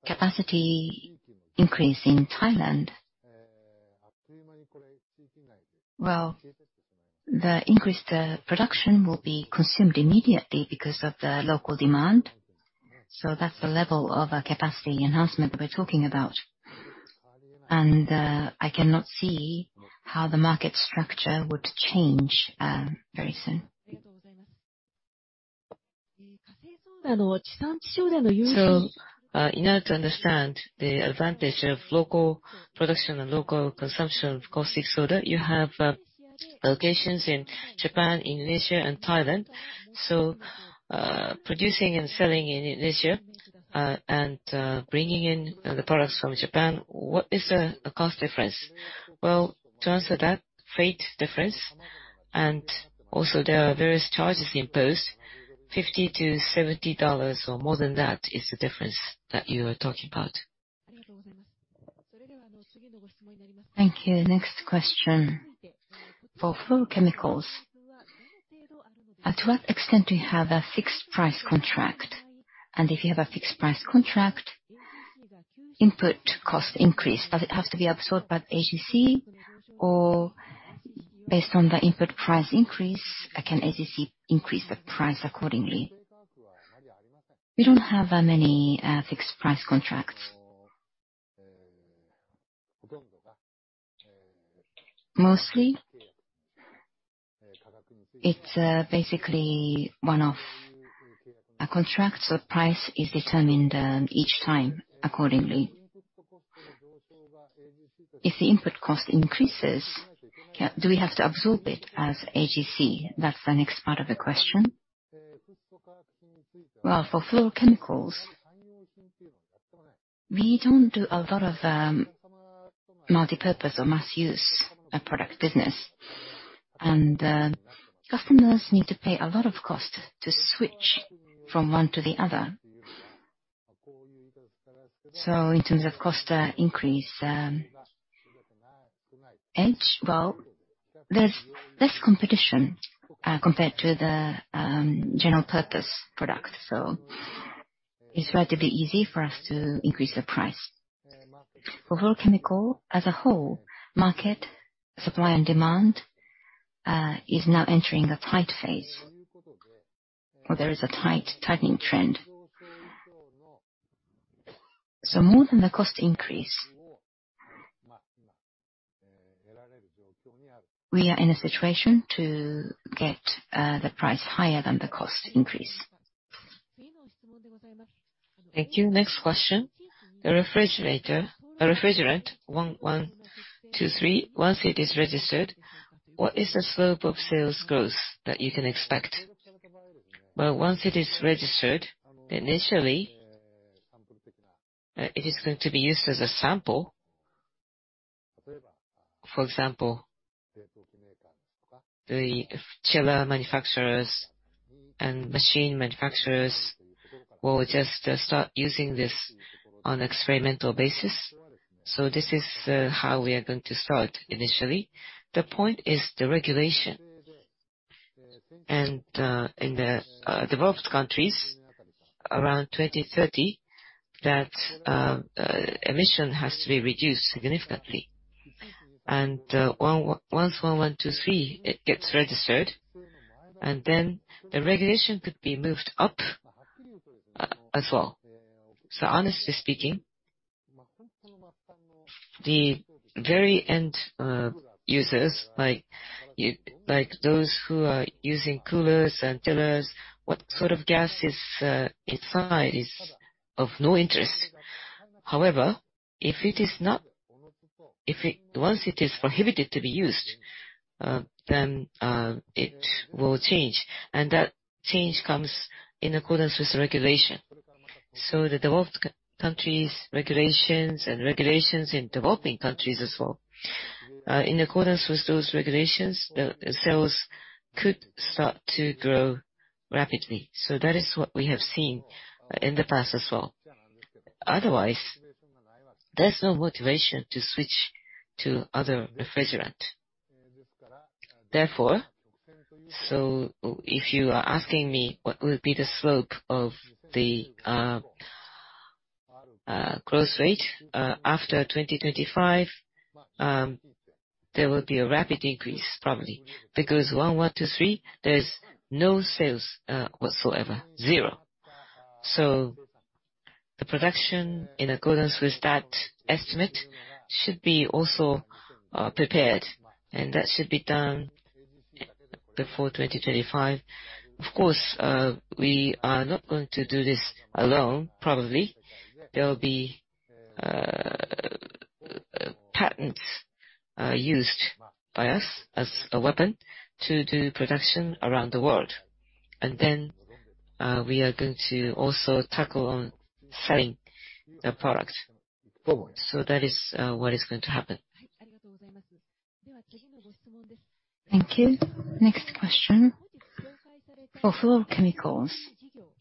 Capacity increase in Thailand. Well, the increased production will be consumed immediately because of the local demand. So that's the level of capacity enhancement we're talking about. I cannot see how the market structure would change very soon. In order to understand the advantage of local production and local consumption of caustic soda, you have locations in Japan, Indonesia and Thailand. Producing and selling in Indonesia and bringing in the products from Japan, what is the cost difference? Well, to answer that, freight difference, and also there are various charges imposed, $50-$70 or more than that is the difference that you are talking about. Thank you. Next question. For fluorochemicals, at what extent do you have a fixed price contract? And if you have a fixed price contract, input cost increase, does it have to be absorbed by AGC? Or based on the input price increase, can AGC increase the price accordingly? We don't have that many fixed price contracts. Mostly, it's basically one-off. A contract, so price is determined each time accordingly. If the input cost increases, do we have to absorb it as AGC? That's the next part of the question. Well, for fluorochemicals, we don't do a lot of multipurpose or mass use product business. Customers need to pay a lot of cost to switch from one to the other. In terms of cost increase, edge, well, there's less competition compared to the general purpose product. It's relatively easy for us to increase the price. For fluorochemical as a whole, market supply and demand is now entering a tight phase, or there is a tightening trend. More than the cost increase, we are in a situation to get the price higher than the cost increase. Thank you. Next question. Refrigerant HFO-1123, once it is registered, what is the slope of sales growth that you can expect? Well, once it is registered, initially, it is going to be used as a sample. For example, the chiller manufacturers and machine manufacturers will just start using this on experimental basis. This is how we are going to start initially. The point is the regulation. In the developed countries, around 2030, that emission has to be reduced significantly. HFO-1123 it gets registered, and then the regulation could be moved up, as well. Honestly speaking, the very end users like those who are using coolers and chillers, what sort of gas is inside is of no interest. However, once it is prohibited to be used, then it will change, and that change comes in accordance with the regulation. The developed countries regulations and regulations in developing countries as well. In accordance with those regulations, the sales could start to grow rapidly. That is what we have seen in the past as well. Otherwise, there's no motivation to switch to other refrigerant. Therefore, if you are asking me what will be the slope of the growth rate after 2025, there will be a rapid increase probably. Because HFO-1123, there's no sales whatsoever. Zero. The production in accordance with that estimate should be also prepared, and that should be done before 2025. Of course, we are not going to do this alone, probably. There will be patents used by us as a weapon to do production around the world. Then, we are going to also tackle on selling the product forward. That is what is going to happen. Thank you. Next question. For fluorochemicals,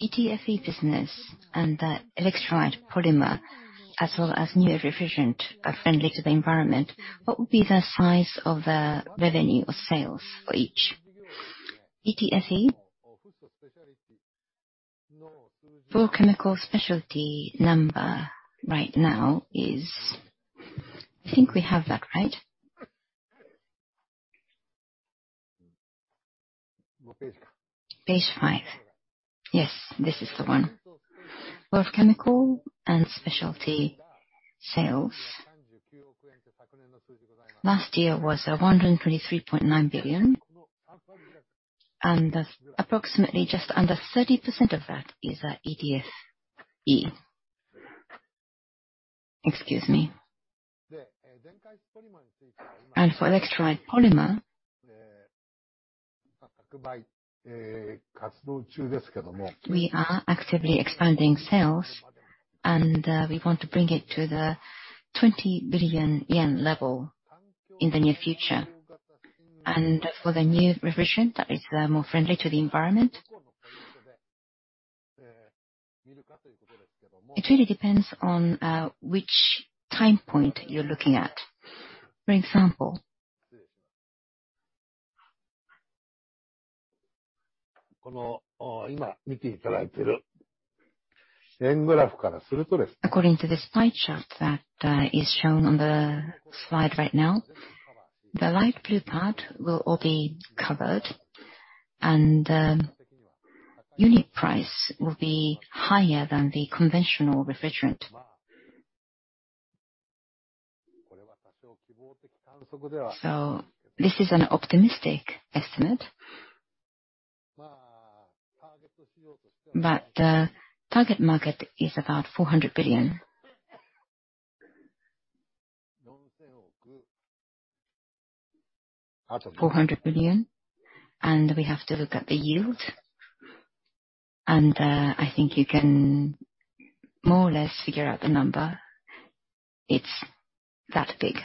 ETFE business and the electrolyte polymer as well as new refrigerant are friendly to the environment. What would be the size of the revenue or sales for each? ETFE? Fluorochemical specialty number right now is. I think we have that right. Page five. Yes, this is the one. Fluorochemical and specialty sales last year was 123.9 billion. Approximately just under 30% of that is ETFE. Excuse me. For electrolyte polymer, we are actively expanding sales, and we want to bring it to the 20 billion yen level in the near future. For the new refrigerant that is more friendly to the environment, it really depends on which time point you're looking at. For example, according to the slide chart that is shown on the slide right now, the light blue part will all be covered, and the unit price will be higher than the conventional refrigerant. This is an optimistic estimate. The target market is about 400 billion. 400 billion, and we have to look at the yield. I think you can more or less figure out the number. It's that big.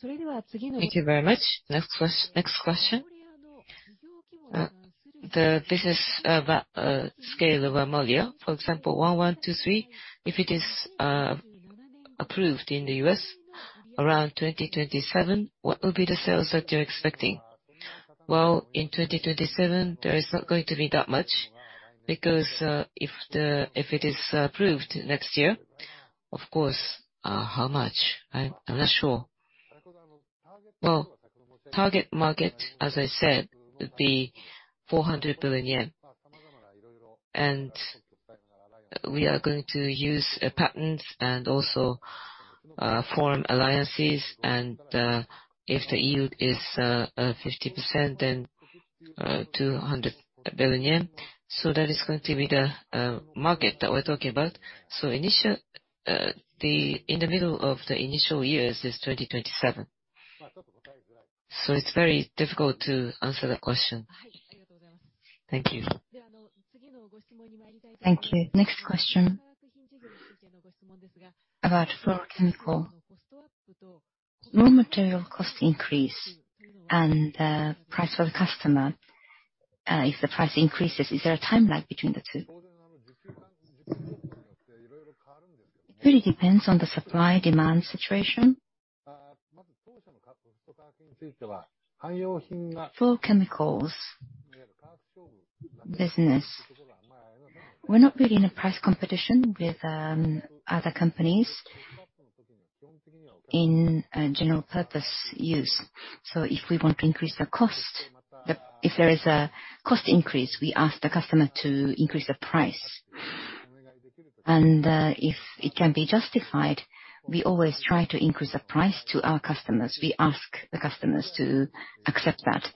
Thank you very much. Next question. The business scale of HFO-1123, if it is approved in the US around 2027, what will be the sales that you're expecting? Well, in 2027, there is not going to be that much because, if it is approved next year, of course, how much? I'm not sure. Well, target market, as I said, would be 400 billion yen. We are going to use patents and also form alliances. If the yield is 50%, then 200 billion yen. That is going to be the market that we're talking about. Initial, in the middle of the initial years is 2027. It's very difficult to answer that question. Thank you. Thank you. Next question about AGC Chemicals. Raw material cost increase and price for the customer, if the price increases, is there a time lag between the two? It really depends on the supply-demand situation. For chemicals business, we're not really in a price competition with other companies in a general purpose use. If we want to increase the cost, the... If there is a cost increase, we ask the customer to increase the price. If it can be justified, we always try to increase the price to our customers. We ask the customers to accept that.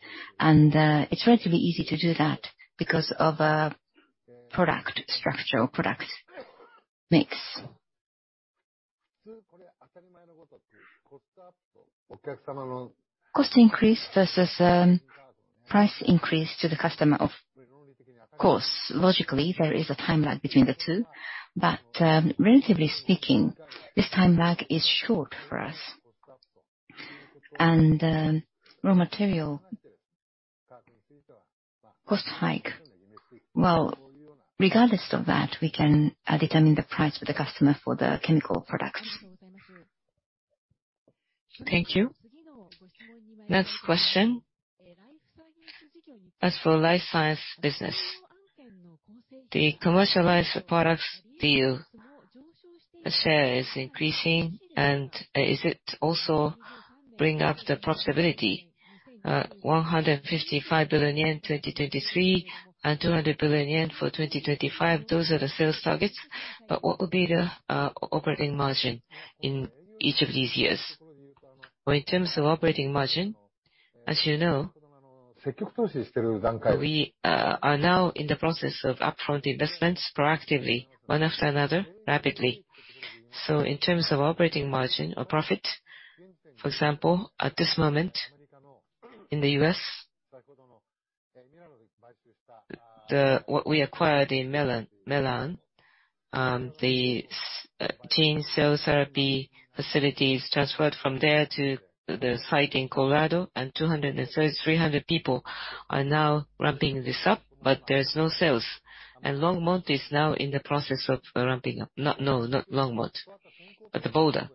It's relatively easy to do that because of product structure or product mix. Cost increase versus price increase to the customer, of course, logically, there is a time lag between the two. Relatively speaking, this time lag is short for us. Raw material cost hike, well, regardless of that, we can determine the price for the customer for the chemical products. Thank you. Next question. As for life science business, the commercialized products deal share is increasing, and is it also bring up the profitability, 155 billion yen in 2023, and 200 billion yen for 2025, those are the sales targets. But what will be the operating margin in each of these years? Well, in terms of operating margin, as you know, we are now in the process of upfront investments proactively, one after another, rapidly. So in terms of operating margin or profit, for example, at this moment in the US, what we acquired in Milan, the cell and gene therapy facility is transferred from there to the site in Colorado, and 230-300 people are now ramping this up, but there's no sales. Longmont is now in the process of ramping up. Not... No, not Longmont, but the Boulder.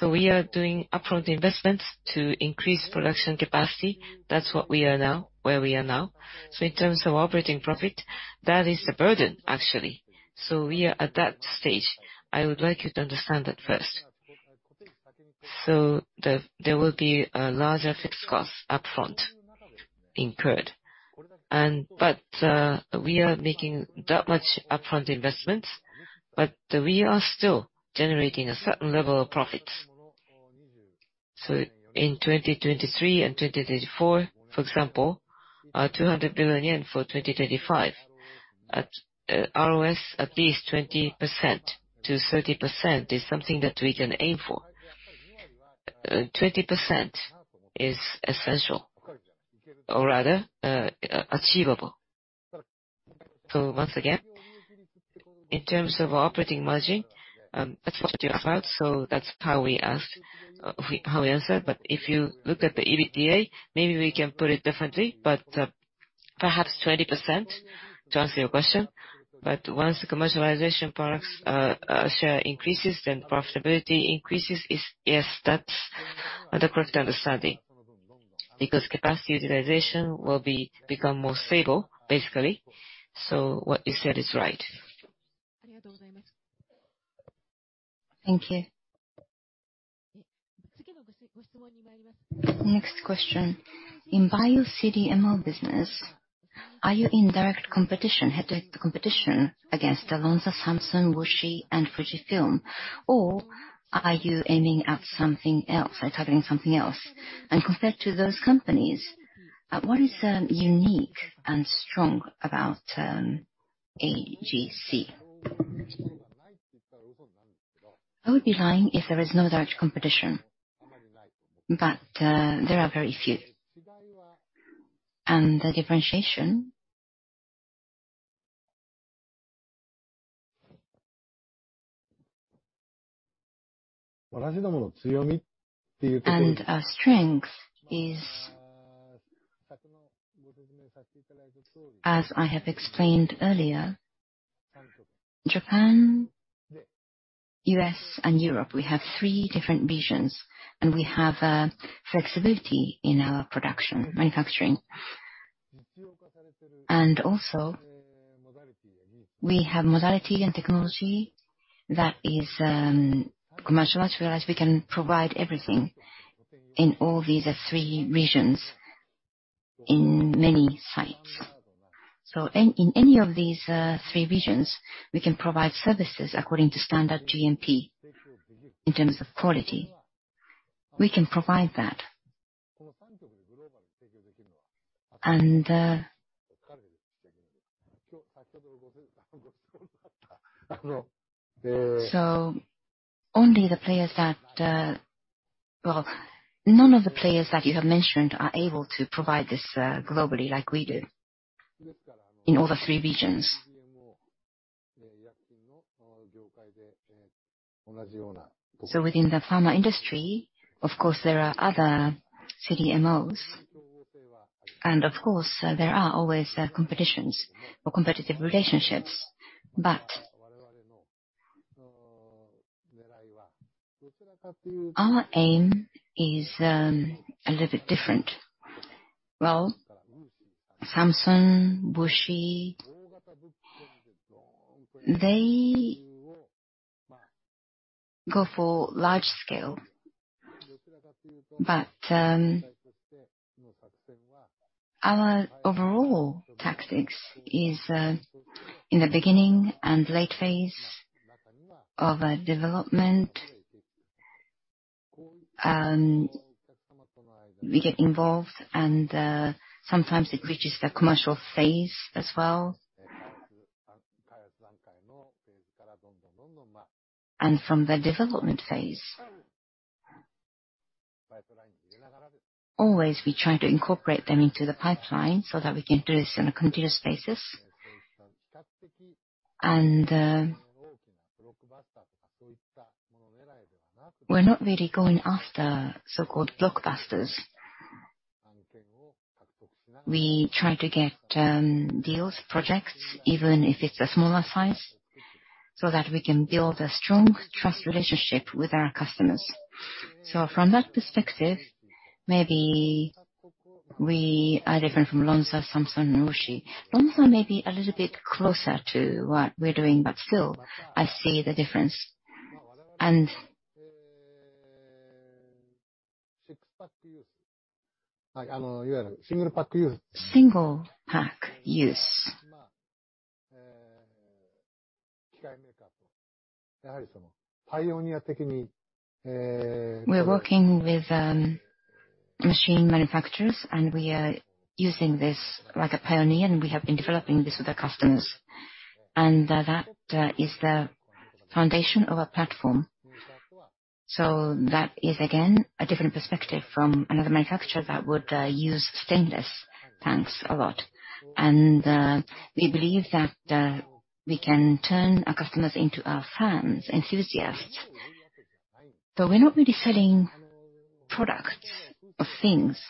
We are doing upfront investments to increase production capacity. That's what we are now, where we are now. In terms of operating profit, that is the burden actually. We are at that stage. I would like you to understand that first. There will be a larger fixed cost upfront incurred. We are making that much upfront investments, but we are still generating a certain level of profits. In 2023 and 2024, for example, 200 billion yen for 2025. At ROS, at least 20%-30% is something that we can aim for. 20% is essential, or rather, achievable. Once again, in terms of operating margin, that's what you asked, so that's how we answer. If you look at the EBITDA, maybe we can put it differently, but perhaps 20% to answer your question. Once the commercialization products share increases, then profitability increases. Yes, that's the correct understanding because capacity utilization will become more stable basically. What you said is right. Thank you. Next question. In Bio CDMO business, are you in direct competition, head-to-head competition against Lonza, Samsung, WuXi and Fujifilm? Or are you aiming at something else, like targeting something else? Compared to those companies, what is unique and strong about AGC? I would be lying if there is no direct competition, but there are very few. The differentiation and our strength is, as I have explained earlier, Japan, U.S. and Europe, we have three different regions, and we have flexibility in our production, manufacturing. We have modality and technology that is commercialized. We are as we can provide everything in all these three regions in many sites. In any of these three regions, we can provide services according to standard GMP in terms of quality. We can provide that. Only the players that. Well, none of the players that you have mentioned are able to provide this globally like we do in all the three regions. Within the pharma industry, of course, there are other CDMOs, and of course, there are always competitions or competitive relationships. But our aim is a little bit different. Well, Samsung, WuXi, they go for large scale. Our overall tactics is in the beginning and late phase of a development, and we get involved, and sometimes it reaches the commercial phase as well. From the development phase, always we try to incorporate them into the pipeline so that we can do this on a continuous basis. We're not really going after so-called blockbusters. We try to get deals, projects, even if it's a smaller size, so that we can build a strong trust relationship with our customers. From that perspective, maybe we are different from Lonza, Samsung, WuXi. Lonza may be a little bit closer to what we're doing, but still I see the difference. Single-use. We're working with machine manufacturers, and we are using this like a pioneer, and we have been developing this with our customers. That is the foundation of our platform. That is, again, a different perspective from another manufacturer that would use stainless tanks a lot. We believe that we can turn our customers into our fans, enthusiasts. We're not really selling products or things.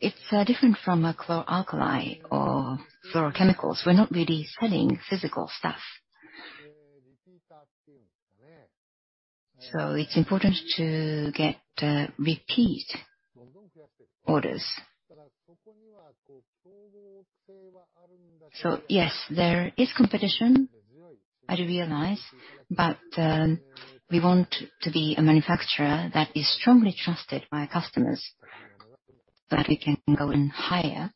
It's different from a chloralkali or fluorochemicals. We're not really selling physical stuff. It's important to get repeat orders. Yes, there is competition, I do realize, but we want to be a manufacturer that is strongly trusted by our customers, so that we can go in higher,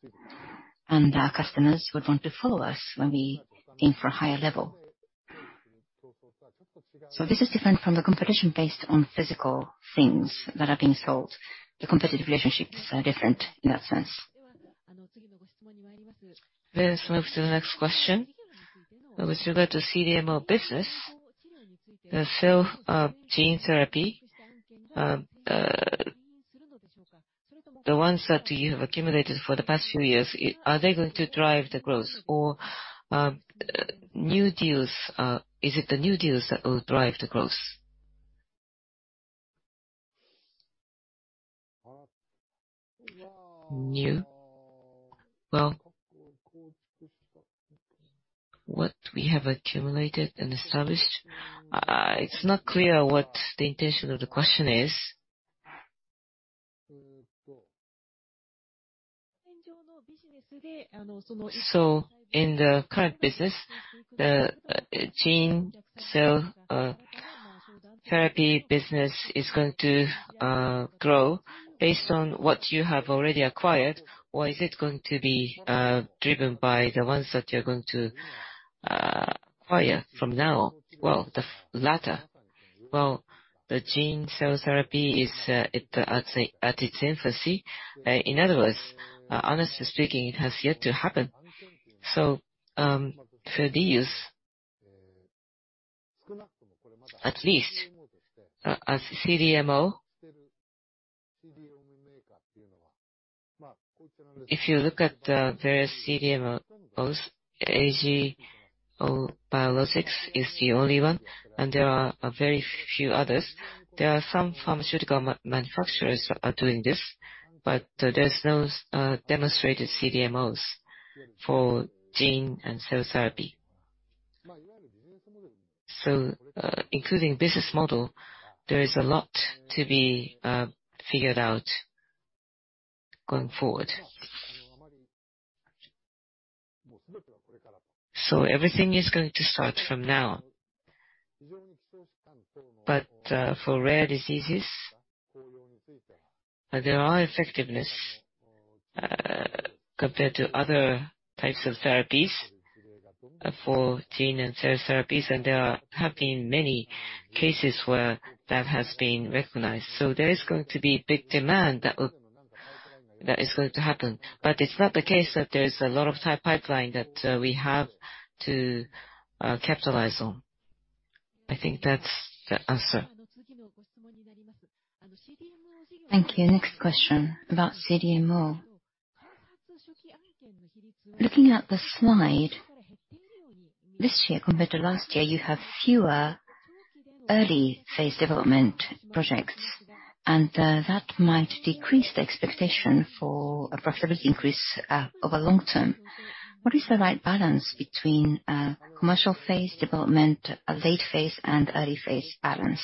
and our customers would want to follow us when we aim for a higher level. This is different from the competition based on physical things that are being sold. The competitive relationships are different in that sense. Let's move to the next question. With regard to CDMO business, the cell, gene therapy, the ones that you have accumulated for the past few years, are they going to drive the growth? Or, new deals, is it the new deals that will drive the growth? No? Well, what we have accumulated and established, it's not clear what the intention of the question is. In the current business, the gene cell therapy business is going to grow based on what you have already acquired, or is it going to be driven by the ones that you're going to acquire from now? Well, the latter. Well, the gene cell therapy is at its infancy. In other words, honestly speaking, it has yet to happen. For these, at least as CDMO, if you look at the various CDMOs, AGC Biologics is the only one, and there are a very few others. There are some pharmaceutical manufacturers that are doing this, but there's no demonstrated CDMOs for gene and cell therapy. Including business model, there is a lot to be figured out going forward. Everything is going to start from now. For rare diseases, there are effectiveness compared to other types of therapies for gene and cell therapies, and there have been many cases where that has been recognized. There is going to be big demand. That is going to happen. It's not the case that there's a lot of type pipeline that we have to capitalize on. I think that's the answer. Thank you. Next question about CDMO. Looking at the slide, this year compared to last year, you have fewer early phase development projects, and that might decrease the expectation for a profitability increase over long term. What is the right balance between commercial phase development, a late phase, and early phase balance?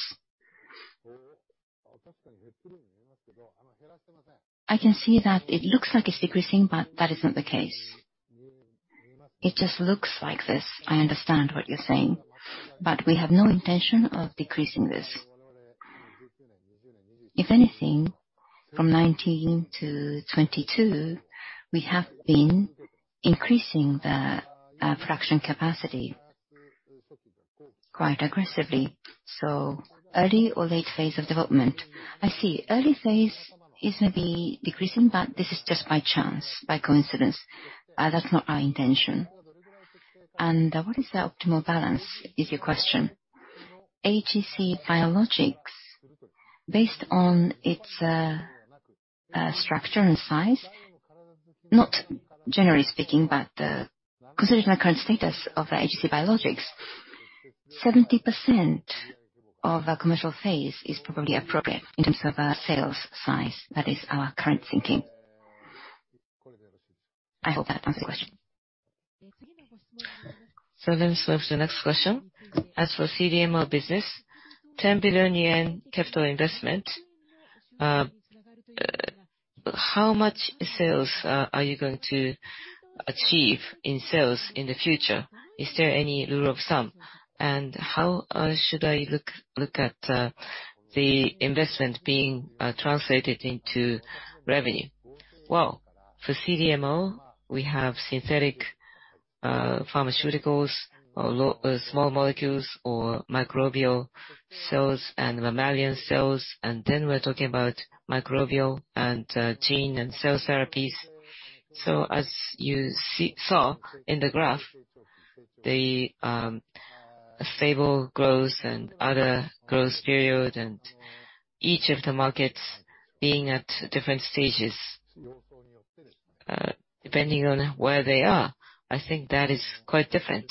I can see that it looks like it's decreasing, but that isn't the case. It just looks like this. I understand what you're saying, but we have no intention of decreasing this. If anything, from 2019 to 2022, we have been increasing the production capacity quite aggressively. Early or late phase of development. I see. Early phase is maybe decreasing, but this is just by chance, by coincidence. That's not our intention. What is the optimal balance, is your question. AGC Biologics, based on its structure and size, not generally speaking, but considering the current status of AGC Biologics, 70% of our commercial phase is probably appropriate in terms of our sales size. That is our current thinking. I hope that answers the question. Let me swap to the next question. As for CDMO business, 10 billion yen capital investment, how much sales are you going to achieve in sales in the future? Is there any rule of thumb? How should I look at the investment being translated into revenue? Well, for CDMO, we have synthetic pharmaceuticals or small molecules or microbial cells and mammalian cells, and then we're talking about microbial and gene and cell therapies. You saw in the graph, the stable growth and other growth period and each of the markets being at different stages, depending on where they are, I think that is quite different.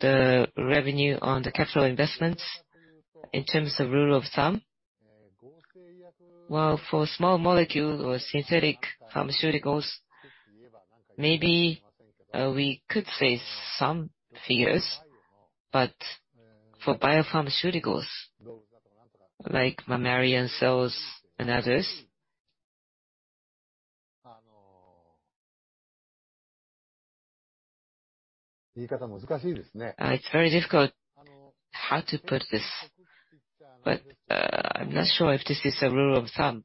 The revenue on the capital investments in terms of rule of thumb. Well, for small molecule or synthetic pharmaceuticals, maybe we could say some figures, but for biopharmaceuticals like mammalian cells and others. It's very difficult how to put this, but I'm not sure if this is a rule of thumb.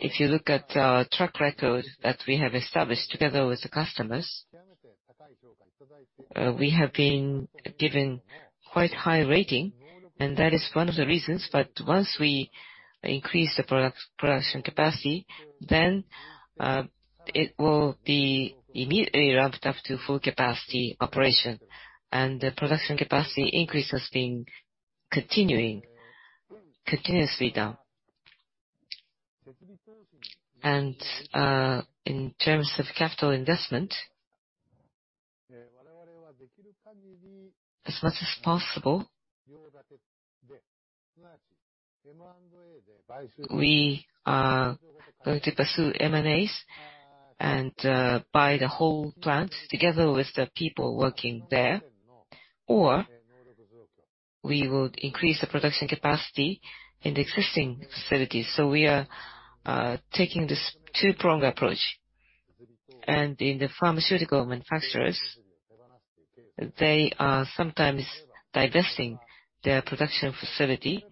If you look at track record that we have established together with the customers, we have been given quite high rating, and that is one of the reasons. Once we increase the product production capacity, then it will be immediately ramped up to full capacity operation, and the production capacity increase has been continuing, continuously done. In terms of capital investment, as much as possible, we are going to pursue M&As and buy the whole plant together with the people working there. We would increase the production capacity in the existing facilities. We are taking this two-prong approach. In the pharmaceutical manufacturers, they are sometimes divesting their production facility.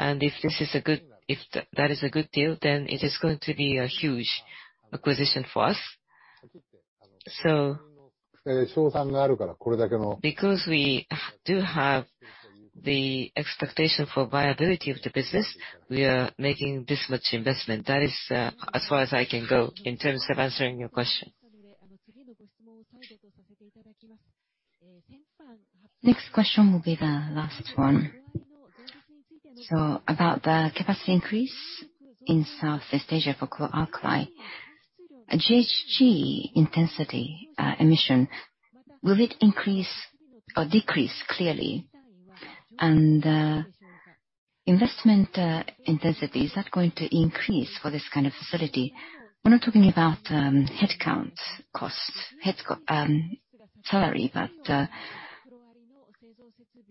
If that is a good deal, then it is going to be a huge acquisition for us. Because we do have the expectation for viability of the business, we are making this much investment. That is, as far as I can go in terms of answering your question. Next question will be the last one. About the capacity increase in Southeast Asia for chlor-alkali. GHG intensity emission, will it increase or decrease clearly? And, investment intensity, is that going to increase for this kind of facility? We're not talking about headcount costs, salary, but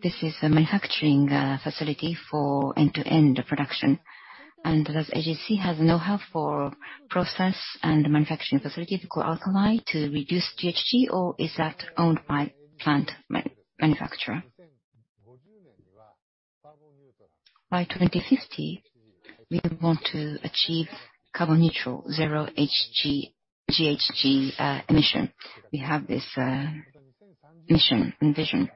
this is a manufacturing facility for end-to-end production. Does AGC has know-how for process and manufacturing facility for chlor-alkali to reduce GHG, or is that owned by plant manufacturer? By 2050, we want to achieve carbon neutral, zero GHG emission. We have this mission and vision.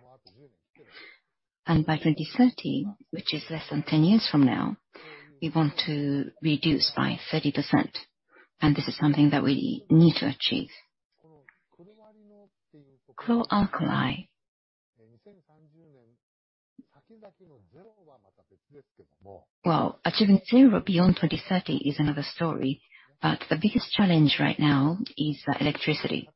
By 2030, which is less than 10 years from now, we want to reduce by 30%, and this is something that we need to achieve. Chlor-alkali. Well, achieving zero beyond 2030 is another story, but the biggest challenge right now is the electricity.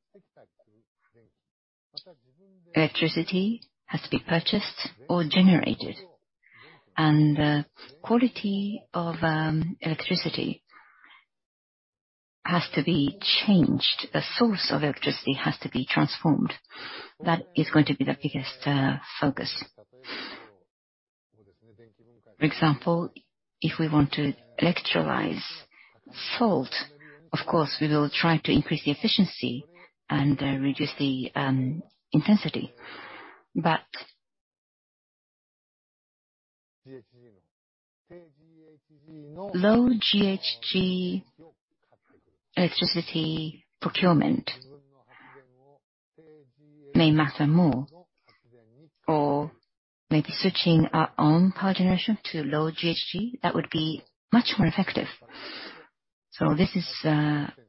Electricity has to be purchased or generated, and the quality of electricity has to be changed. The source of electricity has to be transformed. That is going to be the biggest focus. For example, if we want to electrolyze salt, of course we will try to increase the efficiency and reduce the intensity. But low GHG electricity procurement may matter more. Or maybe switching our own power generation to low GHG, that would be much more effective. This is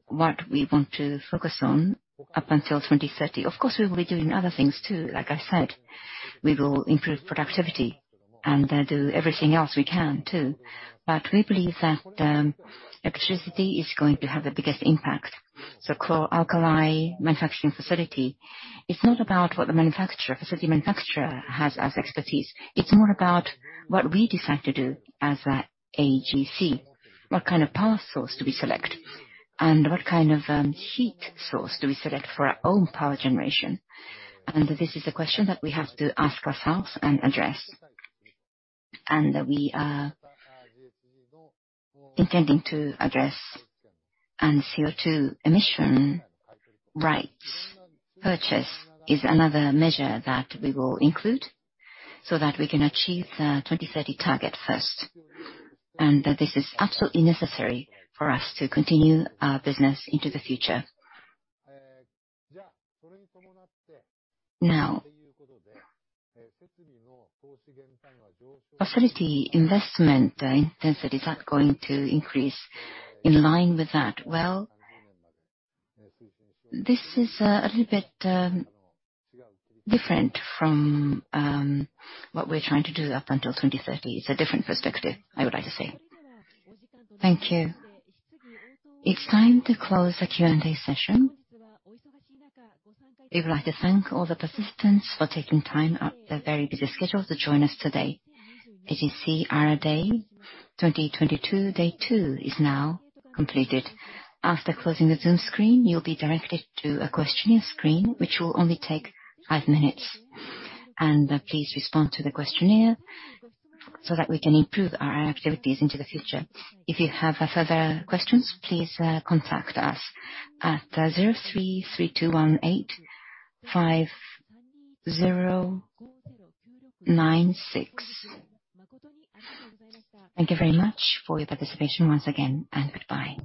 what we want to focus on up until 2030. Of course, we will be doing other things too. Like I said, we will improve productivity and do everything else we can too. We believe that electricity is going to have the biggest impact. Chlor-alkali manufacturing facility, it's not about what the facility manufacturer has as expertise. It's more about what we decide to do as AGC. What kind of power source do we select, and what kind of heat source do we select for our own power generation? This is a question that we have to ask ourselves and address. We are intending to address. CO2 emission rights purchase is another measure that we will include so that we can achieve the 2030 target first. This is absolutely necessary for us to continue our business into the future. Now, facility investment intensity, is that going to increase in line with that? Well, this is a little bit different from what we're trying to do up until 2030. It's a different perspective, I would like to say. Thank you. It's time to close the Q&A session. We would like to thank all the participants for taking time out of their very busy schedules to join us today. AGC R&D 2022, day two is now completed. After closing the Zoom screen, you'll be directed to a questionnaire screen, which will only take five minutes. Please respond to the questionnaire so that we can improve our activities into the future. If you have further questions, please contact us at 03-3218-5096. Thank you very much for your participation once again, and goodbye.